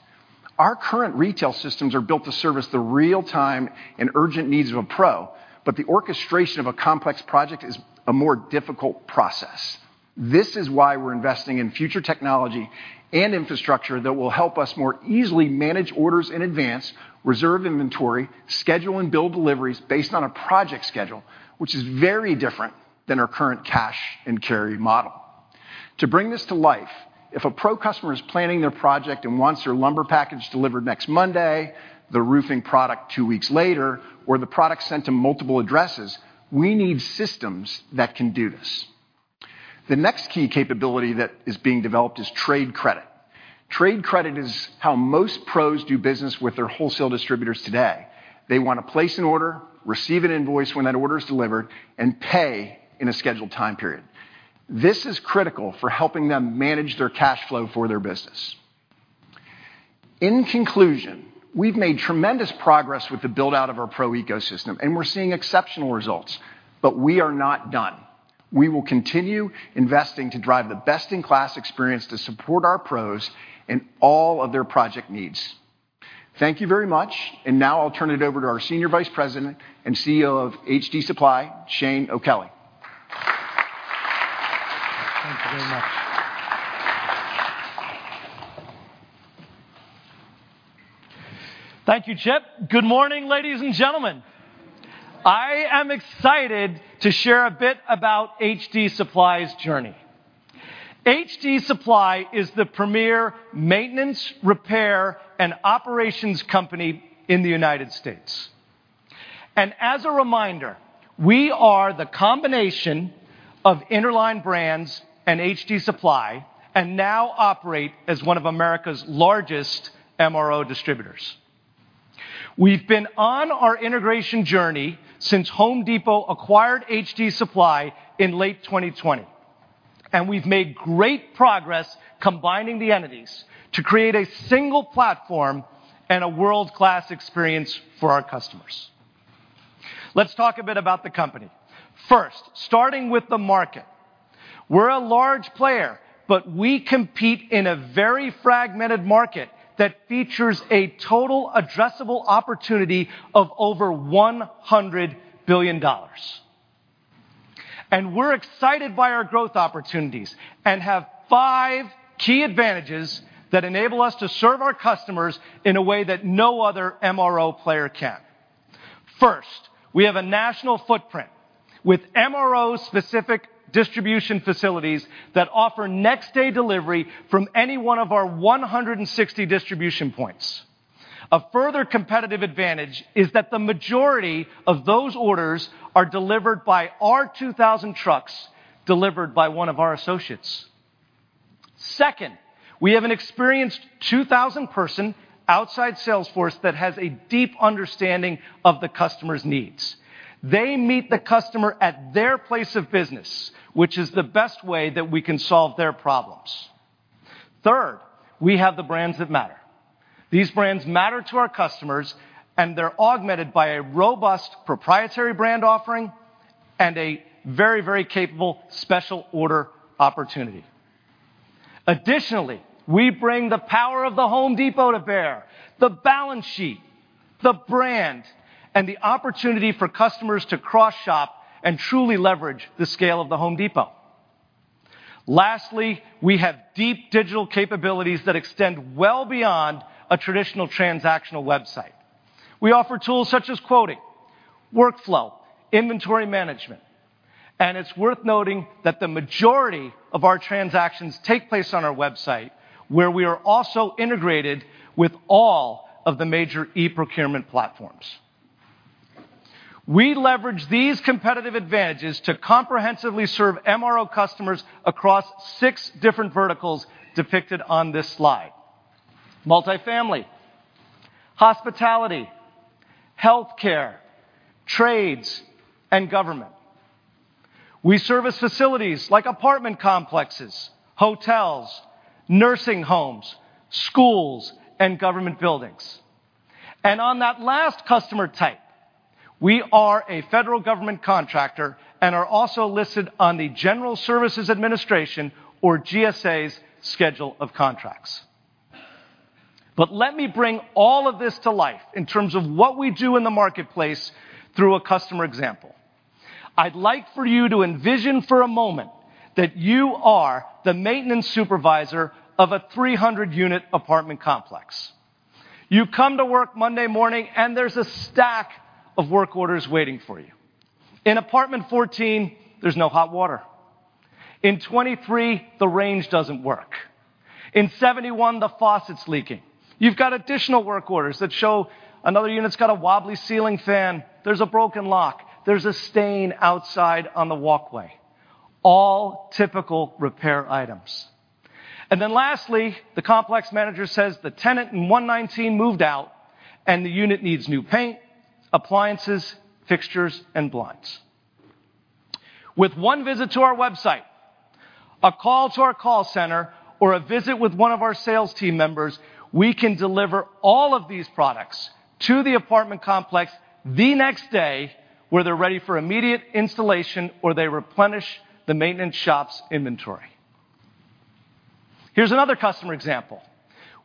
Our current retail systems are built to service the real-time and urgent needs of a pro, but the orchestration of a complex project is a more difficult process. This is why we're investing in future technology and infrastructure that will help us more easily manage orders in advance, reserve inventory, schedule and build deliveries based on a project schedule, which is very different than our current cash and carry model. To bring this to life, if a pro customer is planning their project and wants their lumber package delivered next Monday, the roofing product two weeks later, or the product sent to multiple addresses, we need systems that can do this. The next key capability that is being developed is trade credit. Trade credit is how most pros do business with their wholesale distributors today. They want to place an order, receive an invoice when that order is delivered, and pay in a scheduled time period. This is critical for helping them manage their cash flow for their business. In conclusion, we've made tremendous progress with the build-out of our pro ecosystem, and we're seeing exceptional results, but we are not done. We will continue investing to drive the best-in-class experience to support our pros in all of their project needs. Thank you very much, and now I'll turn it over to our Senior Vice President and CEO of HD Supply, Shane O'Kelly.
Thank you very much. Thank you, Chip. Good morning, ladies and gentlemen. I am excited to share a bit about HD Supply's journey. HD Supply is the premier maintenance, repair, and operations company in the United States. As a reminder, we are the combination of Interline Brands and HD Supply, and now operate as one of America's largest MRO distributors. We've been on our integration journey since Home Depot acquired HD Supply in late 2020, and we've made great progress combining the entities to create a single platform and a world-class experience for our customers. Let's talk a bit about the company. First, starting with the market. We're a large player, but we compete in a very fragmented market that features a total addressable opportunity of over $100 billion. We're excited by our growth opportunities and have five key advantages that enable us to serve our customers in a way that no other MRO player can. First, we have a national footprint with MRO-specific distribution facilities that offer next-day delivery from any one of our 160 distribution points. A further competitive advantage is that the majority of those orders are delivered by our 2,000 trucks, delivered by one of our associates. Second, we have an experienced 2,000-person outside sales force that has a deep understanding of the customer's needs. They meet the customer at their place of business, which is the best way that we can solve their problems. Third, we have the brands that matter. These brands matter to our customers, and they're augmented by a robust proprietary brand offering and a very, very capable special order opportunity. Additionally, we bring the power of The Home Depot to bear, the balance sheet, the brand, and the opportunity for customers to cross-shop and truly leverage the scale of The Home Depot. Lastly, we have deep digital capabilities that extend well beyond a traditional transactional website. We offer tools such as quoting, workflow, inventory management, and it's worth noting that the majority of our transactions take place on our website, where we are also integrated with all of the major e-procurement platforms. We leverage these competitive advantages to comprehensively serve MRO customers across six different verticals depicted on this slide: multifamily, hospitality, healthcare, trades, and government. We service facilities like apartment complexes, hotels, nursing homes, schools, and government buildings. On that last customer type, we are a federal government contractor and are also listed on the General Services Administration, or GSA's, schedule of contracts. Let me bring all of this to life in terms of what we do in the marketplace through a customer example. I'd like for you to envision for a moment that you are the maintenance supervisor of a 300-unit apartment complex. You come to work Monday morning, and there's a stack of work orders waiting for you. In apartment 14, there's no hot water. In 23, the range doesn't work. In 71, the faucet's leaking. You've got additional work orders that show another unit's got a wobbly ceiling fan, there's a broken lock, there's a stain outside on the walkway. All typical repair items. Lastly, the complex manager says the tenant in 119 moved out, and the unit needs new paint, appliances, fixtures, and blinds. With one visit to our website, a call to our call center, or a visit with one of our sales team members, we can deliver all of these products to the apartment complex the next day, where they're ready for immediate installation, or they replenish the maintenance shop's inventory. Here's another customer example.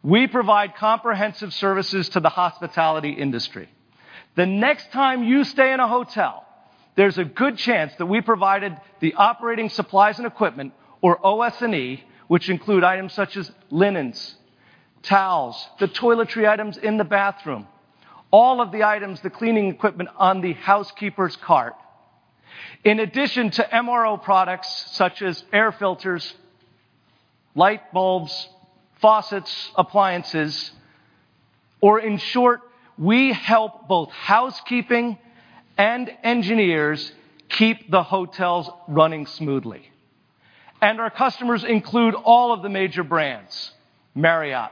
We provide comprehensive services to the hospitality industry. The next time you stay in a hotel, there's a good chance that we provided the operating supplies and equipment, or OS&E, which include items such as linens, towels, the toiletry items in the bathroom, all of the items, the cleaning equipment on the housekeeper's cart. In addition to MRO products such as air filters, light bulbs, faucets, appliances, or in short, we help both housekeeping and engineers keep the hotels running smoothly. Our customers include all of the major brands, Marriott,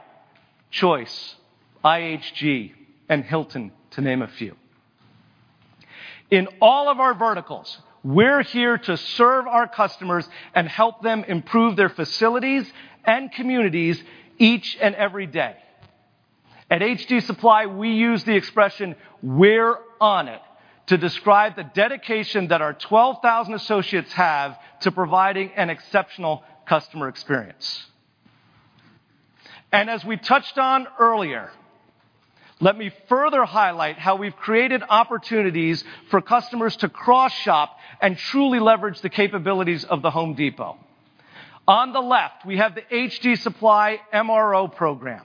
Choice, IHG, and Hilton, to name a few. In all of our verticals, we're here to serve our customers and help them improve their facilities and communities each and every day. At HD Supply, we use the expression, "We're on it," to describe the dedication that our 12,000 associates have to providing an exceptional customer experience. As we touched on earlier, let me further highlight how we've created opportunities for customers to cross-shop and truly leverage the capabilities of The Home Depot. On the left, we have the HD Supply MRO program.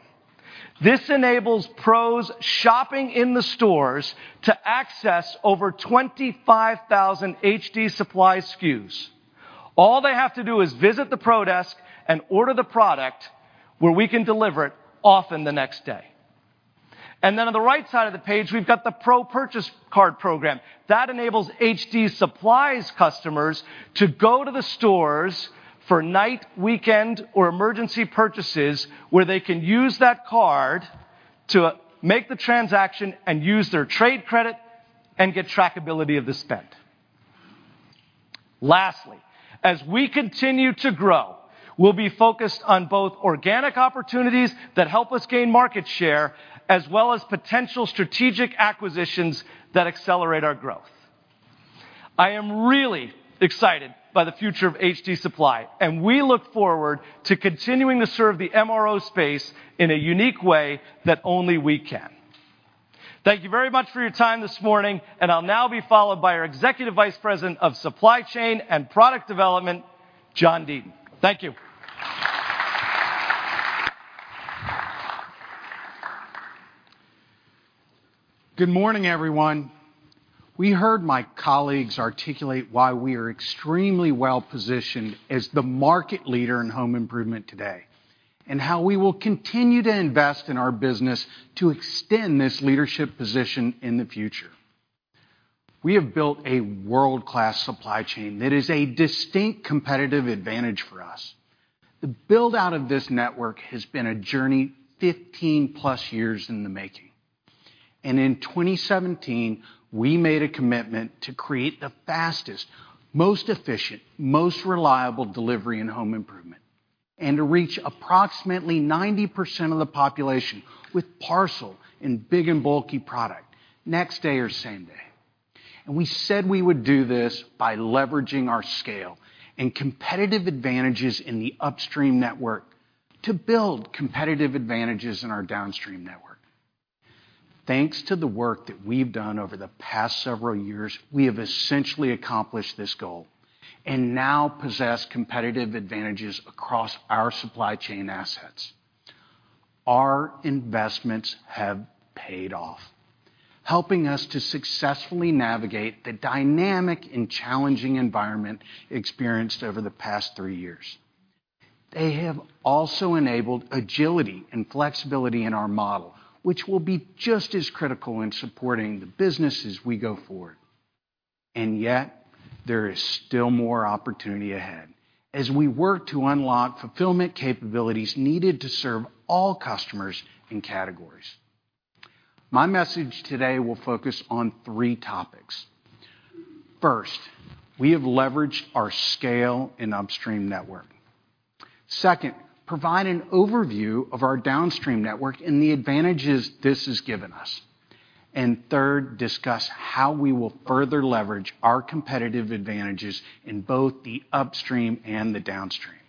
This enables pros shopping in the stores to access over 25,000 HD Supply SKUs. All they have to do is visit the pro desk and order the product, where we can deliver it, often the next day. Then on the right side of the page, we've got the Pro Purchase Card program. That enables HD Supply's customers to go to the stores for night, weekend, or emergency purchases, where they can use that card to make the transaction and use their trade credit and get trackability of the spend.... Lastly, as we continue to grow, we'll be focused on both organic opportunities that help us gain market share, as well as potential strategic acquisitions that accelerate our growth. I am really excited by the future of HD Supply, and we look forward to continuing to serve the MRO space in a unique way that only we can. Thank you very much for your time this morning, and I'll now be followed by our Executive Vice President of Supply Chain and Product Development, John Deaton. Thank you.
Good morning, everyone. We heard my colleagues articulate why we are extremely well-positioned as the market leader in home improvement today, how we will continue to invest in our business to extend this leadership position in the future. We have built a world-class supply chain that is a distinct competitive advantage for us. The build-out of this network has been a journey 15 plus years in the making. In 2017, we made a commitment to create the fastest, most efficient, most reliable delivery and home improvement, to reach approximately 90% of the population with parcel in big and bulky product next day or same day. We said we would do this by leveraging our scale and competitive advantages in the upstream network to build competitive advantages in our downstream network. Thanks to the work that we've done over the past several years, we have essentially accomplished this goal. Now possess competitive advantages across our supply chain assets. Our investments have paid off, helping us to successfully navigate the dynamic and challenging environment experienced over the past 3 years. They have also enabled agility and flexibility in our model, which will be just as critical in supporting the business as we go forward. Yet, there is still more opportunity ahead as we work to unlock fulfillment capabilities needed to serve all customers and categories. My message today will focus on 3 topics. First, we have leveraged our scale and upstream network. Second, provide an overview of our downstream network and the advantages this has given us. Third, discuss how we will further leverage our competitive advantages in both the upstream and the downstream,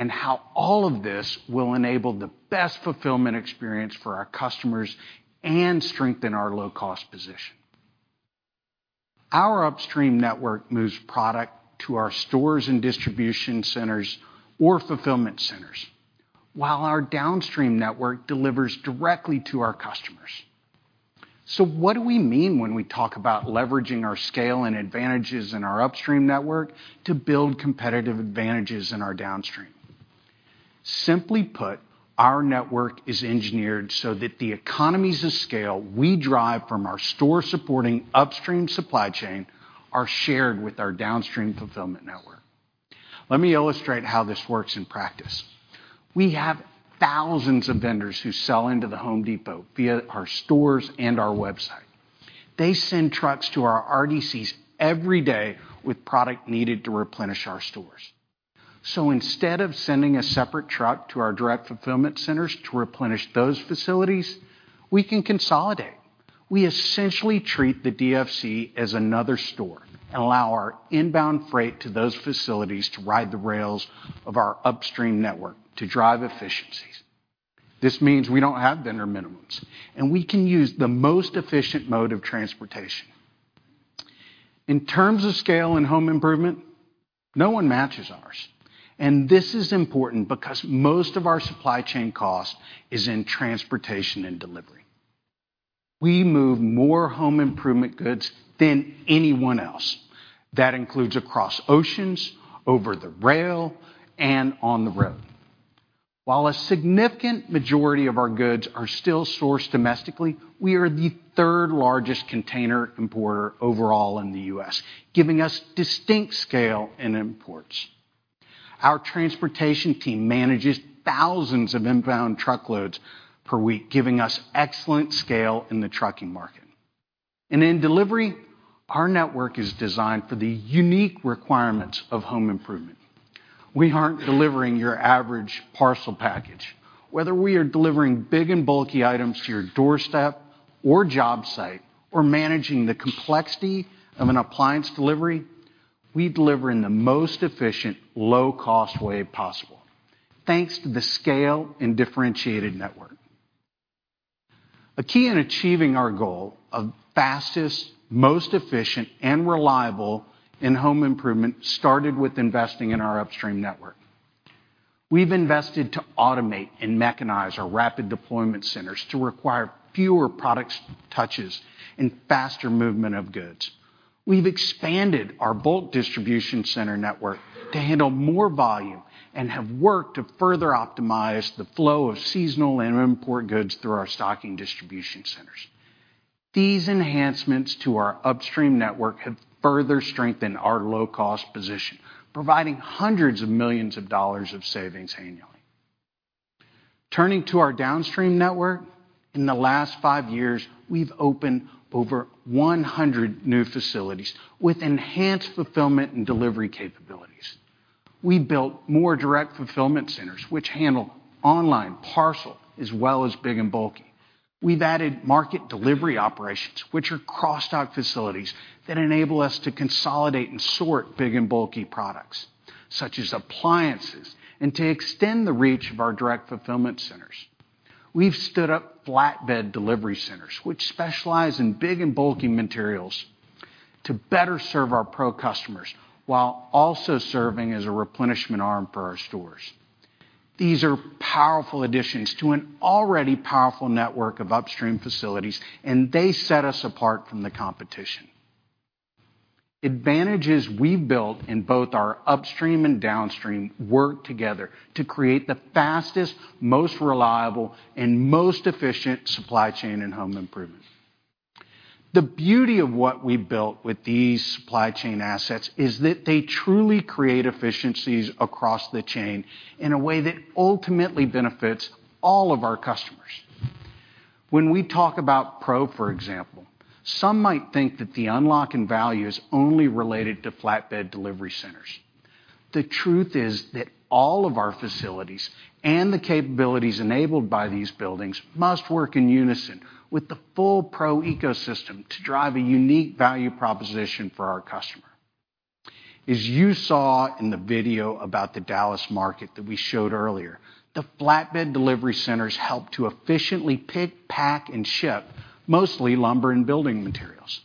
and how all of this will enable the best fulfillment experience for our customers and strengthen our low-cost position. Our upstream network moves product to our stores and distribution centers or fulfillment centers, while our downstream network delivers directly to our customers. What do we mean when we talk about leveraging our scale and advantages in our upstream network to build competitive advantages in our downstream? Simply put, our network is engineered so that the economies of scale we drive from our store-supporting upstream supply chain are shared with our downstream fulfillment network. Let me illustrate how this works in practice. We have thousands of vendors who sell into The Home Depot via our stores and our website. They send trucks to our RDCs every day with product needed to replenish our stores. Instead of sending a separate truck to our Direct Fulfillment Center to replenish those facilities, we can consolidate. We essentially treat the DFC as another store and allow our inbound freight to those facilities to ride the rails of our upstream network to drive efficiencies. This means we don't have vendor minimums, and we can use the most efficient mode of transportation. In terms of scale and home improvement, no one matches ours, and this is important because most of our supply chain cost is in transportation and delivery. We move more home improvement goods than anyone else. That includes across oceans, over the rail, and on the road. While a significant majority of our goods are still sourced domestically, we are the third-largest container importer overall in the U.S., giving us distinct scale in imports. Our transportation team manages thousands of inbound truckloads per week, giving us excellent scale in the trucking market. In delivery, our network is designed for the unique requirements of home improvement. We aren't delivering your average parcel package. Whether we are delivering big and bulky items to your doorstep or job site, or managing the complexity of an appliance delivery, we deliver in the most efficient, low-cost way possible, thanks to the scale and differentiated network. A key in achieving our goal of fastest, most efficient, and reliable in home improvement started with investing in our upstream network. We've invested to automate and mechanize our rapid deployment centers to require fewer products touches and faster movement of goods. We've expanded our Bulk Distribution Center network to handle more volume and have worked to further optimize the flow of seasonal and import goods through our Stocking Distribution Center. These enhancements to our upstream network have further strengthened our low-cost position, providing hundreds of millions of dollars of savings annually. Turning to our downstream network, in the last five years, we've opened over 100 new facilities with enhanced fulfillment and delivery capabilities. We built more Direct Fulfillment Center, which handle online, parcel, as well as big and bulky. We've added Market Delivery Operations, which are cross-dock facilities that enable us to consolidate and sort big and bulky products, such as appliances, and to extend the reach of our Direct Fulfillment Center. We've stood up Flatbed Delivery Center, which specialize in big and bulky materials, to better serve our Pro customers, while also serving as a replenishment arm for our stores. These are powerful additions to an already powerful network of upstream facilities, they set us apart from the competition. Advantages we've built in both our upstream and downstream work together to create the fastest, most reliable, and most efficient supply chain in home improvement. The beauty of what we've built with these supply chain assets is that they truly create efficiencies across the chain in a way that ultimately benefits all of our customers. When we talk about Pro, for example, some might think that the unlock in value is only related to Flatbed Delivery Center. The truth is that all of our facilities and the capabilities enabled by these buildings must work in unison with the full Pro ecosystem to drive a unique value proposition for our customer. As you saw in the video about the Dallas market that we showed earlier, the Flatbed Delivery Center help to efficiently pick, pack, and ship mostly lumber and building materials.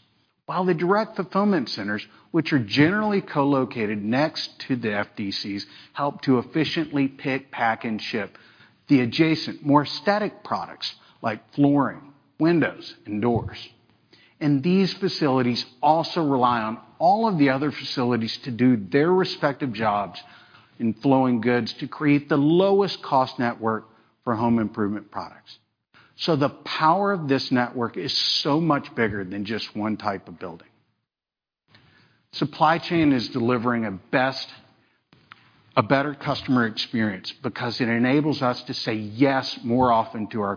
While the Direct Fulfillment Center, which are generally co-located next to the FDCs, help to efficiently pick, pack, and ship the adjacent, more static products like flooring, windows, and doors. These facilities also rely on all of the other facilities to do their respective jobs in flowing goods to create the lowest cost network for home improvement products. The power of this network is so much bigger than just one type of building. Supply chain is delivering a better customer experience because it enables us to say yes more often to our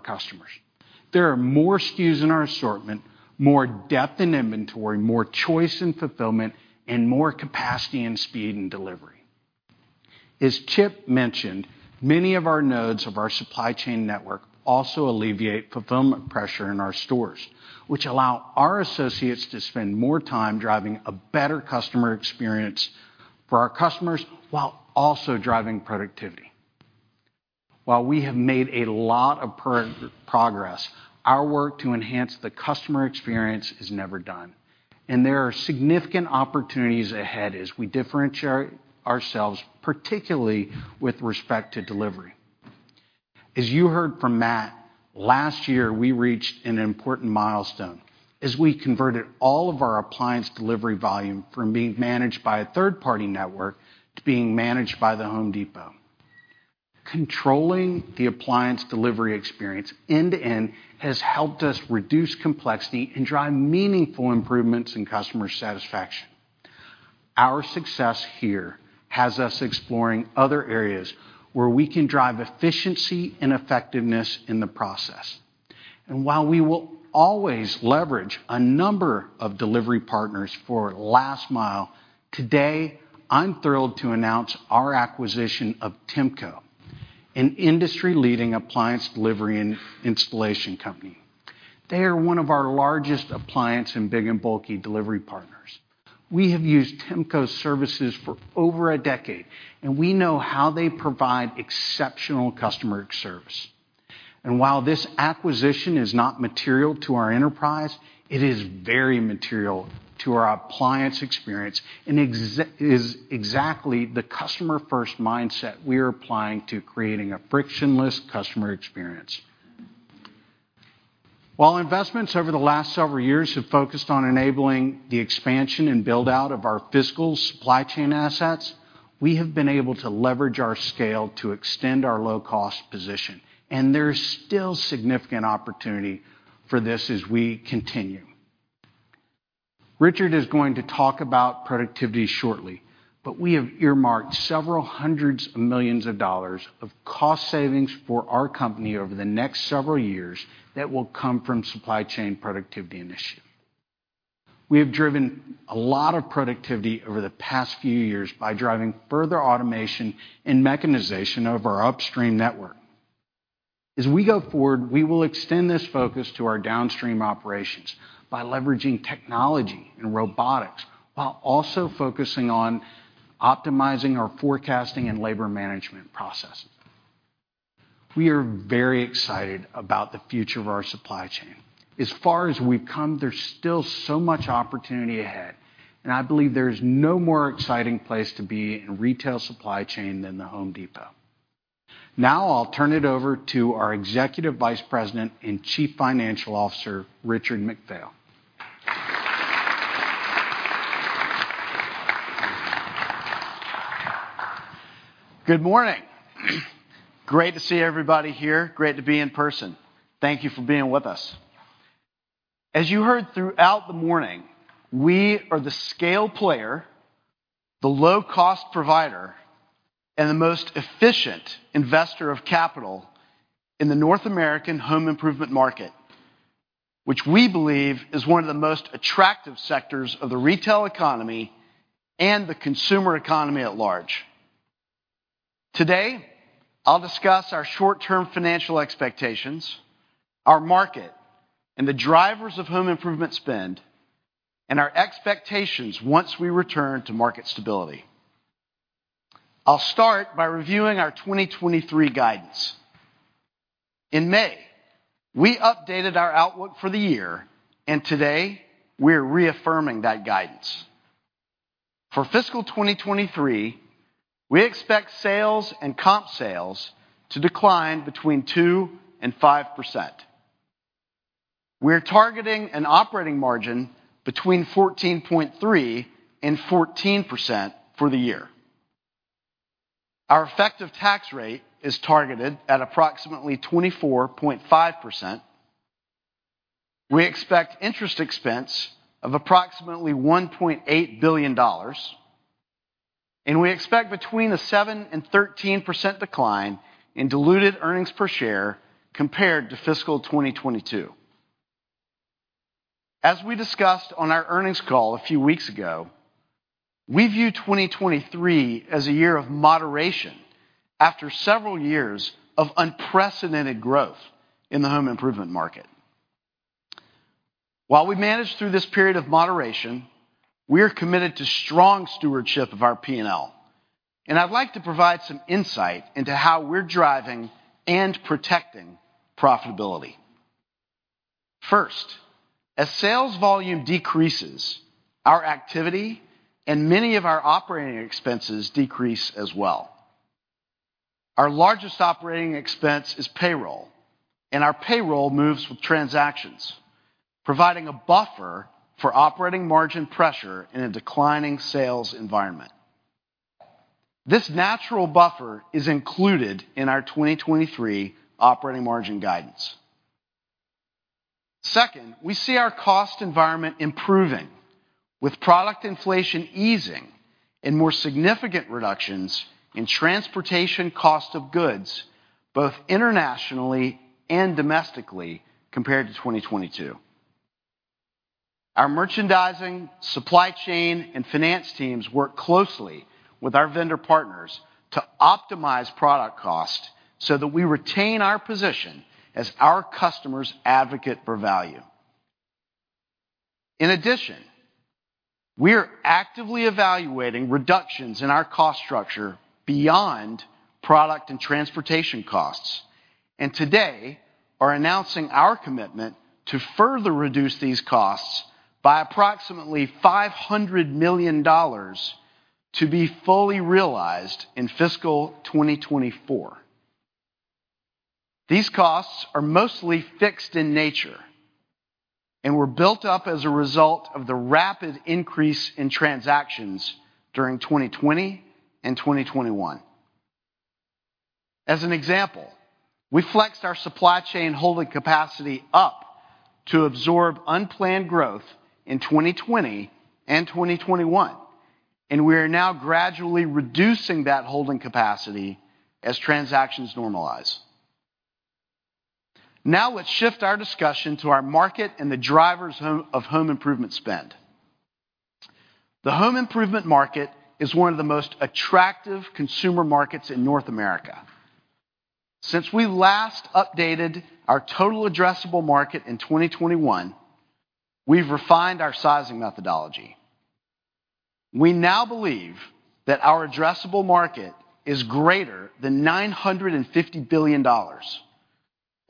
customers. There are more SKUs in our assortment, more depth in inventory, more choice in fulfillment, and more capacity and speed in delivery. As Chip mentioned, many of our nodes of our supply chain network also alleviate fulfillment pressure in our stores, which allow our associates to spend more time driving a better customer experience for our customers while also driving productivity. While we have made a lot of progress, our work to enhance the customer experience is never done, and there are significant opportunities ahead as we differentiate ourselves, particularly with respect to delivery. As you heard from Matt, last year, we reached an important milestone as we converted all of our appliance delivery volume from being managed by a third-party network to being managed by The Home Depot. Controlling the appliance delivery experience end-to-end has helped us reduce complexity and drive meaningful improvements in customer satisfaction. Our success here has us exploring other areas where we can drive efficiency and effectiveness in the process. While we will always leverage a number of delivery partners for last mile, today, I'm thrilled to announce our acquisition of Temco, an industry-leading appliance delivery and installation company. They are one of our largest appliance and big and bulky delivery partners. We have used Temco's services for over a decade, and we know how they provide exceptional customer service. While this acquisition is not material to our enterprise, it is very material to our appliance experience and is exactly the customer-first mindset we are applying to creating a frictionless customer experience. While investments over the last several years have focused on enabling the expansion and build-out of our physical supply chain assets, we have been able to leverage our scale to extend our low-cost position, and there's still significant opportunity for this as we continue. Richard McPhail is going to talk about productivity shortly. We have earmarked several hundred million dollars of cost savings for our company over the next several years that will come from supply chain productivity initiatives. We have driven a lot of productivity over the past few years by driving further automation and mechanization of our upstream network. As we go forward, we will extend this focus to our downstream operations by leveraging technology and robotics, while also focusing on optimizing our forecasting and labor management process. We are very excited about the future of our supply chain. As far as we've come, there's still so much opportunity ahead, and I believe there's no more exciting place to be in retail supply chain than The Home Depot. Now, I'll turn it over to our Executive Vice President and Chief Financial Officer, Richard McPhail.
Good morning. Great to see everybody here. Great to be in person. Thank you for being with us. As you heard throughout the morning, we are the scale player, the low-cost provider, and the most efficient investor of capital in the North American home improvement market, which we believe is one of the most attractive sectors of the retail economy and the consumer economy at large. Today, I'll discuss our short-term financial expectations, our market, and the drivers of home improvement spend, and our expectations once we return to market stability. I'll start by reviewing our 2023 guidance. In May, we updated our outlook for the year, and today, we're reaffirming that guidance. For fiscal 2023, we expect sales and comp sales to decline between 2% and 5%. We're targeting an operating margin between 14.3% and 14% for the year. Our effective tax rate is targeted at approximately 24.5%. We expect interest expense of approximately $1.8 billion, and we expect between a 7% and 13% decline in diluted earnings per share compared to fiscal 2022. As we discussed on our earnings call a few weeks ago, we view 2023 as a year of moderation after several years of unprecedented growth in the home improvement market. While we manage through this period of moderation, we are committed to strong stewardship of our P&L, and I'd like to provide some insight into how we're driving and protecting profitability. First, as sales volume decreases, our activity and many of our operating expenses decrease as well. Our largest operating expense is payroll, and our payroll moves with transactions, providing a buffer for operating margin pressure in a declining sales environment. This natural buffer is included in our 2023 operating margin guidance. We see our cost environment improving, with product inflation easing and more significant reductions in transportation cost of goods, both internationally and domestically, compared to 2022. Our merchandising, supply chain, and finance teams work closely with our vendor partners to optimize product cost so that we retain our position as our customers' advocate for value. We are actively evaluating reductions in our cost structure beyond product and transportation costs, and today, are announcing our commitment to further reduce these costs by approximately $500 million to be fully realized in fiscal 2024. These costs are mostly fixed in nature and were built up as a result of the rapid increase in transactions during 2020 and 2021. As an example, we flexed our supply chain holding capacity up to absorb unplanned growth in 2020 and 2021, and we are now gradually reducing that holding capacity as transactions normalize. Now, let's shift our discussion to our market and the drivers of home improvement spend. The home improvement market is one of the most attractive consumer markets in North America. Since we last updated our total addressable market in 2021, we've refined our sizing methodology. We now believe that our addressable market is greater than $950 billion,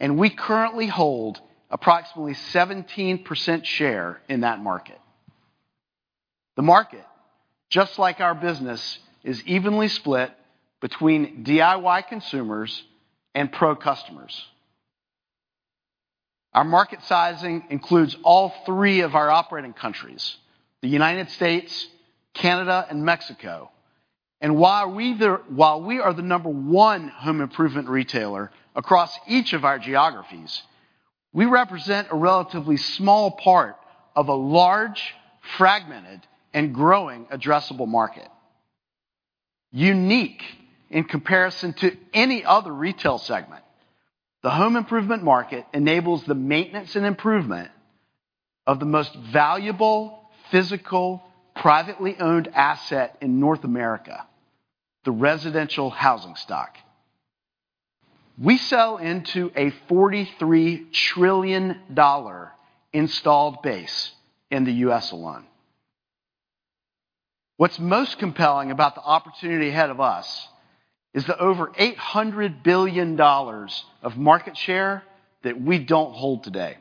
and we currently hold approximately 17% share in that market. The market, just like our business, is evenly split between DIY consumers and pro customers. Our market sizing includes all three of our operating countries, the United States, Canada, and Mexico. While we are the number 1 home improvement retailer across each of our geographies, we represent a relatively small part of a large, fragmented, and growing addressable market. Unique in comparison to any other retail segment, the home improvement market enables the maintenance and improvement of the most valuable, physical, privately owned asset in North America, the residential housing stock. We sell into a $43 trillion installed base in the U.S. alone. What's most compelling about the opportunity ahead of us is the over $800 billion of market share that we don't hold today.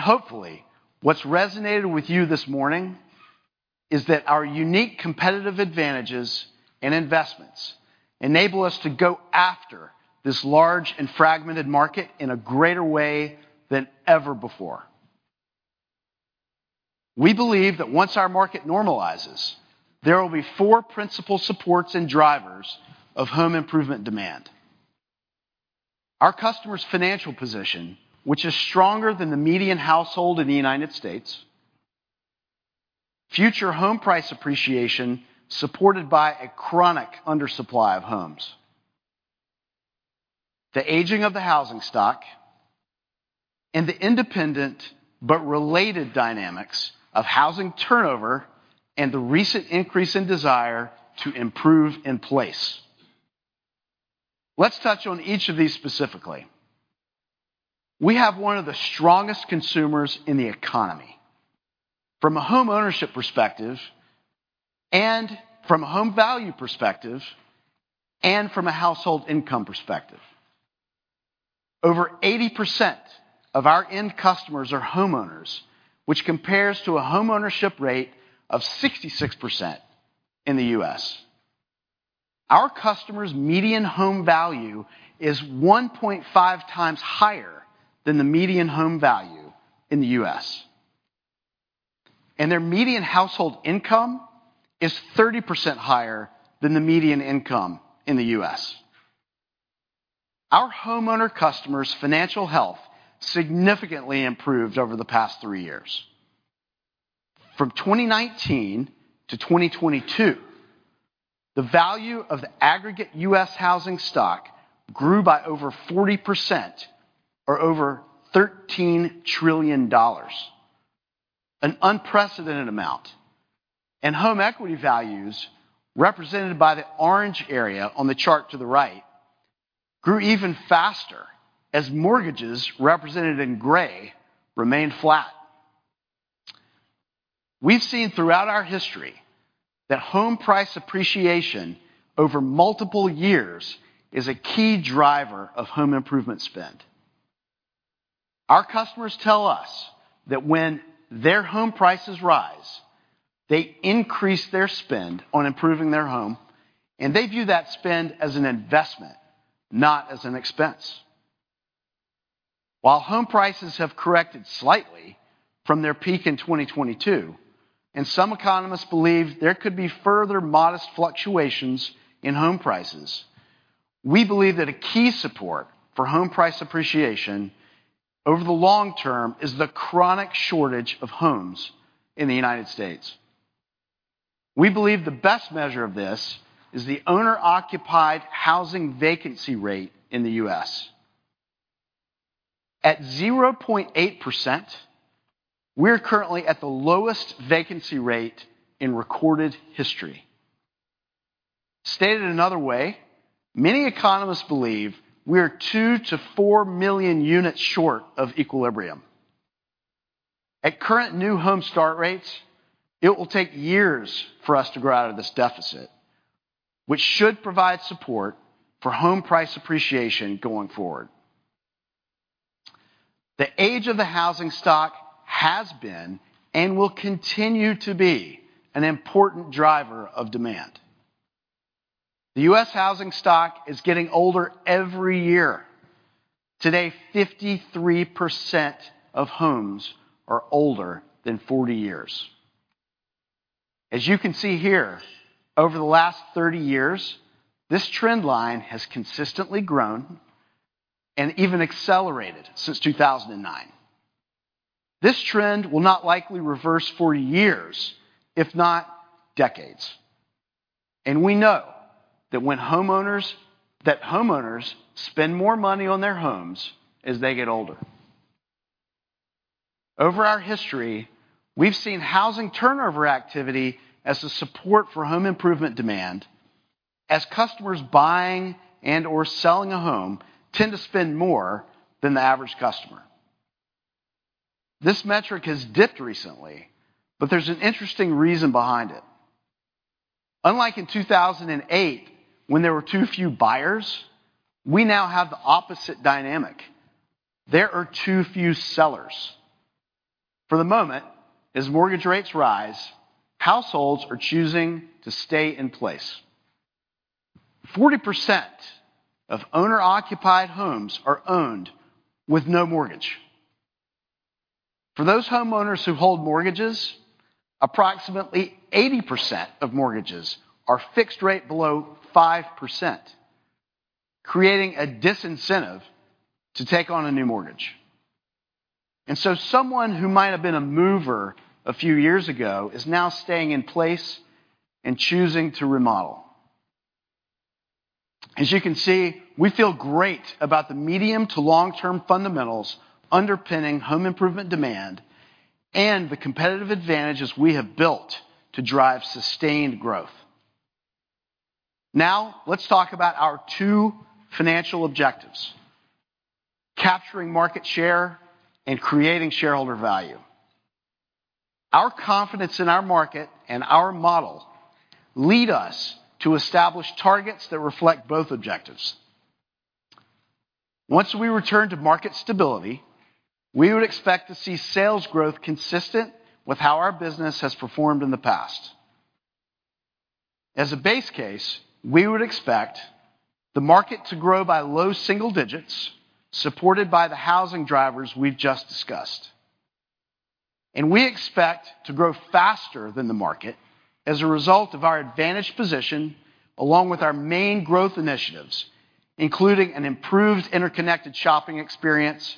Hopefully, what's resonated with you this morning is that our unique competitive advantages and investments enable us to go after this large and fragmented market in a greater way than ever before. We believe that once our market normalizes, there will be four principal supports and drivers of home improvement demand. Our customers' financial position, which is stronger than the median household in the United States, future home price appreciation, supported by a chronic undersupply of homes, the aging of the housing stock, and the independent but related dynamics of housing turnover and the recent increase in desire to improve in place. Let's touch on each of these specifically. We have one of the strongest consumers in the economy from a homeownership perspective, and from a home value perspective, and from a household income perspective. Over 80% of our end customers are homeowners, which compares to a homeownership rate of 66% in the U.S. Our customers' median home value is 1.5 times higher than the median home value in the U.S., and their median household income is 30% higher than the median income in the U.S. Our homeowner customers' financial health significantly improved over the past three years. From 2019 to 2022, the value of the aggregate U.S. housing stock grew by over 40%, or over $13 trillion, an unprecedented amount, and home equity values, represented by the orange area on the chart to the right, grew even faster as mortgages, represented in gray, remained flat. We've seen throughout our history that home price appreciation over multiple years is a key driver of home improvement spend. Our customers tell us that when their home prices rise, they increase their spend on improving their home, and they view that spend as an investment, not as an expense. While home prices have corrected slightly from their peak in 2022, some economists believe there could be further modest fluctuations in home prices, we believe that a key support for home price appreciation over the long term is the chronic shortage of homes in the United States. We believe the best measure of this is the owner-occupied housing vacancy rate in the U.S. At 0.8%, we're currently at the lowest vacancy rate in recorded history. Stated another way, many economists believe we are 2 million-4 million units short of equilibrium. At current new home start rates, it will take years for us to grow out of this deficit, which should provide support for home price appreciation going forward. The age of the housing stock has been, and will continue to be, an important driver of demand. The U.S. housing stock is getting older every year. Today, 53% of homes are older than 40 years. As you can see here, over the last 30 years, this trend line has consistently grown and even accelerated since 2009. This trend will not likely reverse for years, if not decades. We know that homeowners spend more money on their homes as they get older. Over our history, we've seen housing turnover activity as a support for home improvement demand, as customers buying and/or selling a home tend to spend more than the average customer. This metric has dipped recently, but there's an interesting reason behind it. Unlike in 2008, when there were too few buyers, we now have the opposite dynamic. There are too few sellers. For the moment, as mortgage rates rise, households are choosing to stay in place. 40% of owner-occupied homes are owned with no mortgage. For those homeowners who hold mortgages, approximately 80% of mortgages are fixed rate below 5%, creating a disincentive to take on a new mortgage. Someone who might have been a mover a few years ago is now staying in place and choosing to remodel. As you can see, we feel great about the medium to long-term fundamentals underpinning home improvement demand and the competitive advantages we have built to drive sustained growth. Now, let's talk about our two financial objectives: capturing market share and creating shareholder value. Our confidence in our market and our model lead us to establish targets that reflect both objectives. Once we return to market stability, we would expect to see sales growth consistent with how our business has performed in the past. As a base case, we would expect the market to grow by low single digits, supported by the housing drivers we've just discussed. We expect to grow faster than the market as a result of our advantaged position, along with our main growth initiatives, including an improved interconnected shopping experience,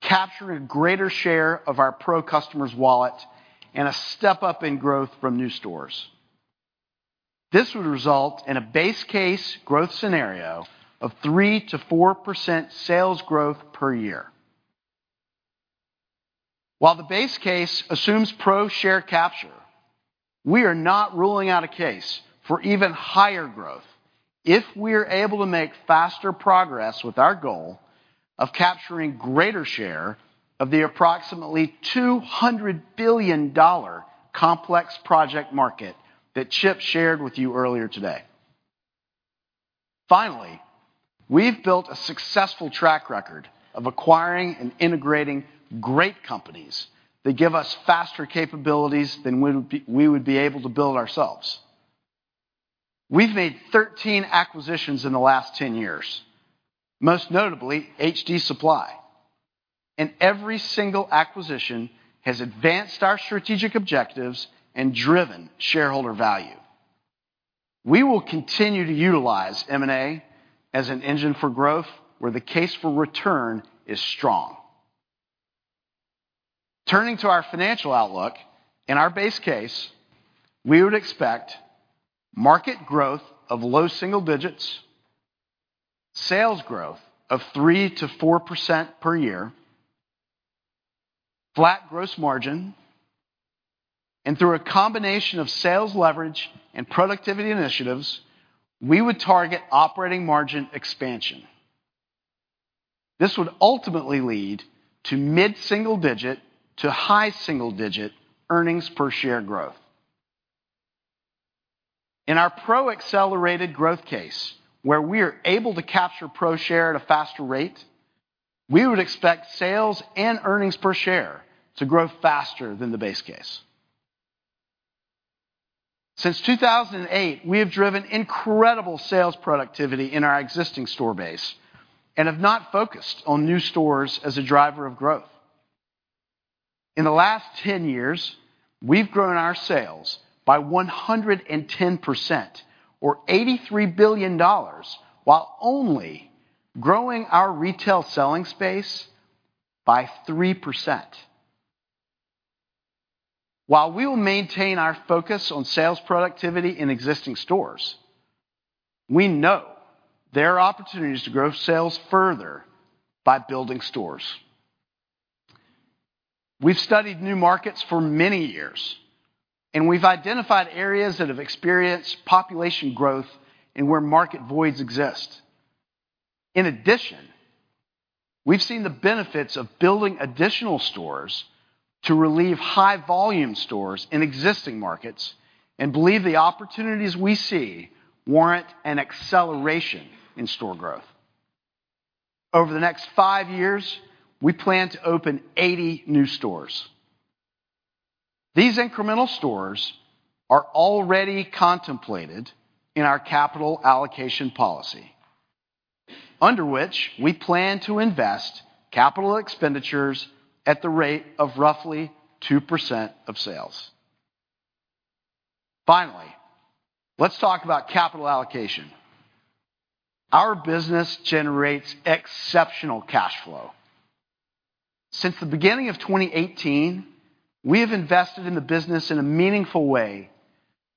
capturing a greater share of our pro customer's wallet, and a step-up in growth from new stores. This would result in a base case growth scenario of 3 to 4% sales growth per year. While the base case assumes Pro share capture, we are not ruling out a case for even higher growth if we are able to make faster progress with our goal of capturing greater share of the approximately $200 billion complex project market that Chip shared with you earlier today. We've built a successful track record of acquiring and integrating great companies that give us faster capabilities than we would be able to build ourselves. We've made 13 acquisitions in the last 10 years, most notably HD Supply. Every single acquisition has advanced our strategic objectives and driven shareholder value. We will continue to utilize M&A as an engine for growth, where the case for return is strong. Turning to our financial outlook, in our base case, we would expect market growth of low single digits, sales growth of 3%-4% per year, flat gross margin, and through a combination of sales leverage and productivity initiatives, we would target operating margin expansion. This would ultimately lead to mid-single digit to high single-digit earnings per share growth. In our pro-accelerated growth case, where we are able to capture Pro share at a faster rate, we would expect sales and earnings per share to grow faster than the base case. Since 2008, we have driven incredible sales productivity in our existing store base and have not focused on new stores as a driver of growth. In the last 10 years, we've grown our sales by 110% or $83 billion, while only growing our retail selling space by 3%. While we will maintain our focus on sales productivity in existing stores, we know there are opportunities to grow sales further by building stores. We've studied new markets for many years, and we've identified areas that have experienced population growth and where market voids exist. In addition, we've seen the benefits of building additional stores to relieve high-volume stores in existing markets and believe the opportunities we see warrant an acceleration in store growth. Over the next five years, we plan to open 80 new stores. These incremental stores are already contemplated in our capital allocation policy, under which we plan to invest capital expenditures at the rate of roughly 2% of sales. Finally, let's talk about capital allocation. Our business generates exceptional cash flow. Since the beginning of 2018, we have invested in the business in a meaningful way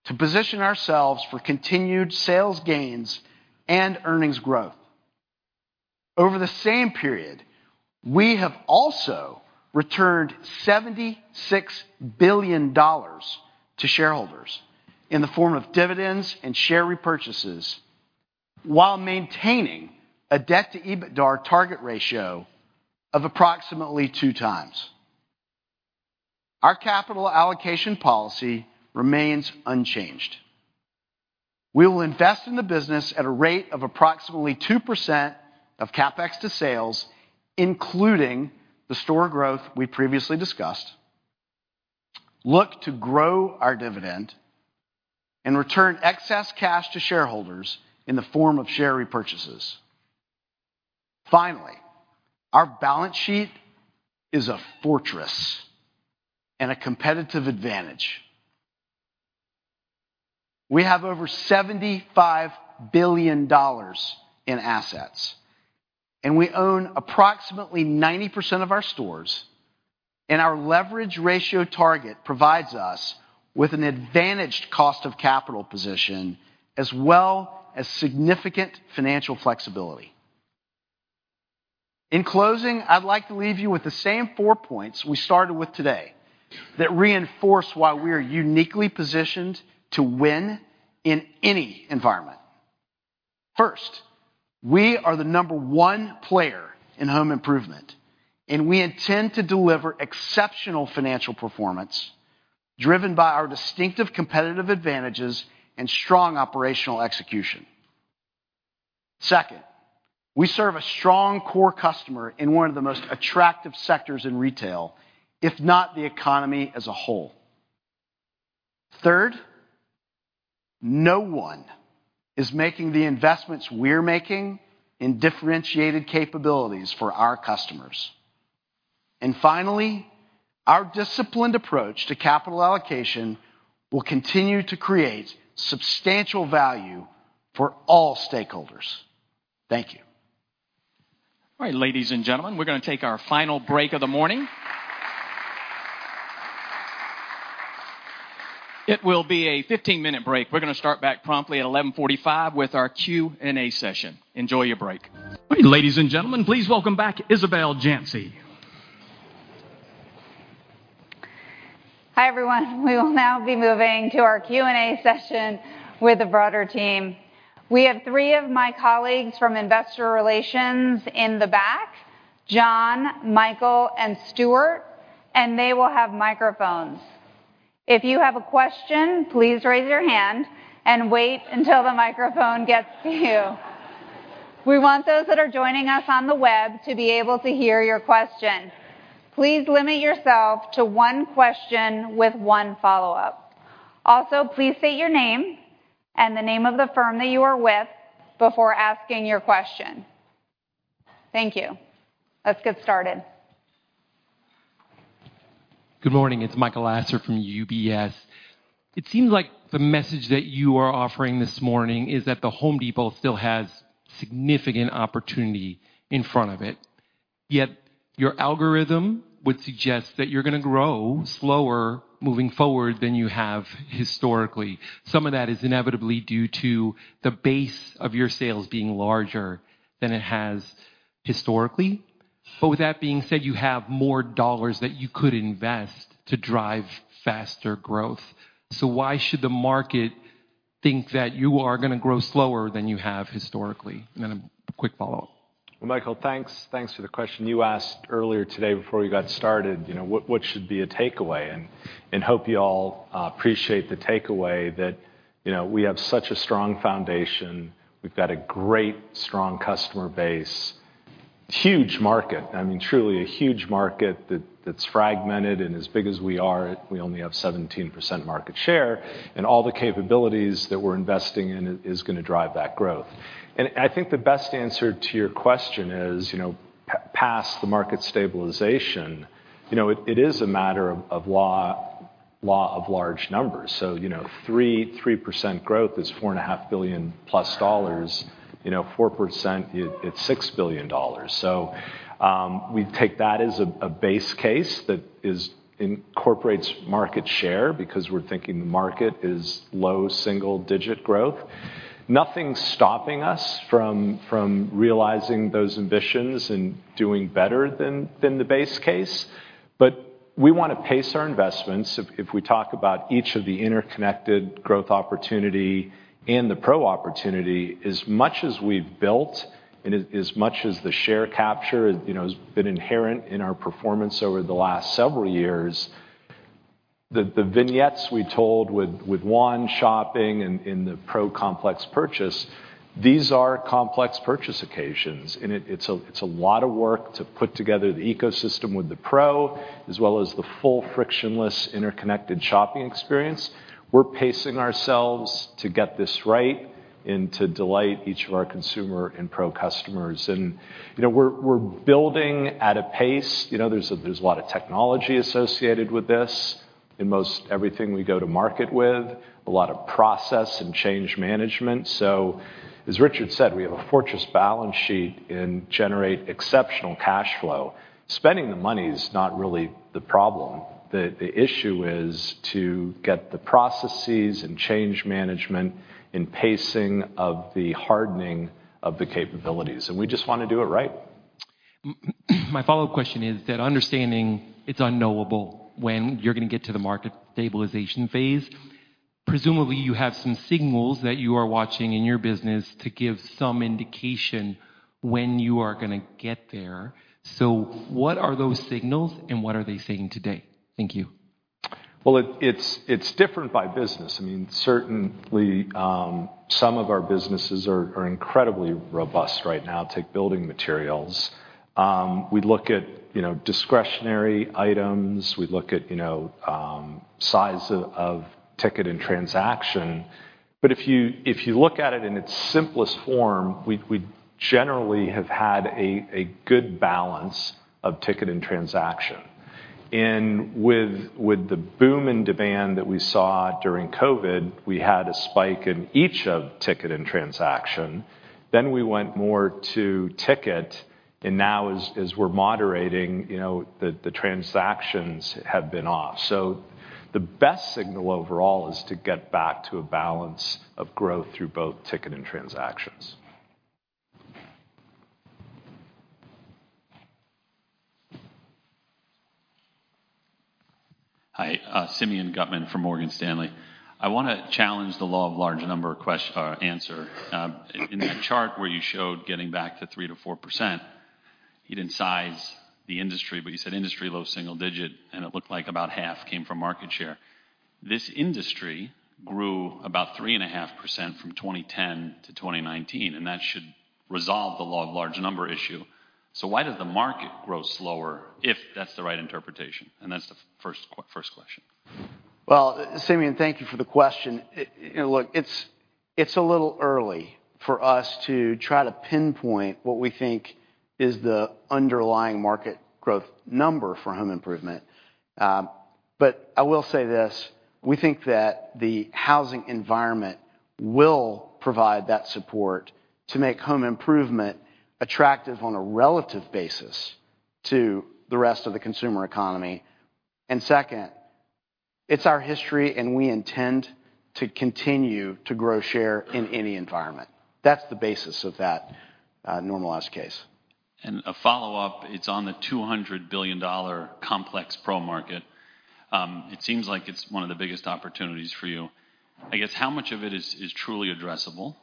to position ourselves for continued sales gains and earnings growth. Over the same period, we have also returned $76 billion to shareholders in the form of dividends and share repurchases, while maintaining a debt to EBITDA target ratio of approximately two times. Our capital allocation policy remains unchanged. We will invest in the business at a rate of approximately 2% of CapEx to sales, including the store growth we previously discussed, look to grow our dividend, and return excess cash to shareholders in the form of share repurchases. Finally, our balance sheet is a fortress and a competitive advantage. We have over $75 billion in assets, we own approximately 90% of our stores, our leverage ratio target provides us with an advantaged cost of capital position, as well as significant financial flexibility. In closing, I'd like to leave you with the same four points we started with today that reinforce why we are uniquely positioned to win in any environment. First, we are the number one player in home improvement, we intend to deliver exceptional financial performance driven by our distinctive competitive advantages and strong operational execution. Second, we serve a strong core customer in one of the most attractive sectors in retail, if not the economy as a whole. Third, no one is making the investments we're making in differentiated capabilities for our customers. Finally, our disciplined approach to capital allocation will continue to create substantial value for all stakeholders. Thank you.
All right, ladies and gentlemen, we're gonna take our final break of the morning. It will be a 15-minute break. We're gonna start back promptly at 11:45 with our Q&A session. Enjoy your break. Ladies and gentlemen, please welcome back Isabel Janci.
Hi, everyone. We will now be moving to our Q&A session with the broader team. We have 3 of my colleagues from Investor Relations in the back, John, Michael, and Stuart, and they will have microphones. If you have a question, please raise your hand and wait until the microphone gets to you. We want those that are joining us on the web to be able to hear your question. Please limit yourself to 1 question with 1 follow-up. Also, please state your name and the name of the firm that you are with before asking your question. Thank you. Let's get started.
Good morning, it's Michael Lasser from UBS. It seems like the message that you are offering this morning is that The Home Depot still has significant opportunity in front of it, yet your algorithm would suggest that you're gonna grow slower moving forward than you have historically. Some of that is inevitably due to the base of your sales being larger than it has historically. With that being said, you have more dollars that you could invest to drive faster growth. Why should the market think that you are gonna grow slower than you have historically? A quick follow-up.
Well, Michael, thanks. Thanks for the question you asked earlier today before we got started, you know, what should be a takeaway? Hope you all appreciate the takeaway that, you know, we have such a strong foundation. We've got a great, strong customer base, huge market. I mean, truly a huge market that's fragmented, and as big as we are, we only have 17% market share, and all the capabilities that we're investing in is gonna drive that growth. I think the best answer to your question is, you know, past the market stabilization, you know, it is a matter of law of large numbers. You know, 3% growth is $4.5 billion plus dollars. You know, 4%, it's $6 billion. We take that as a base case that incorporates market share because we're thinking the market is low single-digit growth. Nothing's stopping us from realizing those ambitions and doing better than the base case, but we want to pace our investments. If we talk about each of the interconnected growth opportunity and the Pro opportunity, as much as we've built and as much as the share capture, you know, has been inherent in our performance over the last several years, the vignettes we told with One Home Depot and in the Pro complex purchase, these are complex purchase occasions, and it's a lot of work to put together the ecosystem with the Pro, as well as the full frictionless, interconnected shopping experience. We're pacing ourselves to get this right and to delight each of our consumer and Pro customers. You know, we're building at a pace. You know, there's a lot of technology associated with this. In most everything we go to market with, a lot of process and change management. As Richard said, we have a fortress balance sheet and generate exceptional cash flow. Spending the money is not really the problem. The issue is to get the processes and change management and pacing of the hardening of the capabilities, and we just want to do it right.
My follow-up question is that understanding it's unknowable when you're gonna get to the market stabilization phase, presumably you have some signals that you are watching in your business to give some indication when you are gonna get there. What are those signals, and what are they saying today? Thank you.
Well, it's different by business. I mean, certainly, some of our businesses are incredibly robust right now. Take building materials, we look at, you know, discretionary items. We look at, you know, size of ticket and transaction. If you look at it in its simplest form, we generally have had a good balance of ticket and transaction. With the boom in demand that we saw during COVID, we had a spike in each of ticket and transaction. We went more to ticket, now as we're moderating, you know, the transactions have been off. The best signal overall is to get back to a balance of growth through both ticket and transactions.
Hi, Simeon Gutman from Morgan Stanley. I wanna challenge the law of large number quest or answer. In that chart where you showed getting back to 3 to 4%. You didn't size the industry, but you said industry low single-digit, and it looked like about half came from market share. This industry grew about 3.5% from 2010 to 2019, and that should resolve the law of large number issue. Why does the market grow slower, if that's the right interpretation? That's the first question.
Well, Simeon, thank you for the question. you know, look, it's a little early for us to try to pinpoint what we think is the underlying market growth number for home improvement. I will say this, we think that the housing environment will provide that support to make home improvement attractive on a relative basis to the rest of the consumer economy. Second, it's our history, and we intend to continue to grow share in any environment. That's the basis of that normalized case.
A follow-up, it's on the $200 billion complex Pro market. It seems like it's one of the biggest opportunities for you. I guess, how much of it is truly addressable?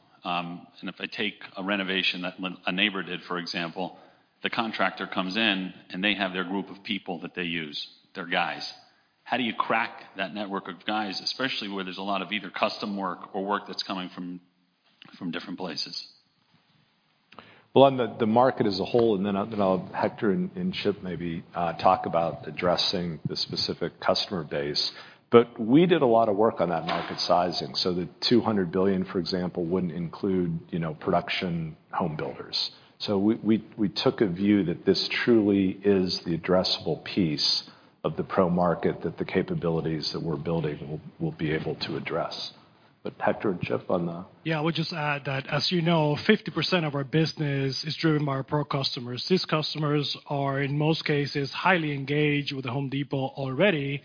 If I take a renovation that a neighbor did, for example, the contractor comes in, and they have their group of people that they use, their guys. How do you crack that network of guys, especially where there's a lot of either custom work or work that's coming from different places?
On the market as a whole, then Hector and Chip maybe talk about addressing the specific customer base. We did a lot of work on that market sizing. The $200 billion, for example, wouldn't include, you know, production home builders. We took a view that this truly is the addressable piece of the Pro market, that the capabilities that we're building will be able to address. Hector and Chip on the.
Yeah, I would just add that, as you know, 50% of our business is driven by our pro customers. These customers are, in most cases, highly engaged with The Home Depot already, and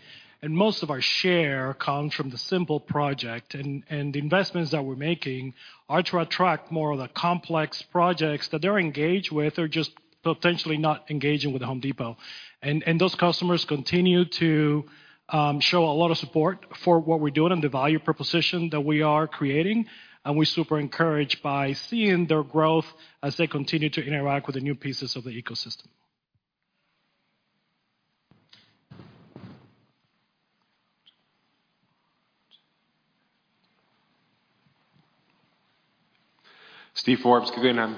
most of our share comes from the simple project. The investments that we're making are to attract more of the complex projects that they're engaged with or just potentially not engaging with The Home Depot. Those customers continue to show a lot of support for what we're doing and the value proposition that we are creating, and we're super encouraged by seeing their growth as they continue to interact with the new pieces of the ecosystem.
Steven Forbes, Good evening.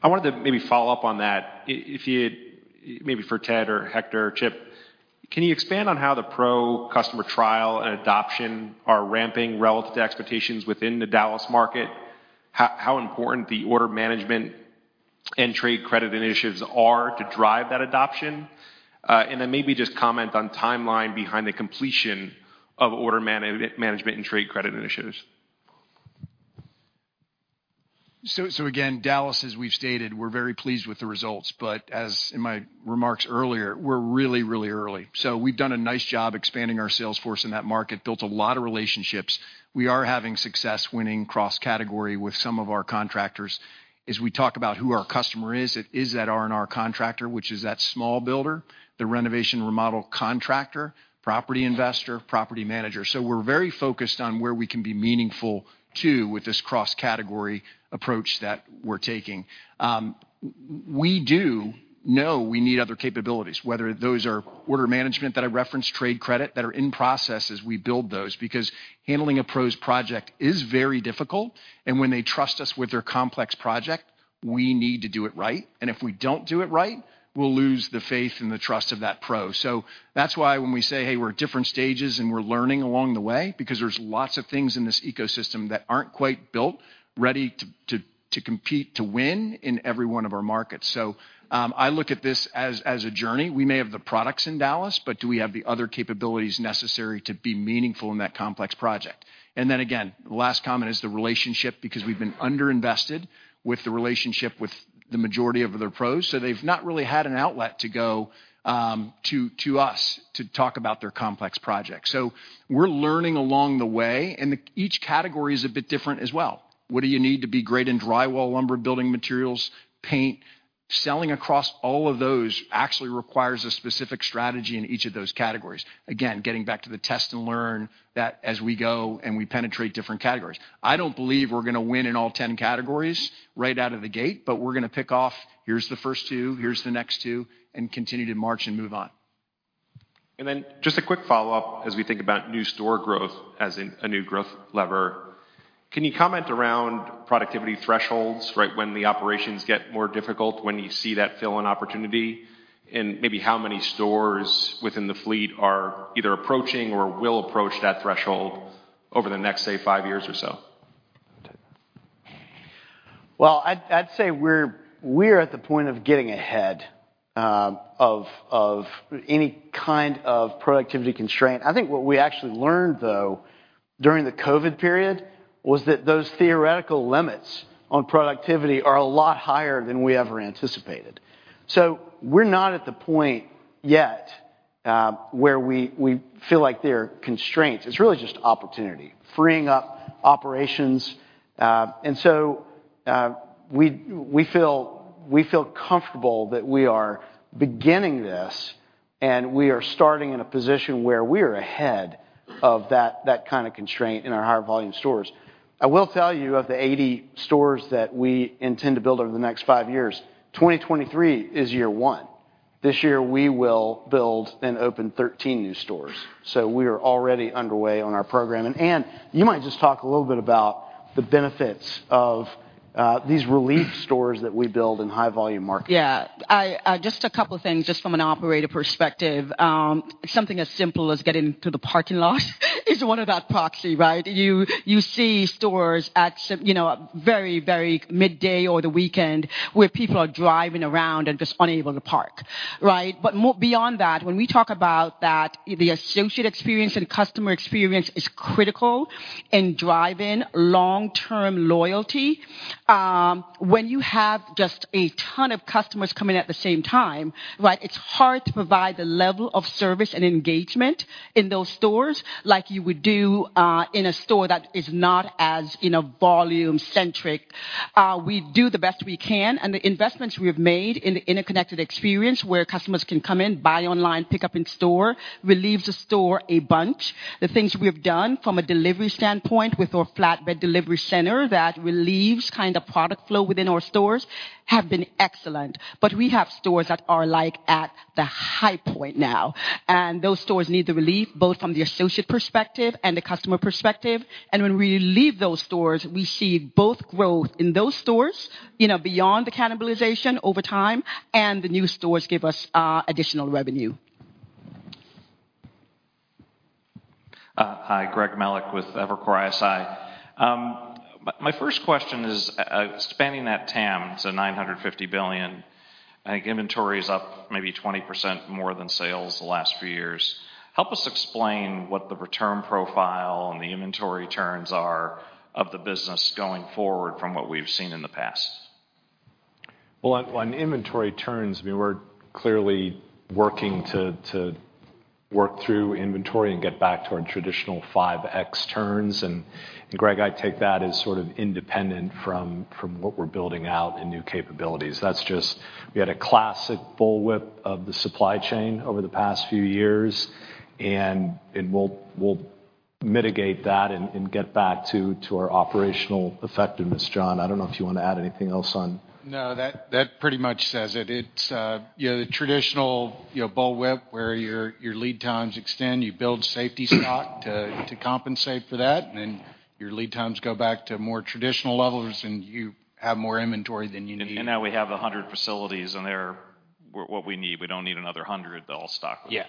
I wanted to maybe follow up on that. If you'd maybe for Ted or Hector or Chip, can you expand on how the Pro customer trial and adoption are ramping relative to expectations within the Dallas market? How important the order management and trade credit initiatives are to drive that adoption? Then maybe just comment on timeline behind the completion of order management and trade credit initiatives.
Again, Dallas, as we've stated, we're very pleased with the results, but as in my remarks earlier, we're really, really early. We've done a nice job expanding our sales force in that market, built a lot of relationships. We are having success winning cross-category with some of our contractors. As we talk about who our customer is, it is that R&R contractor, which is that small builder, the renovation remodel contractor, property investor, property manager. We're very focused on where we can be meaningful, too, with this cross-category approach that we're taking. We do know we need other capabilities, whether those are order management that I referenced, trade credit, that are in process as we build those, because handling a pro's project is very difficult, and when they trust us with their complex project, we need to do it right. If we don't do it right, we'll lose the faith and the trust of that Pro. That's why when we say, "Hey, we're at different stages, and we're learning along the way," because there's lots of things in this ecosystem that aren't quite built, ready to compete, to win in every one of our markets. I look at this as a journey. We may have the products in Dallas, but do we have the other capabilities necessary to be meaningful in that complex project? Again, the last comment is the relationship, because we've been underinvested with the relationship with the majority of other Pros, so they've not really had an outlet to go to us to talk about their complex projects. We're learning along the way, and the each category is a bit different as well. What do you need to be great in drywall, lumber, building materials, paint? Selling across all of those actually requires a specific strategy in each of those categories. Getting back to the test and learn that as we go and we penetrate different categories. I don't believe we're gonna win in all 10 categories right out of the gate, but we're gonna pick off, here's the first two, here's the next two, and continue to march and move on.
Just a quick follow-up as we think about new store growth as in a new growth lever. Can you comment around productivity thresholds, right, when the operations get more difficult, when you see that fill and opportunity, and maybe how many stores within the fleet are either approaching or will approach that threshold over the next, say, five years or so?
Well, I'd say we're at the point of getting ahead of any kind of productivity constraint. I think what we actually learned, though, during the COVID period, was that those theoretical limits on productivity are a lot higher than we ever anticipated. We're not at the point yet where we feel like they're constraints. It's really just opportunity, freeing up operations. We feel comfortable that we are beginning this- we are starting in a position where we're ahead of that kind of constraint in our higher volume stores. I will tell you, of the 80 stores that we intend to build over the next 5 years, 2023 is year 1. This year, we will build and open 13 new stores. We are already underway on our program. Anne, you might just talk a little bit about the benefits of these relief stores that we build in high volume markets.
Yeah. I, just a couple of things, just from an operator perspective. Something as simple as getting to the parking lot is one of that proxy, right? You see stores at, you know, very midday or the weekend, where people are driving around and just unable to park, right? Beyond that, when we talk about that, the associate experience and customer experience is critical in driving long-term loyalty. When you have just a ton of customers coming at the same time, right, it's hard to provide the level of service and engagement in those stores like you would do, in a store that is not as, you know, volume-centric. We do the best we can, and the investments we have made in the interconnected experience, where customers can come in, buy online, pick up in store, relieves the store a bunch. The things we have done from a delivery standpoint with our Flatbed Delivery Center that relieves kind of product flow within our stores, have been excellent. We have stores that are, like, at the high point now, and those stores need the relief, both from the associate perspective and the customer perspective. When we relieve those stores, we see both growth in those stores, you know, beyond the cannibalization over time, and the new stores give us additional revenue.
Hi, Greg Melich with Evercore ISI. My first question is, spanning that TAM to $950 billion, I think inventory is up maybe 20% more than sales the last few years. Help us explain what the return profile and the inventory turns are of the business going forward from what we've seen in the past?
Well, on inventory turns, we were clearly working to work through inventory and get back to our traditional 5x turns. Greg, I take that as sort of independent from what we're building out in new capabilities. That's just. We had a classic bullwhip of the supply chain over the past few years, and we'll mitigate that and get back to our operational effectiveness. John, I don't know if you want to add anything else on?
No, that pretty much says it. It's, you know, the traditional, you know, bullwhip, where your lead times extend, you build safety stock to compensate for that, and then your lead times go back to more traditional levels, and you have more inventory than you need. Now we have 100 facilities, and they're what we need. We don't need another 100 to all stock with.
Yeah.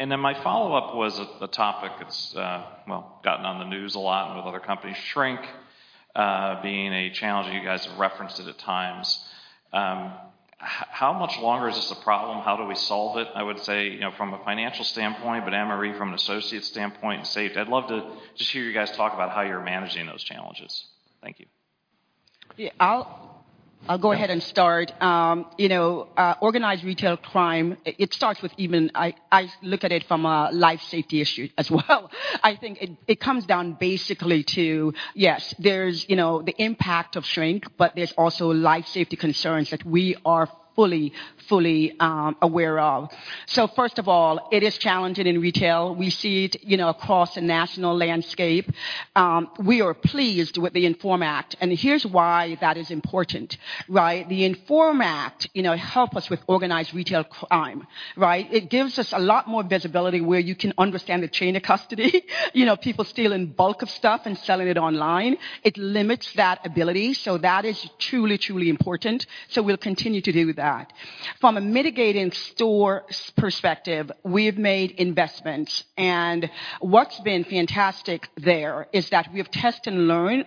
My follow-up was a topic that's, well, gotten on the news a lot and with other companies, shrink being a challenge, and you guys have referenced it at times. How much longer is this a problem? How do we solve it? I would say, you know, from a financial standpoint, but, Ann-Marie, from an associate standpoint and safety, I'd love to just hear you guys talk about how you're managing those challenges. Thank you.
Yeah, I'll go ahead and start. You know, organized retail crime, it starts with I look at it from a life safety issue as well. I think it comes down basically to, yes, there's, you know, the impact of shrink, but there's also life safety concerns that we are fully aware of. First of all, it is challenging in retail. We see it, you know, across the national landscape. We are pleased with the INFORM Act. Here's why that is important, right? The INFORM Act, you know, help us with organized retail crime, right? It gives us a lot more visibility where you can understand the chain of custody. You know, people stealing bulk of stuff and selling it online. It limits that ability. That is truly important. We'll continue to do that. From a mitigating store perspective, we have made investments, and what's been fantastic there is that we have tested and learned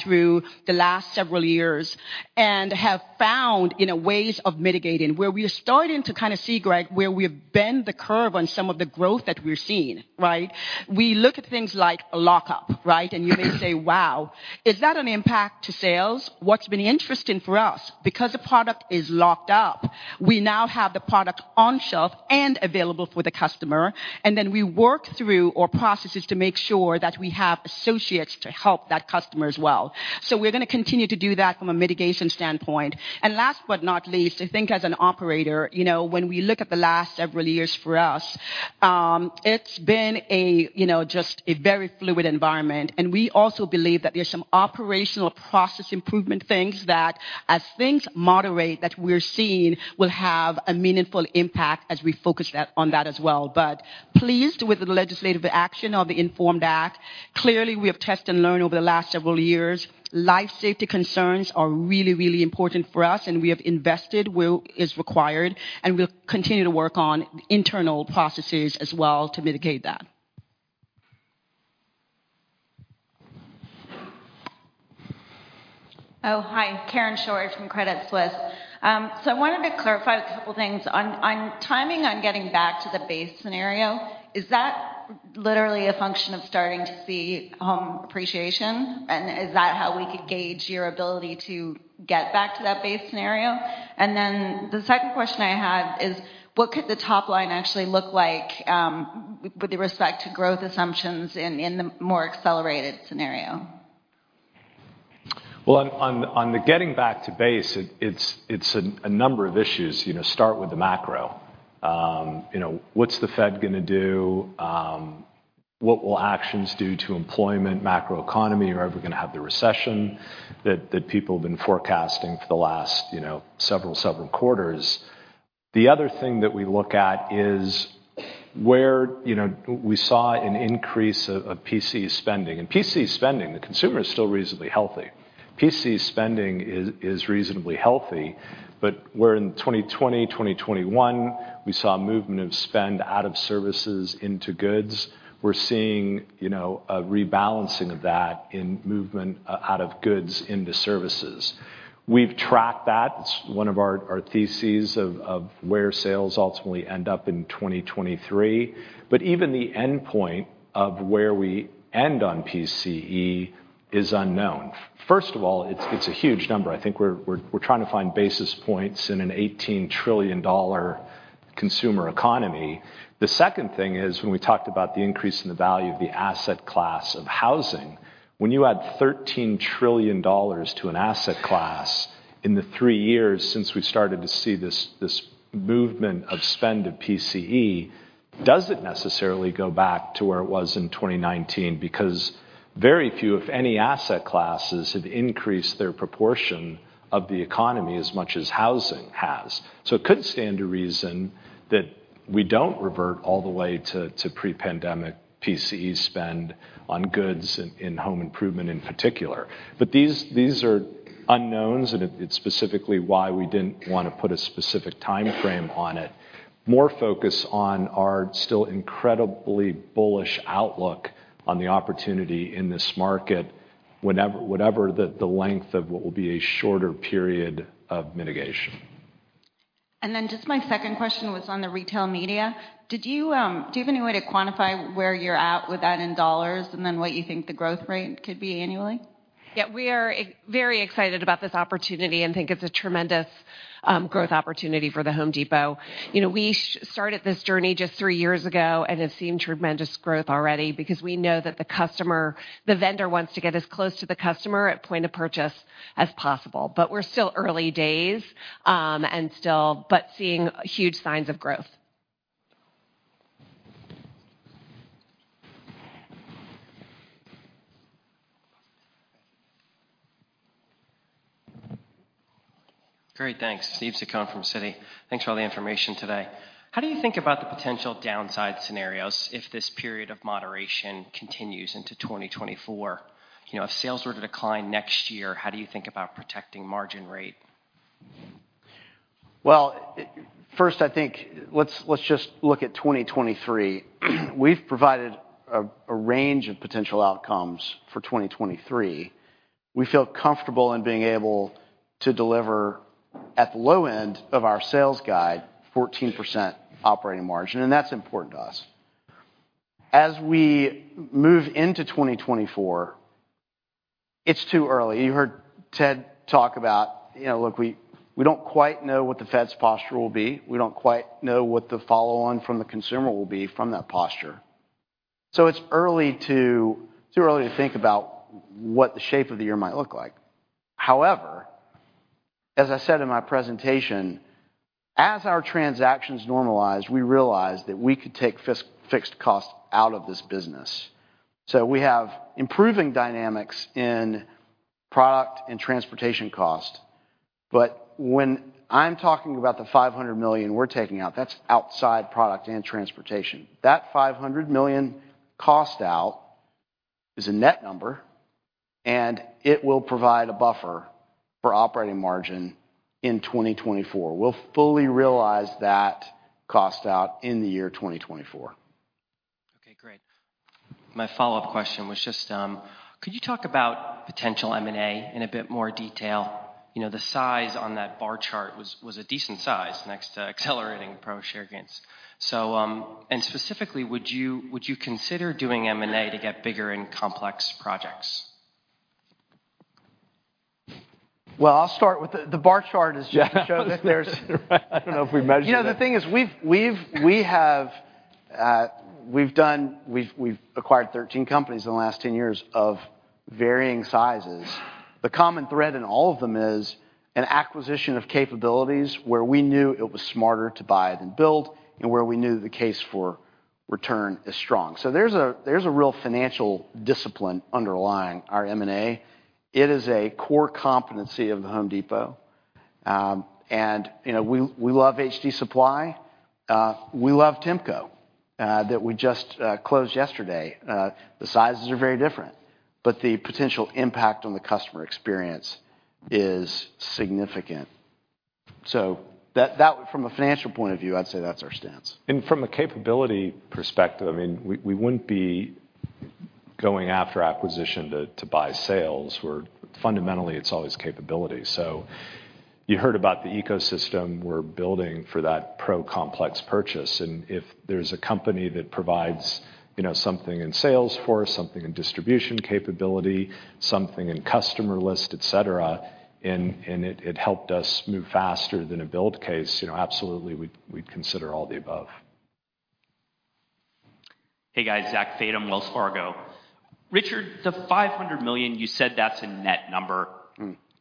through the last several years and have found, you know, ways of mitigating, where we are starting to kind of see, Greg, where we have bent the curve on some of the growth that we're seeing, right? We look at things like lockup, right? You may say, "Wow, is that an impact to sales?" What's been interesting for us, because the product is locked up, we now have the product on shelf and available for the customer, and then we work through our processes to make sure that we have associates to help that customer as well. We're going to continue to do that from a mitigation standpoint. Last but not least, I think as an operator, you know, when we look at the last several years for us, it's been, you know, just a very fluid environment. We also believe that there are some operational process improvement things that, as things moderate, that we're seeing, will have a meaningful impact as we focus on that as well. Pleased with the legislative action of the INFORM Act. Clearly, we have tested and learned over the last several years. Life safety concerns are really, really important for us, and we have invested where is required, and we'll continue to work on internal processes as well to mitigate that.
Oh, hi. Karen Short from Credit Suisse. I wanted to clarify a couple things. On timing on getting back to the base scenario, is that literally a function of starting to see appreciation? Is that how we could gauge your ability to get back to that base scenario? The second question I had is: what could the top line actually look like with respect to growth assumptions in the more accelerated scenario?
Well, on the getting back to base, it's a number of issues, you know, start with the macro. You know, what's the Fed gonna do? What will actions do to employment, macroeconomy? Are we gonna have the recession that people have been forecasting for the last, you know, several quarters? The other thing that we look at is where, you know, we saw an increase of PCE spending. PCE spending, the consumer is still reasonably healthy. PCE spending is reasonably healthy, but where in 2020, 2021, we saw a movement of spend out of services into goods, we're seeing, you know, a rebalancing of that in movement out of goods into services. We've tracked that. It's one of our theses of where sales ultimately end up in 2023. Even the endpoint of where we end on PCE is unknown. First of all, it's a huge number. I think we're trying to find basis points in an $18 trillion consumer economy. The second thing is, when we talked about the increase in the value of the asset class of housing, when you add $13 trillion to an asset class in the 3 years since we started to see this movement of spend of PCE, does it necessarily go back to where it was in 2019? Very few, if any, asset classes have increased their proportion of the economy as much as housing has. It could stand to reason that we don't revert all the way to pre-pandemic PCE spend on goods in home improvement in particular. These are unknowns, and it's specifically why we didn't wanna put a specific timeframe on it. More focus on our still incredibly bullish outlook on the opportunity in this market, whatever the length of what will be a shorter period of mitigation.
Just my second question was on the Retail Media. Did you have any way to quantify where you're at with that in dollars, and then what you think the growth rate could be annually?
Yeah, we are very excited about this opportunity and think it's a tremendous growth opportunity for The Home Depot. You know, we started this journey just three years ago and have seen tremendous growth already because we know that the customer, the vendor wants to get as close to the customer at point of purchase as possible. We're still early days, and still, but seeing huge signs of growth.
Great, thanks. Steven Zaccone from Citi. Thanks for all the information today. How do you think about the potential downside scenarios if this period of moderation continues into 2024? You know, if sales were to decline next year, how do you think about protecting margin rate?
Well, first, I think let's just look at 2023. We've provided a range of potential outcomes for 2023. We feel comfortable in being able to deliver, at the low end of our sales guide, 14% operating margin, and that's important to us. As we move into 2024, it's too early. You heard Ted talk about, you know, look, we don't quite know what the Fed's posture will be. We don't quite know what the follow-on from the consumer will be from that posture. It's too early to think about what the shape of the year might look like. However, as I said in my presentation, as our transactions normalized, we realized that we could take fixed costs out of this business. We have improving dynamics in product and transportation cost, but when I'm talking about the $500 million we're taking out, that's outside product and transportation. That $500 million cost out is a net number, and it will provide a buffer for operating margin in 2024. We'll fully realize that cost out in the year 2024.
Okay, great. My follow-up question was just, could you talk about potential M&A in a bit more detail? You know, the size on that bar chart was a decent size next to accelerating Pro share gains. Specifically, would you consider doing M&A to get bigger in complex projects?
Well, I'll start with the bar chart is.
Yeah.
to show that there's-
I don't know if we measured it.
You know, the thing is, we've acquired 13 companies in the last 10 years of varying sizes. The common thread in all of them is an acquisition of capabilities where we knew it was smarter to buy than build, and where we knew the case for return is strong. There's a real financial discipline underlying our M&A. It is a core competency of The Home Depot. You know, we love HD Supply. We love Temco that we just closed yesterday. The sizes are very different, but the potential impact on the customer experience is significant. That from a financial point of view, I'd say that's our stance.
From a capability perspective, I mean, we wouldn't be going after acquisition to buy sales, where fundamentally, it's always capability. You heard about the ecosystem we're building for that pro complex purchase, and if there's a company that provides, you know, something in sales force, something in distribution capability, something in customer list, et cetera, and it helped us move faster than a build case, you know, absolutely, we'd consider all the above.
Hey, guys, Zachary Fadem, Wells Fargo. Richard, the $500 million, you said that's a net number.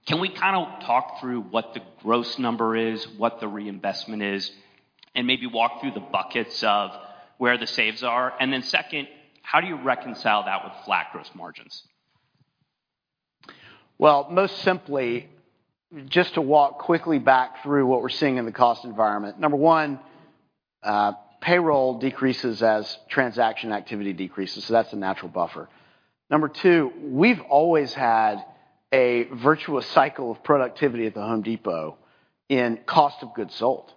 Can we kind of talk through what the gross number is, what the reinvestment is, and maybe walk through the buckets of where the saves are? Second, how do you reconcile that with flat gross margins?
Most simply, just to walk quickly back through what we're seeing in the cost environment. Number one, payroll decreases as transaction activity decreases, so that's a natural buffer. Number two, we've always had a virtuous cycle of productivity at The Home Depot in cost of goods sold.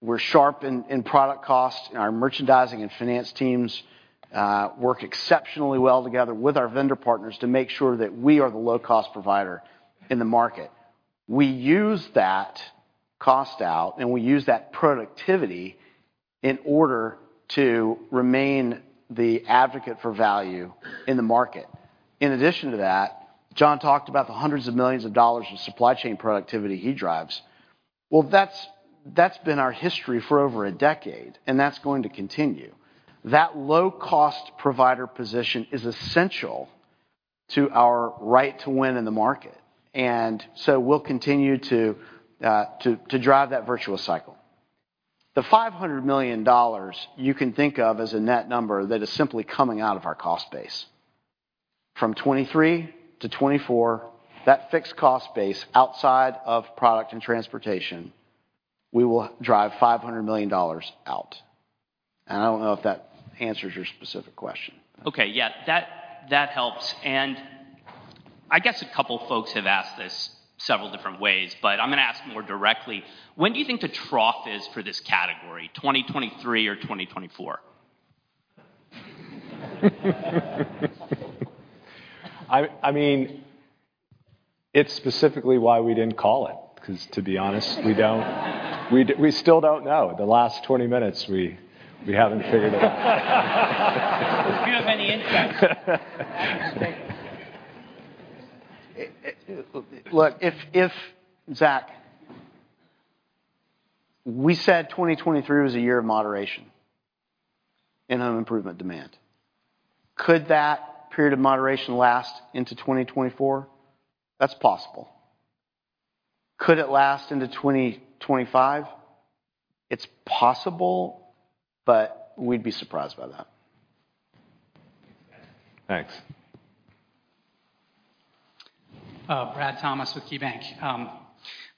We're sharp in product costs, and our merchandising and finance teams work exceptionally well together with our vendor partners to make sure that we are the low-cost provider in the market. We use that cost out, and we use that productivity in order to remain the advocate for value in the market. In addition to that, John talked about the hundreds of millions of dollars in supply chain productivity he drives. That's been our history for over a decade, and that's going to continue. That low-cost provider position is essential to our right to win in the market, we'll continue to drive that virtuous cycle. The $500 million, you can think of as a net number that is simply coming out of our cost base. From 2023 to 2024, that fixed cost base, outside of product and transportation, we will drive $500 million out. I don't know if that answers your specific question.
Okay. Yeah, that helps. I guess a couple folks have asked this several different ways, but I'm gonna ask more directly: When do you think the trough is for this category, 2023 or 2024?
I mean, it's specifically why we didn't call it, because to be honest. We still don't know. The last 20 minutes, we haven't figured it out.
If you have any insights.
Look, if, Zach, we said 2023 was a year of moderation in an improvement demand. Could that period of moderation last into 2024? That's possible. Could it last into 2025? It's possible, but we'd be surprised by that.
Thanks, guys.
Thanks.
Bradley Thomas with KeyBanc.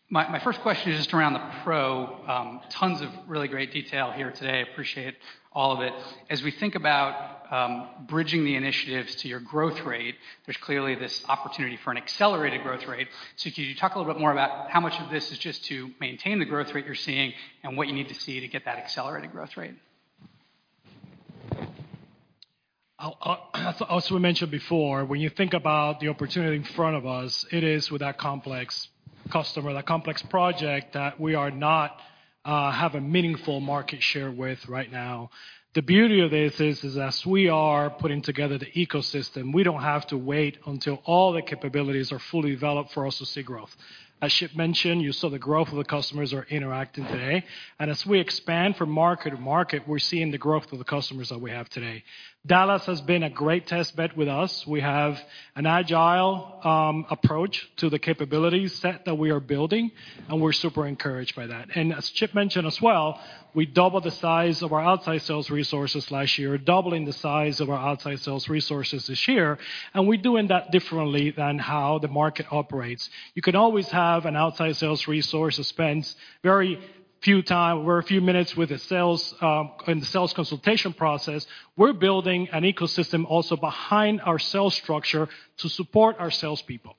My first question is just around the pro. Tons of really great detail here today. Appreciate all of it. As we think about bridging the initiatives to your growth rate, there's clearly this opportunity for an accelerated growth rate. Could you talk a little bit more about how much of this is just to maintain the growth rate you're seeing, and what you need to see to get that accelerated growth rate?
I, as we mentioned before, when you think about the opportunity in front of us, it is with that complex customer, that complex project that we are not have a meaningful market share with right now. The beauty of this is, as we are putting together the ecosystem, we don't have to wait until all the capabilities are fully developed for us to see growth. As Chip mentioned, you saw the growth of the customers are interacting today, and as we expand from market to market, we're seeing the growth of the customers that we have today. Dallas has been a great test bed with us. We have an agile approach to the capability set that we are building, and we're super encouraged by that. As Chip mentioned as well, we doubled the size of our outside sales resources last year, doubling the size of our outside sales resources this year. We're doing that differently than how the market operates. You can always have an outside sales resource that spends very few time or a few minutes with a sales, in the sales consultation process. We're building an ecosystem also behind our sales structure to support our salespeople.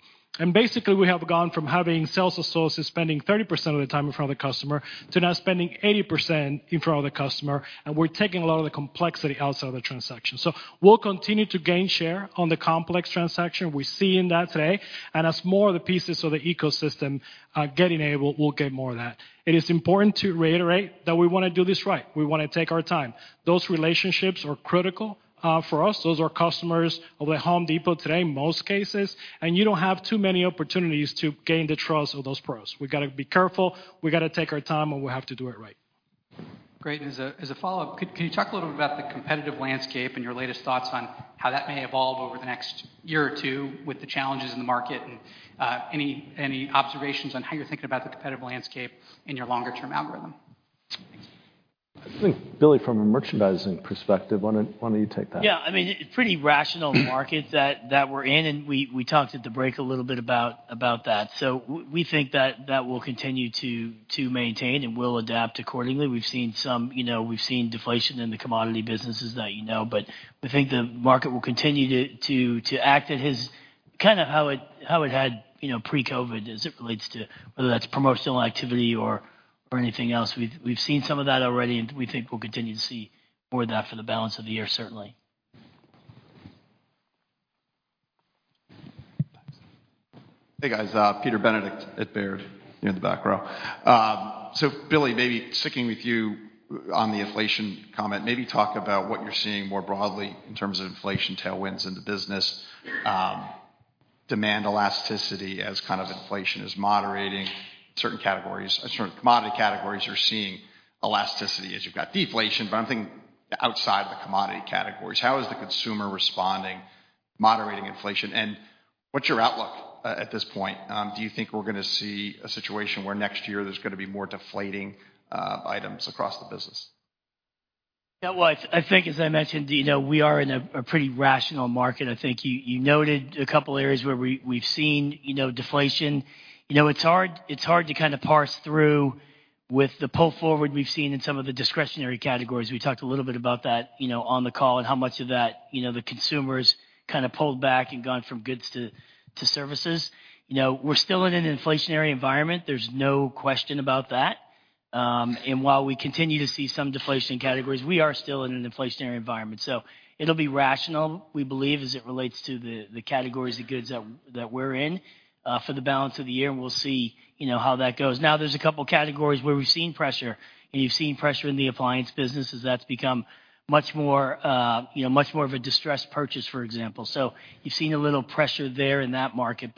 Basically, we have gone from having sales associates spending 30% of the time in front of the customer, to now spending 80% in front of the customer. We're taking a lot of the complexity out of the transaction. We'll continue to gain share on the complex transaction. We're seeing that today, as more of the pieces of the ecosystem get enabled, we'll get more of that. It is important to reiterate that we wanna do this right. We wanna take our time. Those relationships are critical for us. Those are customers of The Home Depot today, in most cases. You don't have too many opportunities to gain the trust of those pros. We've got to be careful, we've got to take our time, and we have to do it right.
Great. As a follow-up, can you talk a little bit about the competitive landscape and your latest thoughts on how that may evolve over the next year or two with the challenges in the market, and any observations on how you're thinking about the competitive landscape in your longer-term algorithm?
I think, Billy, from a merchandising perspective, why don't you take that?
Yeah. I mean, it, pretty rational market that we're in. We talked at the break a little bit about that. We think that will continue to maintain. We'll adapt accordingly. We've seen some. You know, we've seen deflation in the commodity businesses that you know. We think the market will continue to act at his kind of how it had, you know, pre-COVID, as it relates to whether that's promotional activity or anything else. We've seen some of that already. We think we'll continue to see more of that for the balance of the year, certainly.
Thanks.
Hey, guys, Peter Benedict at Baird, in the back row. Billy, maybe sticking with you on the inflation comment, maybe talk about what you're seeing more broadly in terms of inflation tailwinds in the business, demand elasticity as kind of inflation is moderating, certain categories, certain commodity categories are seeing elasticity as you've got deflation. I'm thinking outside the commodity categories, how is the consumer responding, moderating inflation? What's your outlook at this point? Do you think we're gonna see a situation where next year there's gonna be more deflating items across the business?
Well, I think, as I mentioned, you know, we are in a pretty rational market. I think you noted a couple of areas where we've seen, you know, deflation. You know, it's hard to kind of parse through with the pull forward we've seen in some of the discretionary categories. We talked a little bit about that, you know, on the call and how much of that, you know, the consumers kind of pulled back and gone from goods to services. You know, we're still in an inflationary environment. There's no question about that. While we continue to see some deflation categories, we are still in an inflationary environment. It'll be rational, we believe, as it relates to the categories of goods that we're in for the balance of the year, and we'll see, you know, how that goes. There's a couple of categories where we've seen pressure, and you've seen pressure in the appliance business as that's become much more, you know, much more of a distressed purchase, for example. You've seen a little pressure there in that market,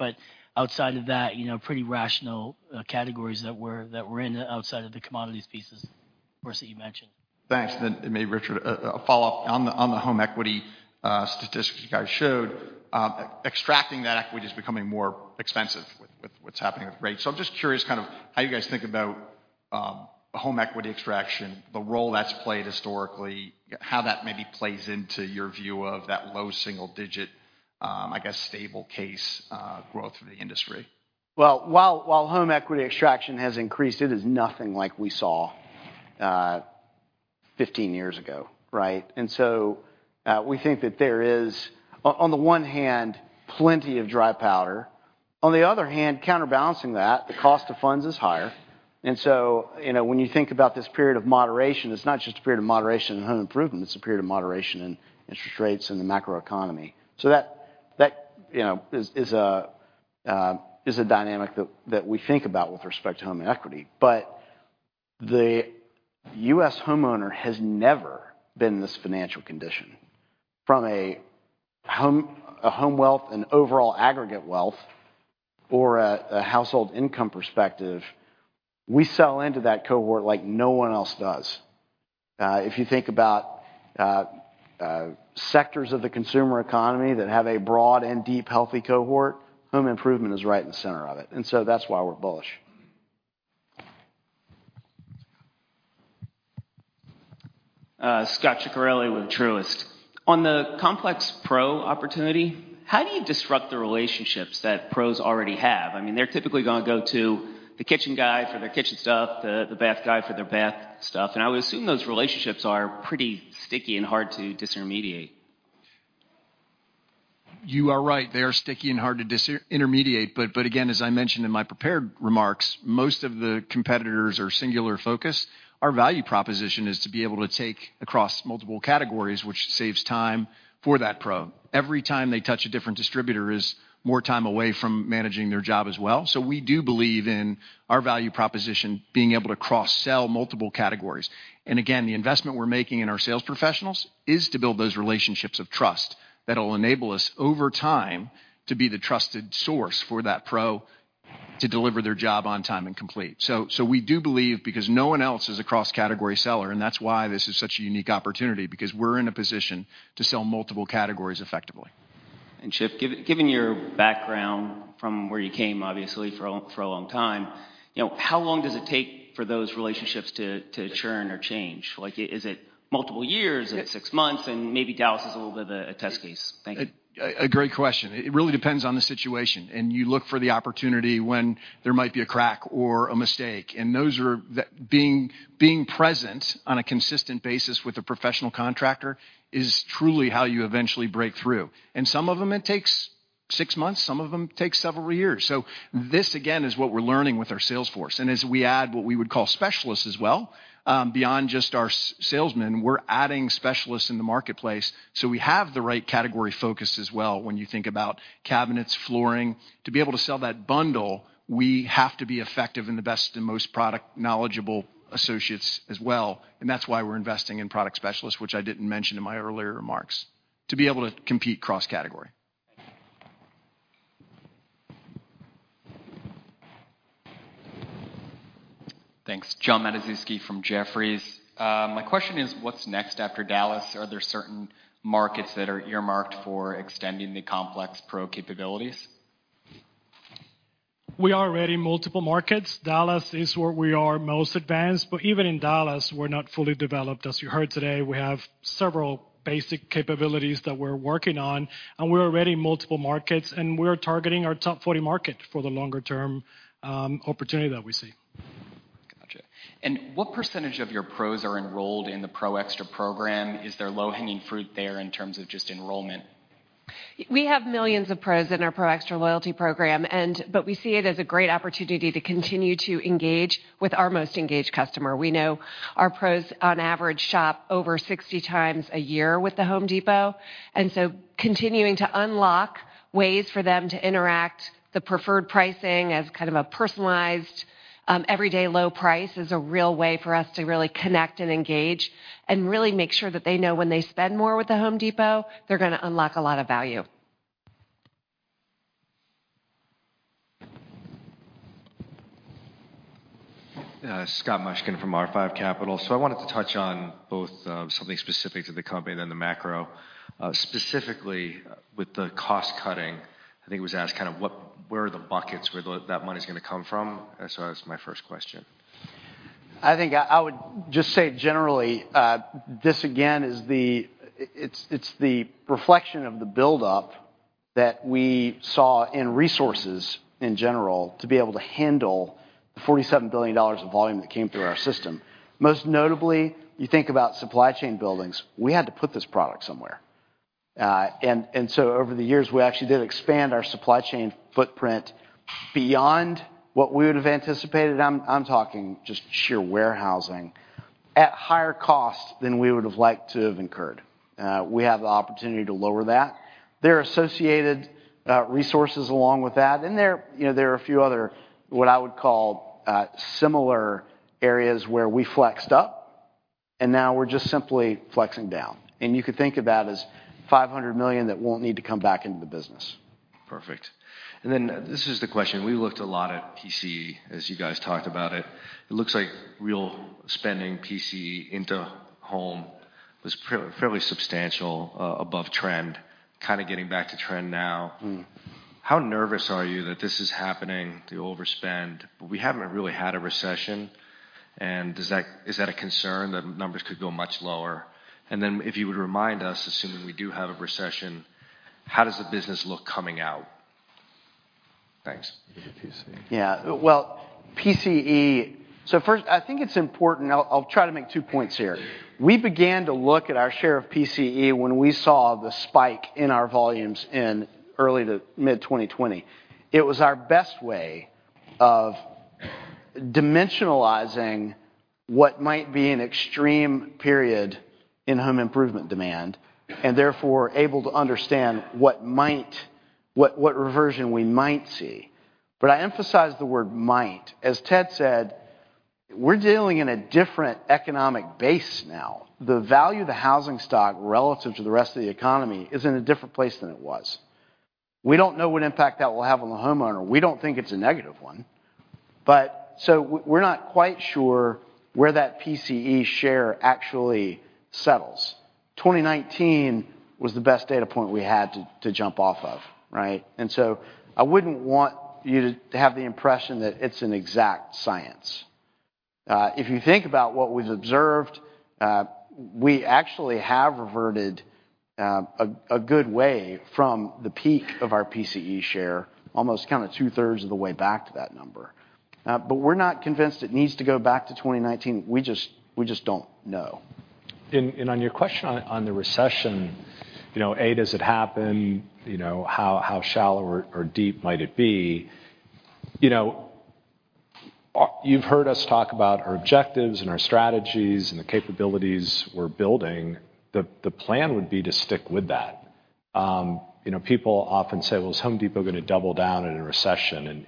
outside of that, you know, pretty rational categories that we're in outside of the commodities pieces, of course, that you mentioned.
Thanks. Maybe, Richard, a follow-up on the home equity statistics you guys showed? Extracting that equity is becoming more expensive with what's happening with rates. I'm just curious kind of how you guys think about home equity extraction, the role that's played historically, how that maybe plays into your view of that low single-digit, I guess, stable case growth for the industry?
Well, while home equity extraction has increased, it is nothing like we saw, 15 years ago, right? We think that there is, on the one hand, plenty of dry powder. On the other hand, counterbalancing that, the cost of funds is higher. You know, when you think about this period of moderation, it's not just a period of moderation and home improvement, it's a period of moderation and interest rates in the macroeconomy. That, you know, is a dynamic that we think about with respect to home equity. The U.S. homeowner has never been in this financial condition. From a home wealth and overall aggregate wealth or a household income perspective, we sell into that cohort like no one else does. If you think about sectors of the consumer economy that have a broad and deep, healthy cohort, home improvement is right in the center of it. That's why we're bullish.
Scot Ciccarelli with Truist. On the complex pro opportunity, how do you disrupt the relationships that pros already have? I mean, they're typically gonna go to the kitchen guy for their kitchen stuff, the bath guy for their bath stuff, I would assume those relationships are pretty sticky and hard to disintermediate.
You are right. They are sticky and hard to disintermediate, but again, as I mentioned in my prepared remarks, most of the competitors are singular focused. Our value proposition is to be able to take across multiple categories, which saves time for that pro. Every time they touch a different distributor is more time away from managing their job as well. We do believe in our value proposition, being able to cross-sell multiple categories. Again, the investment we're making in our sales professionals is to build those relationships of trust that will enable us, over time, to be the trusted source for that pro to deliver their job on time and complete. We do believe, because no one else is a cross-category seller, and that's why this is such a unique opportunity, because we're in a position to sell multiple categories effectively.
Chip, given your background from where you came, obviously, for a long time, you know, how long does it take for those relationships to churn or change? Like, is it multiple years? Is it six months? Maybe Dallas is a little bit of a test case. Thank you.
A great question. It really depends on the situation. You look for the opportunity when there might be a crack or a mistake. Being present on a consistent basis with a professional contractor is truly how you eventually break through. Some of them, it takes 6 months, some of them takes several years. This, again, is what we're learning with our sales force. As we add what we would call specialists as well, beyond just our salesmen, we're adding specialists in the marketplace, so we have the right category focus as well. When you think about cabinets, flooring. To be able to sell that bundle, we have to be effective in the best and most product-knowledgeable associates as well, and that's why we're investing in product specialists, which I didn't mention in my earlier remarks, to be able to compete cross-category.
Thanks.
Thanks. Jonathan Matuszewski from Jefferies. My question is, what's next after Dallas? Are there certain markets that are earmarked for extending the complex pro capabilities?
We are ready, multiple markets. Dallas is where we are most advanced. Even in Dallas, we're not fully developed. As you heard today, we have several basic capabilities that we're working on. We're already in multiple markets. We're targeting our top 40 market for the longer-term opportunity that we see.
Gotcha. What % of your Pros are enrolled in the Pro Xtra program? Is there low-hanging fruit there in terms of just enrollment?
We have millions of pros in our Pro Xtra loyalty program. We see it as a great opportunity to continue to engage with our most engaged customer. We know our pros, on average, shop over 60 times a year with The Home Depot. Continuing to unlock ways for them to interact- the preferred pricing as kind of a personalized, everyday low price is a real way for us to really connect and engage, and really make sure that they know when they spend more with The Home Depot, they're gonna unlock a lot of value.
Scott Mushkin from R5 Capital. I wanted to touch on both, something specific to the company, then the macro. Specifically, with the cost cutting, I think it was asked where are the buckets where that money's gonna come from? That's my first question.
I think I would just say generally, this again, is the reflection of the buildup that we saw in resources in general, to be able to handle the $47 billion of volume that came through our system. Most notably, you think about supply chain buildings, we had to put this product somewhere. Over the years, we actually did expand our supply chain footprint beyond what we would've anticipated. I'm talking just sheer warehousing, at higher costs than we would've liked to have incurred. We have the opportunity to lower that. There are associated resources along with that, and there, you know, there are a few other, what I would call, similar areas where we flexed up, and now we're just simply flexing down. You could think of that as $500 million that won't need to come back into the business.
Perfect. This is the question: We looked a lot at PCE, as you guys talked about it. It looks like real spending, PCE into home, was fairly substantial, above trend, kind of getting back to trend now. How nervous are you that this is happening, the overspend? We haven't really had a recession, is that a concern that numbers could go much lower? If you would remind us, assuming we do have a recession, how does the business look coming out? Thanks.
PCE.
Well, PCE. First, I think it's important. I'll try to make two points here. We began to look at our share of PCE when we saw the spike in our volumes in early to mid-2020. It was our best way of dimensionalizing what might be an extreme period in home improvement demand, and therefore, able to understand what reversion we might see. I emphasize the word might. As Ted said, we're dealing in a different economic base now. The value of the housing stock relative to the rest of the economy is in a different place than it was. We don't know what impact that will have on the homeowner. We don't think it's a negative one, but we're not quite sure where that PCE share actually settles. 2019 was the best data point we had to jump off of, right? I wouldn't want you to have the impression that it's an exact science. If you think about what we've observed, we actually have reverted a good way from the peak of our PCE share, almost kind of 2/3 of the way back to that number. We're not convinced it needs to go back to 2019. We just don't know.
On your question on the recession, you know, A, does it happen? You know, how shallow or deep might it be? You know, you've heard us talk about our objectives and our strategies and the capabilities we're building. The plan would be to stick with that. You know, people often say: Well, is The Home Depot going to double down in a recession?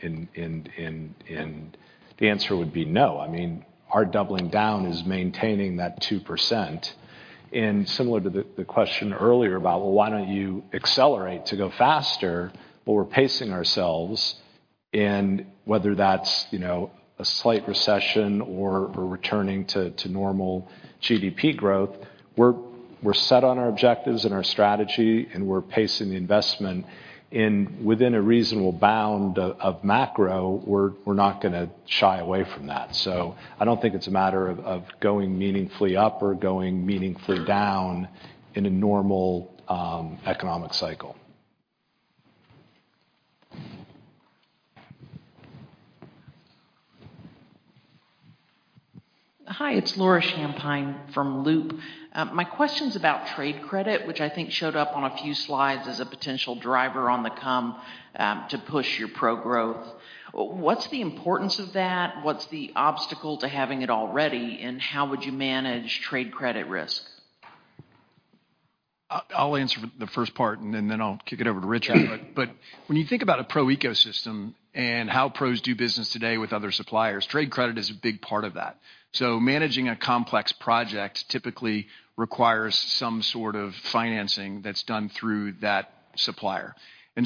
The answer would be no. I mean, our doubling down is maintaining that 2%. Similar to the question earlier about, well, why don't you accelerate to go faster? We're pacing ourselves in whether that's, you know, a slight recession or we're returning to normal GDP growth, we're set on our objectives and our strategy, and we're pacing the investment in within a reasonable bound of macro, we're not gonna shy away from that. I don't think it's a matter of going meaningfully up or going meaningfully down in a normal economic cycle.
Hi, it's Laura Champine from Loop. My question's about trade credit, which I think showed up on a few slides as a potential driver on the come, to push your pro growth. What's the importance of that? What's the obstacle to having it already, and how would you manage trade credit risk?
I'll answer the first part, and then I'll kick it over to Richard. When you think about a pro ecosystem and how pros do business today with other suppliers, trade credit is a big part of that. Managing a complex project typically requires some sort of financing that's done through that supplier.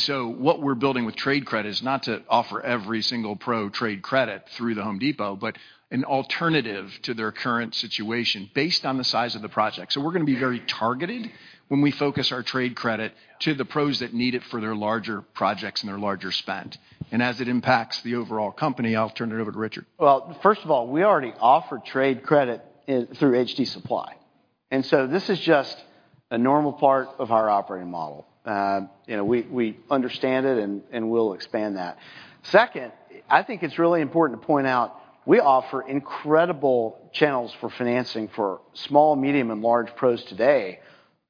What we're building with trade credit is not to offer every single pro trade credit through The Home Depot, but an alternative to their current situation, based on the size of the project. We're gonna be very targeted when we focus our trade credit to the pros that need it for their larger projects and their larger spend. As it impacts the overall company, I'll turn it over to Richard.
Well, first of all, we already offer trade credit through HD Supply, this is just a normal part of our operating model. You know, we understand it, and we'll expand that. Second, I think it's really important to point out, we offer incredible channels for financing for small, medium, and large Pros today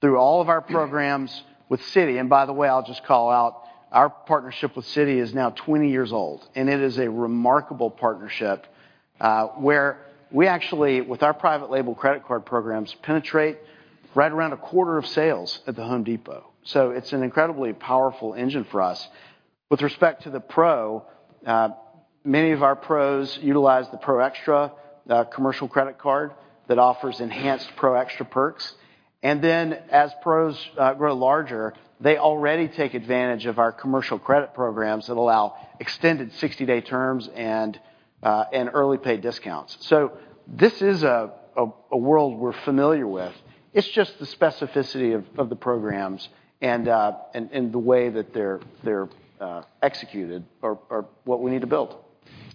through all of our programs with Citi. By the way, I'll just call out, our partnership with Citi is now 20 years old, and it is a remarkable partnership, where we actually, with our private label credit card programs, penetrate right around a quarter of sales at The Home Depot. It's an incredibly powerful engine for us. With respect to the Pro, many of our Pros utilize the Pro Xtra, commercial credit card that offers enhanced Pro Xtra perks. As Pros grow larger, they already take advantage of our commercial credit programs that allow extended 60-day terms and early pay discounts. This is a world we're familiar with. It's just the specificity of the programs and the way that they're executed are what we need to build.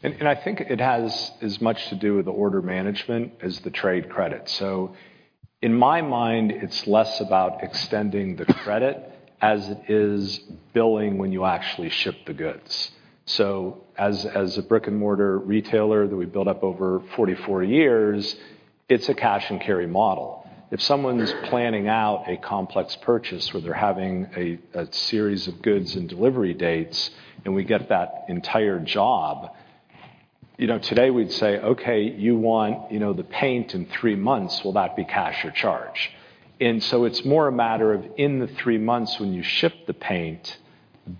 I think it has as much to do with the order management as the trade credit. In my mind, it's less about extending the credit, as it is billing when you actually ship the goods. As a brick-and-mortar retailer that we built up over 44 years, it's a cash-and-carry model. If someone's planning out a complex purchase, where they're having a series of goods and delivery dates, and we get that entire job, you know, today, we'd say: "Okay, you want, you know, the paint in 3 months. Will that be cash or charge?" It's more a matter of in the 3 months when you ship the paint,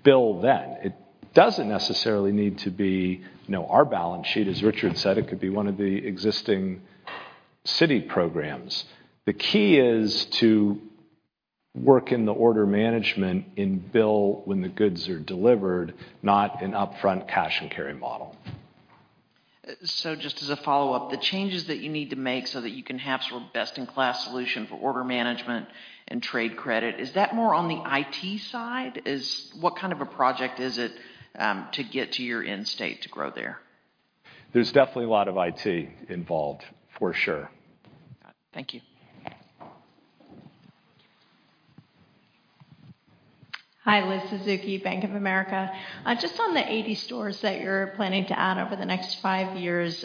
bill then. It doesn't necessarily need to be, you know, our balance sheet, as Richard said, it could be one of the existing Citi programs. The key is to work in the order management and bill when the goods are delivered, not an upfront cash-and-carry model.
Just as a follow-up, the changes that you need to make so that you can have sort of best-in-class solution for order management and trade credit, is that more on the IT side? What kind of a project is it to get to your end state to grow there?
There's definitely a lot of IT involved, for sure.
Thank you.
Hi, Liz Suzuki, Bank of America. Just on the 80 stores that you're planning to add over the next 5 years,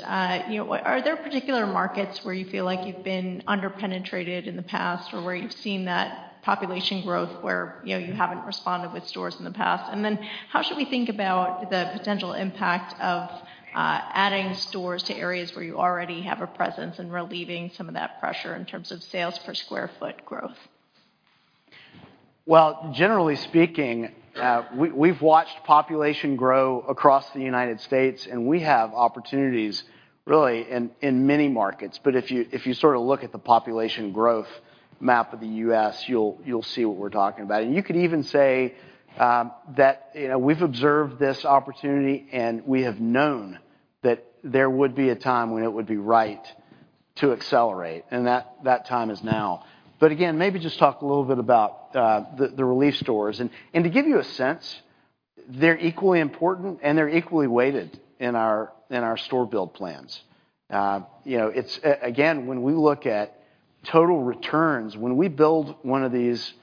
you know, are there particular markets where you feel like you've been under-penetrated in the past or where you've seen that population growth, where, you know, you haven't responded with stores in the past? How should we think about the potential impact of adding stores to areas where you already have a presence and relieving some of that pressure in terms of sales per square foot growth?
Well, generally speaking, we've watched population grow across the United States, and we have opportunities really in many markets. If you sort of look at the population growth map of the U.S., you'll see what we're talking about. You could even say that, you know, we've observed this opportunity, and we have known that there would be a time when it would be right to accelerate, and that time is now. Again, maybe just talk a little bit about the relief stores. To give you a sense, they're equally important, and they're equally weighted in our store build plans. you know, again, when we look at total returns, when we build one of these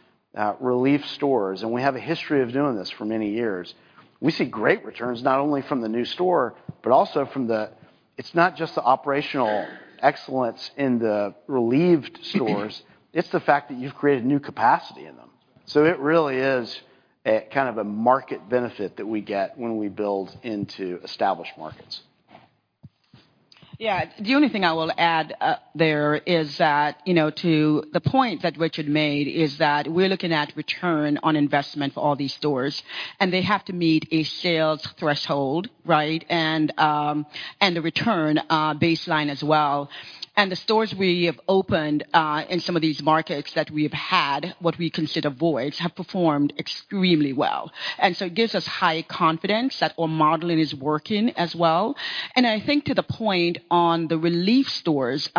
relief stores, and we have a history of doing this for many years, we see great returns, not only from the new store, but also It's not just the operational excellence in the relieved stores, it's the fact that you've created new capacity in them. It really is a kind of a market benefit that we get when we build into established markets.
The only thing I will add there is that, you know, to the point that Richard made, is that we're looking at return on investment for all these stores, and they have to meet a sales threshold, right? A return baseline as well. The stores we have opened in some of these markets that we have had, what we consider voids, have performed extremely well. It gives us high confidence that our modeling is working as well. I think to the point on the relief stores,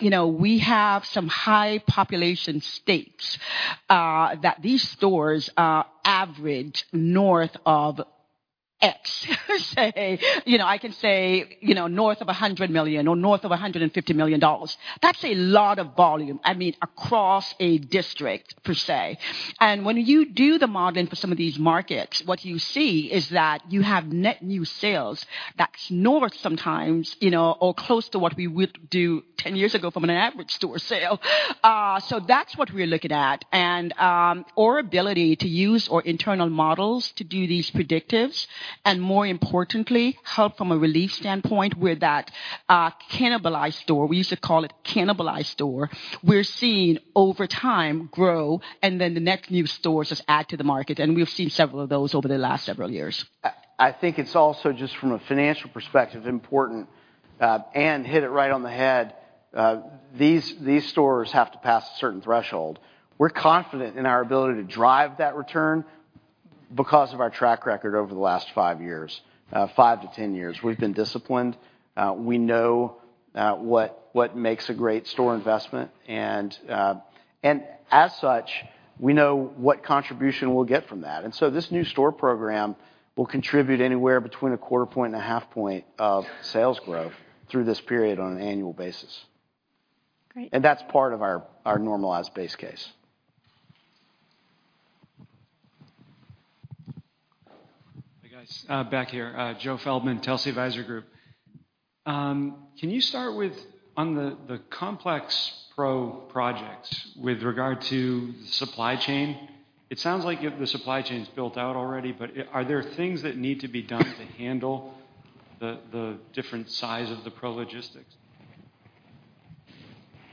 you know, we have some high population states that these stores average north of X, say, you know, I can say, you know, north of $100 million or north of $150 million. That's a lot of volume, I mean, across a district, per se. When you do the modeling for some of these markets, what you see is that you have net new sales that's north sometimes, you know, or close to what we would do 10 years ago from an average store sale. That's what we're looking at. Our ability to use our internal models to do these predictives, and more importantly, help from a relief standpoint, where that cannibalized store, we used to call it cannibalized store, we're seeing over time grow, and then the net new stores just add to the market, and we've seen several of those over the last several years.
I think it's also, just from a financial perspective, important, Anne hit it right on the head. These stores have to pass a certain threshold. We're confident in our ability to drive that return because of our track record over the last 5 years, 5 to 10 years. We've been disciplined. We know what makes a great store investment, and as such, we know what contribution we'll get from that. This new store program will contribute anywhere between a quarter point and a half point of sales growth through this period on an annual basis.
Great.
That's part of our normalized base case.
Hi, guys, back here, Joe Feldman, Telsey Advisory Group. Can you start with, on the complex Pro projects with regard to supply chain, it sounds like you have the supply chain is built out already, but are there things that need to be done to handle the different size of the Pro logistics?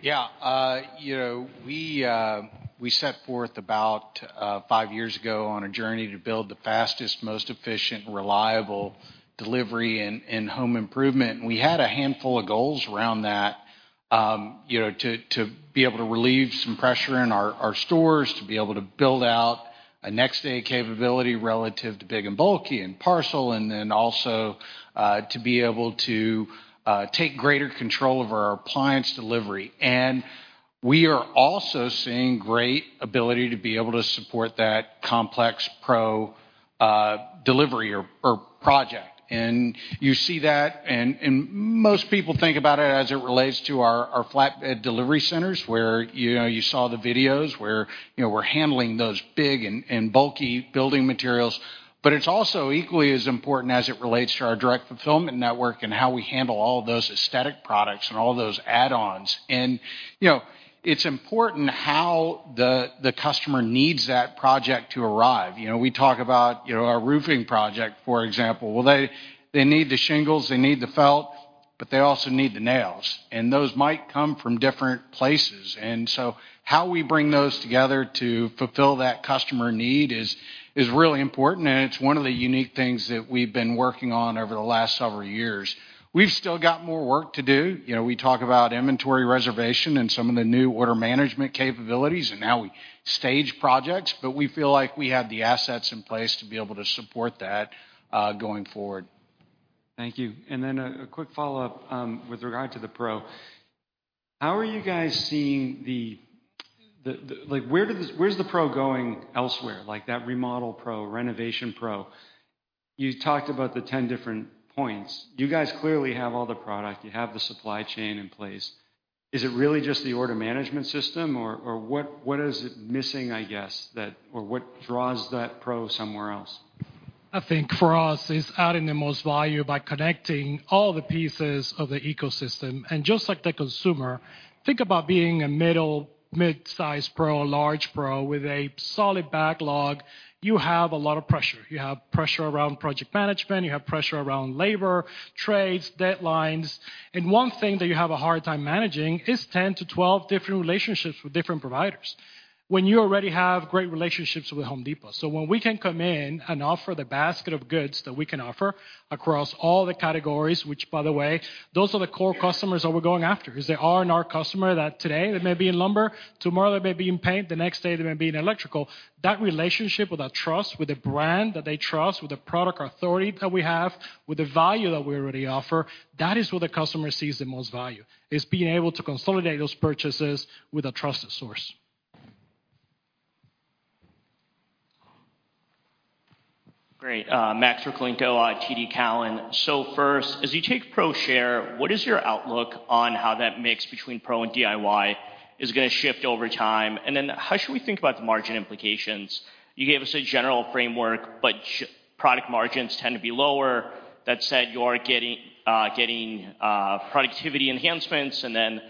Yeah, you know, we set forth about 5 years ago on a journey to build the fastest, most efficient, reliable delivery in home improvement. We had a handful of goals around that, you know, to be able to relieve some pressure in our stores, to be able to build out a next-day capability relative to big and bulky and parcel, and then also to be able to take greater control over our appliance delivery. We are also seeing great ability to be able to support that complex Pro delivery or project. You see that, and most people think about it as it relates to our Flatbed Delivery Center, where, you know, you saw the videos where, you know, we're handling those big and bulky building materials. It's also equally as important as it relates to our direct fulfillment network and how we handle all of those aesthetic products and all those add-ons. You know, it's important how the customer needs that project to arrive. You know, we talk about, you know, our roofing project, for example. Well, they need the shingles, they need the felt, but they also need the nails, and those might come from different places. How we bring those together to fulfill that customer need is really important, and it's one of the unique things that we've been working on over the last several years. We've still got more work to do. You know, we talk about inventory reservation and some of the new Order Management capabilities, and how we stage projects, but we feel like we have the assets in place to be able to support that, going forward.
Thank you. A quick follow-up, with regard to the Pro. How are you guys seeing, like, where's the Pro going elsewhere, like that remodel Pro, renovation Pro? You talked about the 10 different points. You guys clearly have all the product, you have the supply chain in place. Is it really just the order management system, or what is it missing, I guess, that draws that Pro somewhere else?
I think for us, it's adding the most value by connecting all the pieces of the ecosystem. Just like the consumer, think about being a middle, mid-sized pro, a large pro with a solid backlog. You have a lot of pressure. You have pressure around project management, you have pressure around labor, trades, deadlines, and one thing that you have a hard time managing is 10-12 different relationships with different providers, when you already have great relationships with The Home Depot. When we can come in and offer the basket of goods that we can offer across all the categories, which, by the way, those are the core customers that we're going after. They are our customer, that today they may be in lumber, tomorrow they may be in paint, the next day they may be in electrical. That relationship with that trust, with the brand that they trust, with the product authority that we have, with the value that we already offer, that is where the customer sees the most value, is being able to consolidate those purchases with a trusted source.
Great. Max Rakhlenko, TD Cowen. First, as you take pro share, what is your outlook on how that mix between pro and DIY is gonna shift over time? How should we think about the margin implications? You gave us a general framework, but product margins tend to be lower. That said, you are getting productivity enhancements, and then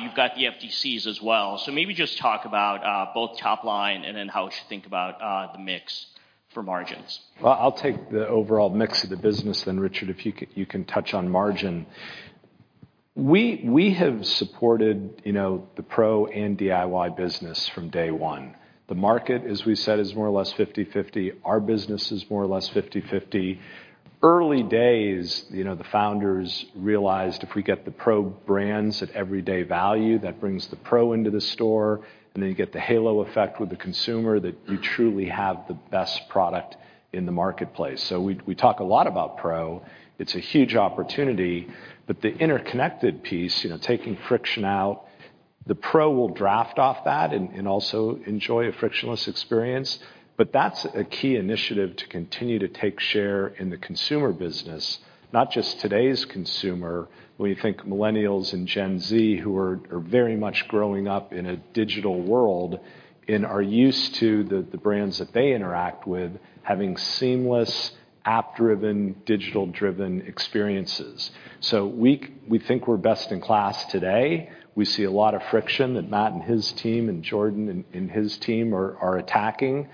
you've got the FDCs as well. Maybe just talk about both top line and then how we should think about the mix for margins.
Well, I'll take the overall mix of the business, then Richard, if you can touch on margin. We have supported, you know, the Pro and DIY business from day one. The market, as we said, is more or less 50/50. Our business is more or less 50/50. Early days, you know, the founders realized if we get the Pro brands at everyday value, that brings the Pro into the store, and then you get the halo effect with the consumer, that you truly have the best product in the marketplace. We talk a lot about Pro. It's a huge opportunity, but the interconnected piece, you know, taking friction out, the Pro will draft off that and also enjoy a frictionless experience. That's a key initiative to continue to take share in the consumer business, not just today's consumer. When you think millennials and Gen Z, who are very much growing up in a digital world and are used to the brands that they interact with, having seamless, app-driven, digital-driven experiences. We think we're best in class today. We see a lot of friction that Matt and his team, and Jordan and his team are attacking.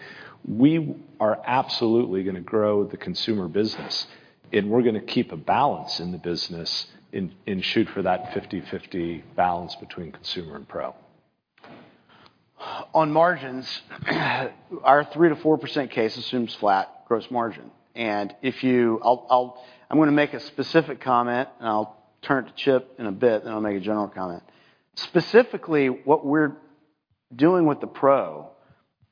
We are absolutely gonna grow the consumer business, and we're gonna keep a balance in the business and shoot for that 50-50 balance between consumer and pro.
On margins, our 3 to 4% case assumes flat gross margin. I'll, I'm gonna make a specific comment, and I'll turn it to Chip in a bit, then I'll make a general comment. Specifically, what we're doing with the Pro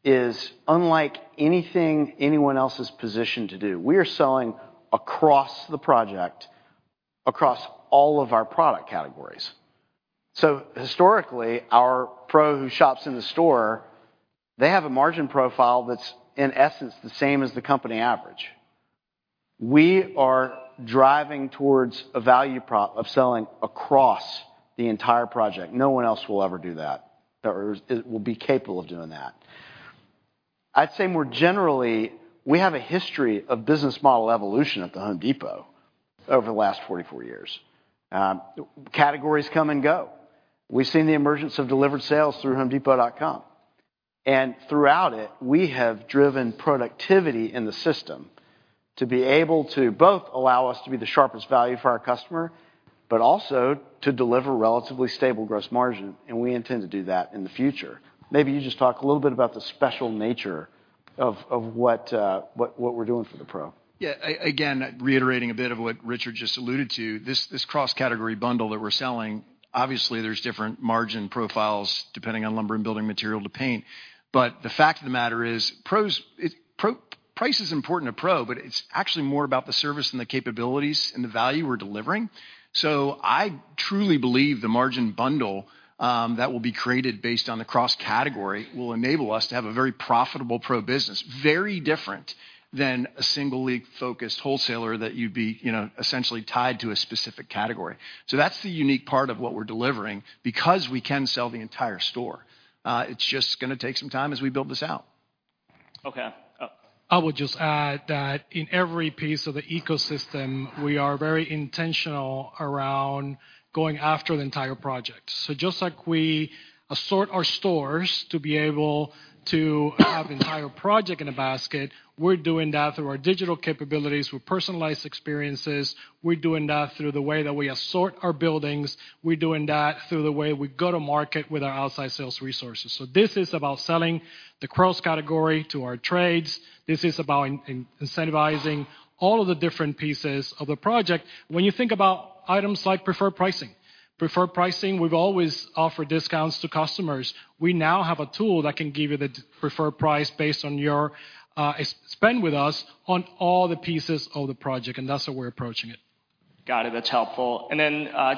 is unlike anything anyone else is positioned to do. We are selling across the project, across all of our product categories. Historically, our Pro who shops in the store, they have a margin profile that's, in essence, the same as the company average. We are driving towards a value prop of selling across the entire project. No one else will ever do that or will be capable of doing that. I'd say more generally, we have a history of business model evolution at The Home Depot over the last 44 years. Categories come and go. We've seen the emergence of delivered sales through homedepot.com. Throughout it, we have driven productivity in the system to be able to both allow us to be the sharpest value for our customer, but also to deliver relatively stable gross margin. We intend to do that in the future. Maybe you just talk a little bit about the special nature of what we're doing for the Pro? Yeah, again, reiterating a bit of what Richard just alluded to, this cross-category bundle that we're selling, obviously, there's different margin profiles depending on lumber and building material to paint. The fact of the matter is, pros, price is important to Pro, but it's actually more about the service and the capabilities and the value we're delivering. I truly believe the margin bundle that will be created based on the cross-category, will enable us to have a very profitable Pro business, very different than a single league-focused wholesaler that you'd be, you know, essentially tied to a specific category. That's the unique part of what we're delivering because we can sell the entire store. It's just going to take some time as we build this out.
Okay.
I would just add that in every piece of the ecosystem, we are very intentional around going after the entire project. Just like we assort our stores to be able to have the entire project in a basket, we're doing that through our digital capabilities, with personalized experiences, we're doing that through the way that we assort our buildings, we're doing that through the way we go to market with our Outside Sales resources. This is about selling the cross-category to our Trades. This is about incentivizing all of the different pieces of the project. When you think about items like preferred pricing. Preferred pricing, we've always offered discounts to customers. We now have a tool that can give you the preferred price based on your spend with us on all the pieces of the project, and that's how we're approaching it.
Got it, that's helpful.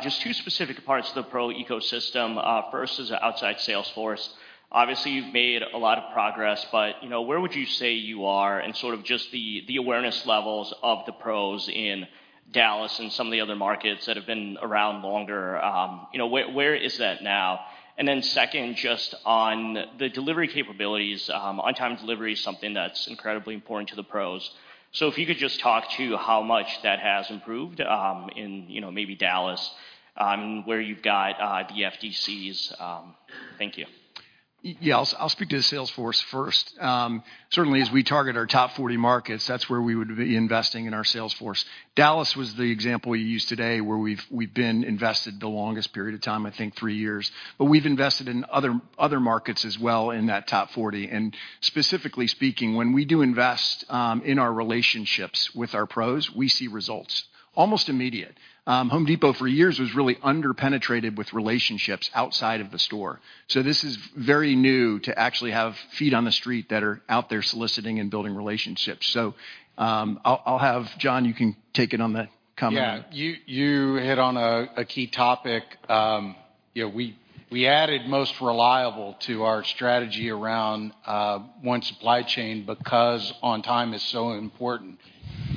Just two specific parts of the Pro ecosystem. First is the outside sales force. Obviously, you know, you've made a lot of progress, but, you know, where would you say you are in sort of just the awareness levels of the pros in Dallas and some of the other markets that have been around longer, you know, where is that now? Second, just on the delivery capabilities, on-time delivery is something that's incredibly important to the pros. If you could just talk to how much that has improved, in, you know, maybe Dallas, where you've got, the FDCs? Thank you.
Yeah, I'll speak to the sales force first. Certainly, as we target our top 40 markets, that's where we would be investing in our sales force. Dallas was the example you used today, where we've been invested the longest period of time, I think 3 years. We've invested in other markets as well in that top 40. Specifically speaking, when we do invest in our relationships with our pros, we see results, almost immediate. The Home Depot, for years, was really under-penetrated with relationships outside of the store. This is very new to actually have feet on the street that are out there soliciting and building relationships. I'll have John, you can take it on the comment.
Yeah. You hit on a key topic. You know, we added most reliable to our strategy around one supply chain, because on time is so important.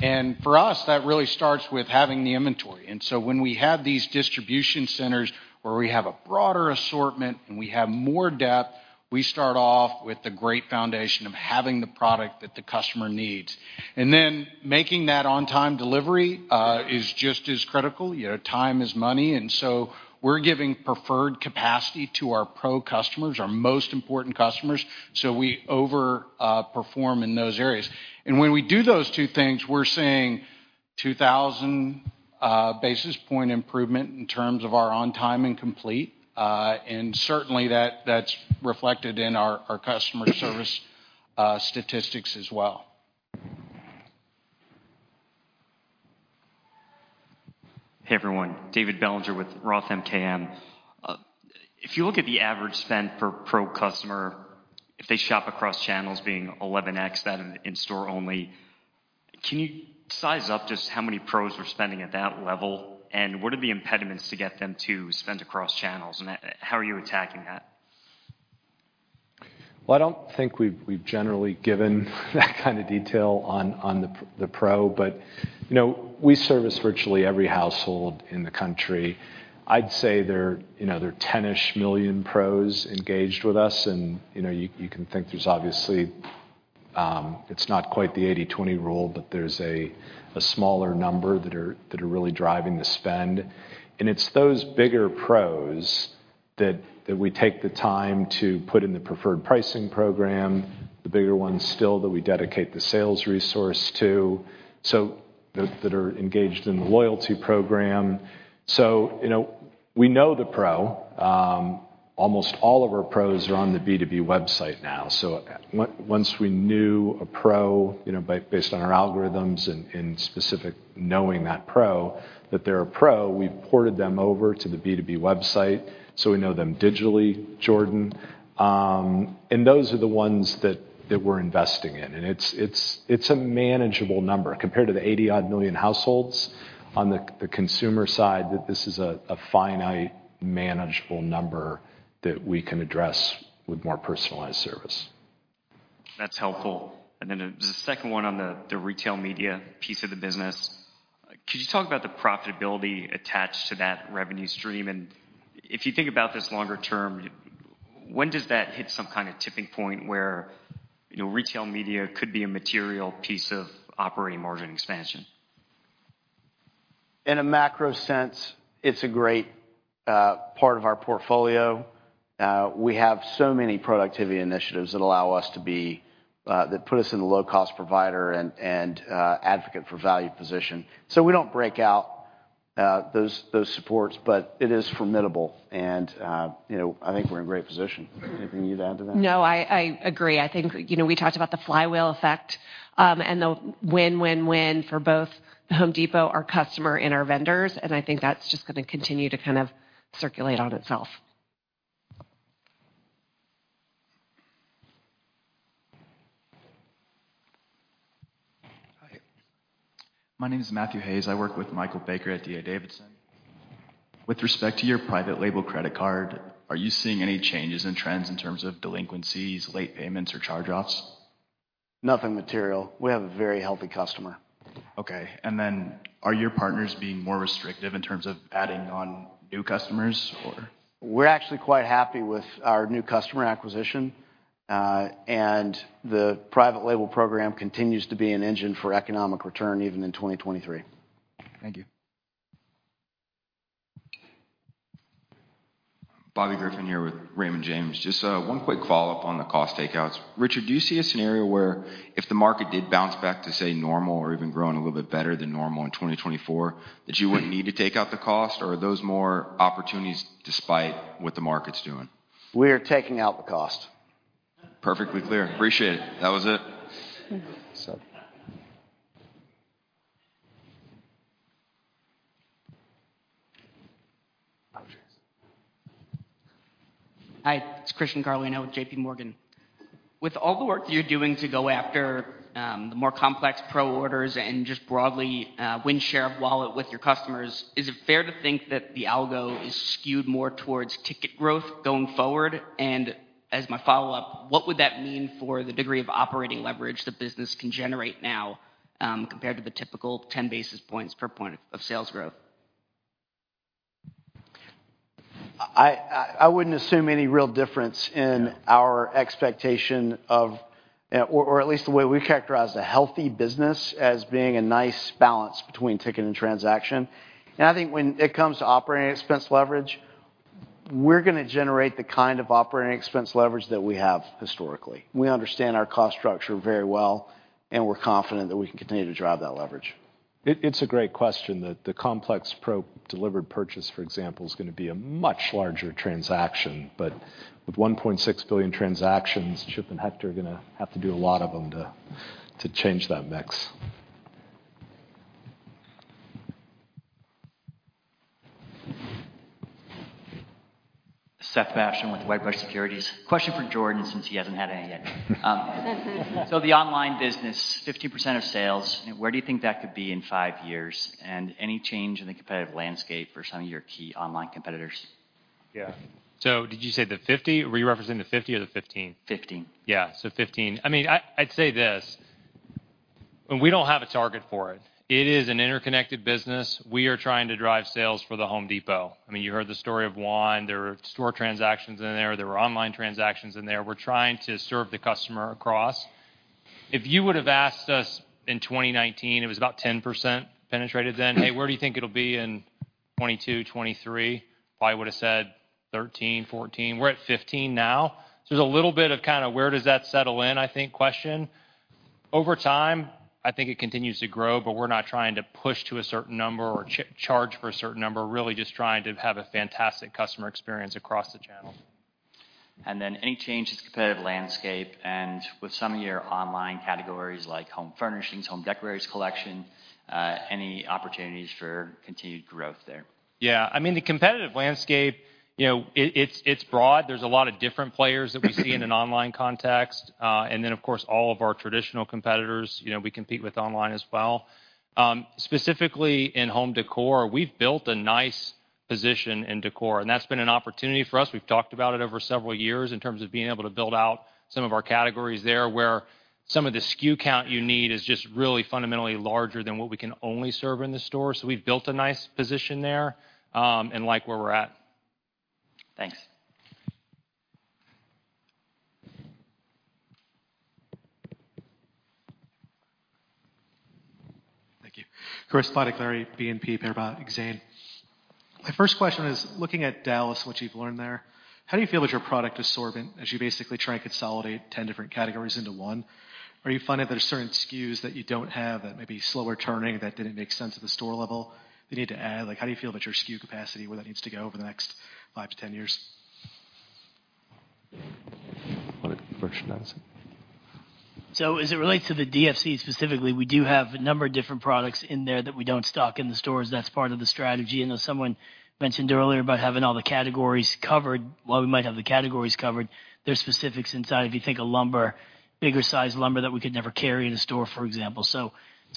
For us, that really starts with having the inventory. When we have these distribution centers where we have a broader assortment and we have more depth, we start off with the great foundation of having the product that the customer needs. Making that on-time delivery is just as critical. You know, time is money, we're giving preferred capacity to our Pro customers, our most important customers, so we over perform in those areas. When we do those two things, we're seeing 2,000 basis point improvement in terms of our on time and complete, and certainly, that's reflected in our customer service statistics as well.
Hey, everyone. David Bellinger with Roth MKM. If you look at the average spend per pro customer, if they shop across channels being 11x, that in store only, can you size up just how many pros are spending at that level? What are the impediments to get them to spend across channels, and how are you attacking that?
I don't think we've generally given that kind of detail on the pro, but, you know, we service virtually every household in the country. I'd say there are, you know, there are 10-ish million pros engaged with us, and, you know, you can think there's obviously, it's not quite the 80/20 rule, but there's a smaller number that are really driving the spend. It's those bigger pros that we take the time to put in the preferred pricing program, the bigger ones still, that we dedicate the sales resource to, that are engaged in the loyalty program. You know, we know the pro, almost all of our pros are on the B2B website now. Once we knew a pro, you know, based on our algorithms and specific knowing that pro, that they're a pro, we ported them over to the B2B website. We know them digitally, Jordan. Those are the ones that we're investing in. It's a manageable number. Compared to the 80 odd million households on the consumer side, that this is a finite, manageable number that we can address with more personalized service.
That's helpful. Then there's a second one on the Retail Media piece of the business. Could you talk about the profitability attached to that revenue stream? If you think about this longer term, when does that hit some kind of tipping point where, you know, Retail Media could be a material piece of operating margin expansion?
In a macro sense, it's a great, part of our portfolio. We have so many productivity initiatives that allow us to be, that put us in a low-cost provider and, advocate for value position. We don't break out, those supports, but it is formidable, and, you know, I think we're in a great position. Anything you'd add to that?
No, I agree. I think, you know, we talked about the flywheel effect, and the win-win-win for both The Home Depot, our customer, and our vendors, and I think that's just gonna continue to kind of circulate on itself.
Hi. My name is Matthew Hayes. I work with Michael Baker at D.A. Davidson. With respect to your private label credit card, are you seeing any changes in trends in terms of delinquencies, late payments, or charge-offs? Nothing material. We have a very healthy customer. Okay, are your partners being more restrictive in terms of adding on new customers, or?
We're actually quite happy with our new customer acquisition. The private label program continues to be an engine for economic return, even in 2023.
Thank you.
Bobby Griffin here with Raymond James. Just one quick follow-up on the cost takeouts. Richard, do you see a scenario where if the market did bounce back to, say, normal or even growing a little bit better than normal in 2024, that you wouldn't need to take out the cost? Or are those more opportunities despite what the market's doing?
We are taking out the cost.
Perfectly clear. Appreciate it. That was it.
So-
Hi, it's Christopher Horvers with J.P. Morgan. With all the work that you're doing to go after, the more complex Pro orders and just broadly, win share of wallet with your customers, is it fair to think that the algo is skewed more towards ticket growth going forward? As my follow-up, what would that mean for the degree of operating leverage the business can generate now, compared to the typical 10 basis points per point of sales growth?
I wouldn't assume any real difference.
Yeah
our expectation of, or at least the way we characterize a healthy business as being a nice balance between ticket and transaction. I think when it comes to operating expense leverage, we're gonna generate the kind of operating expense leverage that we have historically. We understand our cost structure very well, and we're confident that we can continue to drive that leverage.
It's a great question, that the complex pro delivered purchase, for example, is going to be a much larger transaction, but with 1.6 billion transactions, Chip and Hector are going to have to do a lot of them to change that mix.
Seth Basham with Wedbush Securities. Question for Jordan, since he hasn't had any yet. The online business, 15% of sales, where do you think that could be in five years? Any change in the competitive landscape for some of your key online competitors?
Yeah. Did you say the 50? Were you referencing the 50 or the 15?
Fifteen.
Yeah, 15. I mean, I'd say this: When we don't have a target for it is an interconnected business. We are trying to drive sales for The Home Depot. I mean, you heard the story of Juan. There were store transactions in there. There were online transactions in there. We're trying to serve the customer across. If you would've asked us in 2019, it was about 10% penetrated then, "Hey, where do you think it'll be in 2022, 2023?" Probably would've said, 13, 14. We're at 15 now, there's a little bit of kind of where does that settle in, I think, question. Over time, I think it continues to grow, we're not trying to push to a certain number or charge for a certain number. Really just trying to have a fantastic customer experience across the channel.
Any change to the competitive landscape and with some of your online categories like home furnishings, Home Decorators Collection, any opportunities for continued growth there?
I mean, the competitive landscape, you know, it's broad. There's a lot of different players that we see- in an online context. Then, of course, all of our traditional competitors, you know, we compete with online as well. Specifically in home decor, we've built a nice position in decor, and that's been an opportunity for us. We've talked about it over several years in terms of being able to build out some of our categories there, where some of the SKU count you need is just really fundamentally larger than what we can only serve in the store. We've built a nice position there, and like where we're at.
Thanks.
Thank you. Chris Licari, BNP Paribas Exane. My first question is, looking at Dallas, what you've learned there, how do you feel about your product assortment as you basically try and consolidate 10 different categories into one? Are you finding that there's certain SKUs that you don't have, that may be slower turning, that didn't make sense at the store level, you need to add? Like, how do you feel about your SKU capacity, where that needs to go over the next 5 to 10 years?
Want it, merchandising.
As it relates to the DFC specifically, we do have a number of different products in there that we don't stock in the stores. That's part of the strategy. I know someone mentioned earlier about having all the categories covered. While we might have the categories covered, there's specifics inside. If you think of lumber, bigger-sized lumber that we could never carry in a store, for example.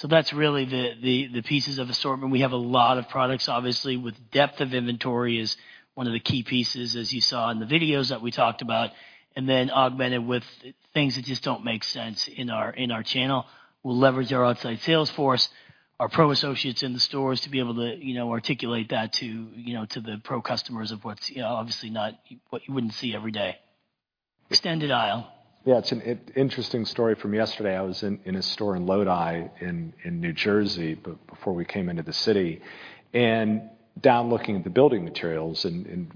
That's really the pieces of assortment. We have a lot of products, obviously, with depth of inventory is one of the key pieces, as you saw in the videos that we talked about, and then augmented with things that just don't make sense in our channel. We'll leverage our outside sales force, our pro associates in the stores to be able to, you know, articulate that to, you know, to the pro customers of what's, you know, obviously what you wouldn't see every day.
extended aisle?
Yeah, it's an interesting story from yesterday. I was in a store in Lodi, in New Jersey, before we came into the city, and down looking at the building materials.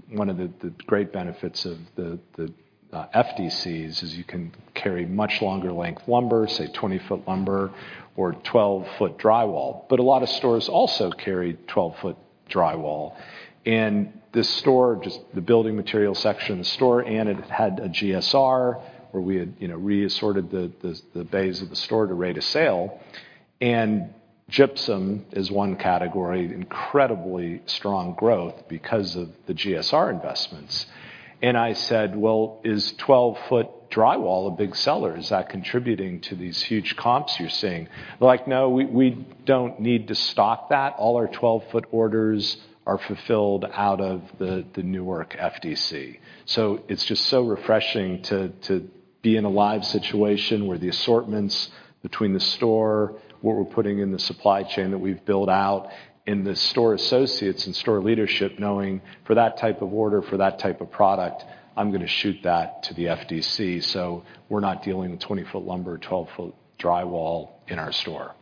One of the great benefits of the FDCs is you can carry much longer length lumber, say, 20-foot lumber or 12-foot drywall. A lot of stores also carry 12-foot drywall. This store, just the building material section of the store, and it had a GSR, where we had, you know, re-assorted the bays of the store to rate a sale. Gypsum is one category, incredibly strong growth because of the GSR investments. I said, "Well, is 12-foot drywall a big seller? Is that contributing to these huge comps you're seeing?" They're like: No, we don't need to stock that. All our 12-foot orders are fulfilled out of the Newark FDC. It's just so refreshing to be in a live situation where the assortments between the store, what we're putting in the supply chain that we've built out, and the store associates and store leadership knowing for that type of order, for that type of product, I'm gonna shoot that to the FDC. We're not dealing with 20-foot lumber or 12-foot drywall in our store.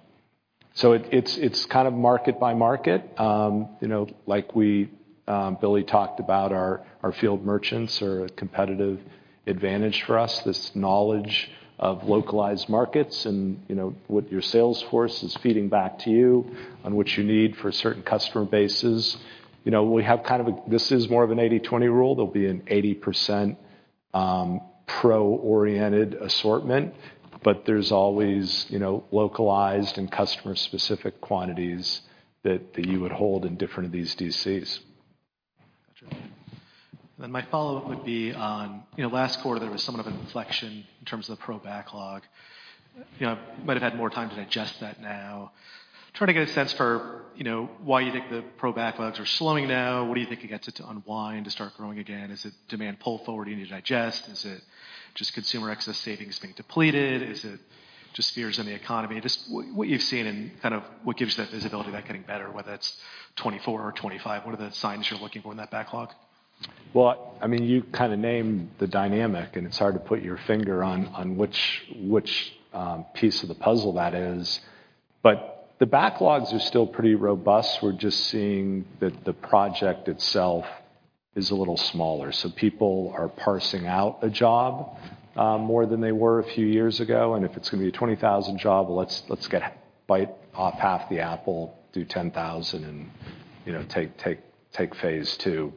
It's kind of market by market. You know, like we, Billy talked about our field merchants are a competitive advantage for us, this knowledge of localized markets and, you know, what your sales force is feeding back to you on what you need for certain customer bases. You know, we have kind of this is more of an 80/20 rule. There'll be an 80%, pro-oriented assortment, but there's always, you know, localized and customer-specific quantities that you would hold in different of these DCs.
Gotcha. My follow-up would be on, you know, last quarter, there was somewhat of an inflection in terms of the Pro backlog. You know, might have had more time to digest that now. Trying to get a sense for, you know, why you think the Pro backlogs are slowing now. What do you think it gets it to unwind, to start growing again? Is it demand pull forward you need to digest? Is it just consumer excess savings being depleted? Is it just fears in the economy? Just what you've seen and kind of what gives you that visibility of that getting better, whether that's 2024 or 2025, what are the signs you're looking for in that backlog?
Well, I mean, you kinda named the dynamic, and it's hard to put your finger on which piece of the puzzle that is. The backlogs are still pretty robust. We're just seeing that the project itself is a little smaller. People are parsing out a job more than they were a few years ago, and if it's gonna be a $20,000 job, well, let's bite off half the apple, do $10,000 and, you know, take phase two.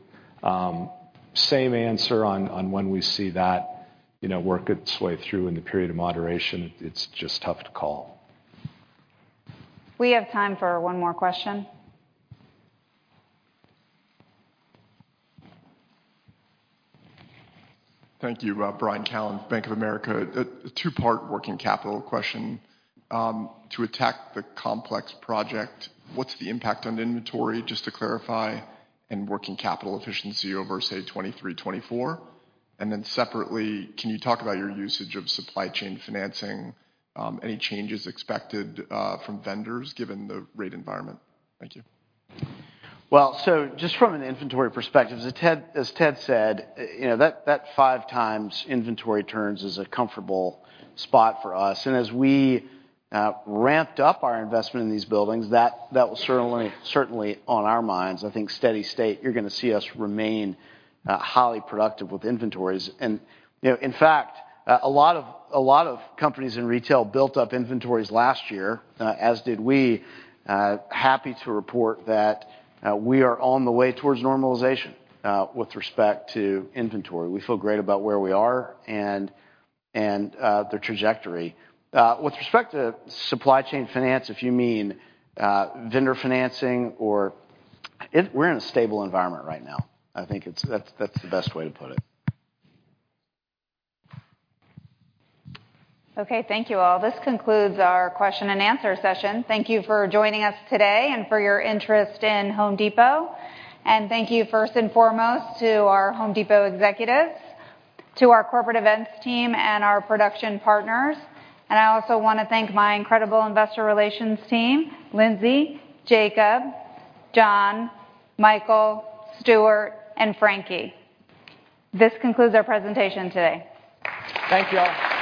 Same answer on when we see that, you know, work its way through in the period of moderation. It's just tough to call.
We have time for one more question.
Thank you. Brian Callan, Bank of America. A two-part working capital question. To attack the complex project, what's the impact on inventory, just to clarify, and working capital efficiency over, say, 2023, 2024? Separately, can you talk about your usage of supply chain financing, any changes expected from vendors, given the rate environment? Thank you.
Just from an inventory perspective, as Ted said, you know, that 5 times inventory turns is a comfortable spot for us. As we ramped up our investment in these buildings, that was certainly on our minds. I think steady state, you're gonna see us remain highly productive with inventories. You know, in fact, a lot of companies in retail built up inventories last year, as did we. Happy to report that we are on the way towards normalization with respect to inventory. We feel great about where we are and the trajectory. With respect to supply chain finance, if you mean vendor financing or... we're in a stable environment right now. I think that's the best way to put it.
Okay, thank you, all. This concludes our question and answer session. Thank you for joining us today and for your interest in Home Depot. Thank you, first and foremost, to our Home Depot executives, to our corporate events team, and our production partners. I also wanna thank my incredible investor relations team, Lindsay, Jacob, John, Michael, Stuart, and Frankie. This concludes our presentation today.
Thank you, all.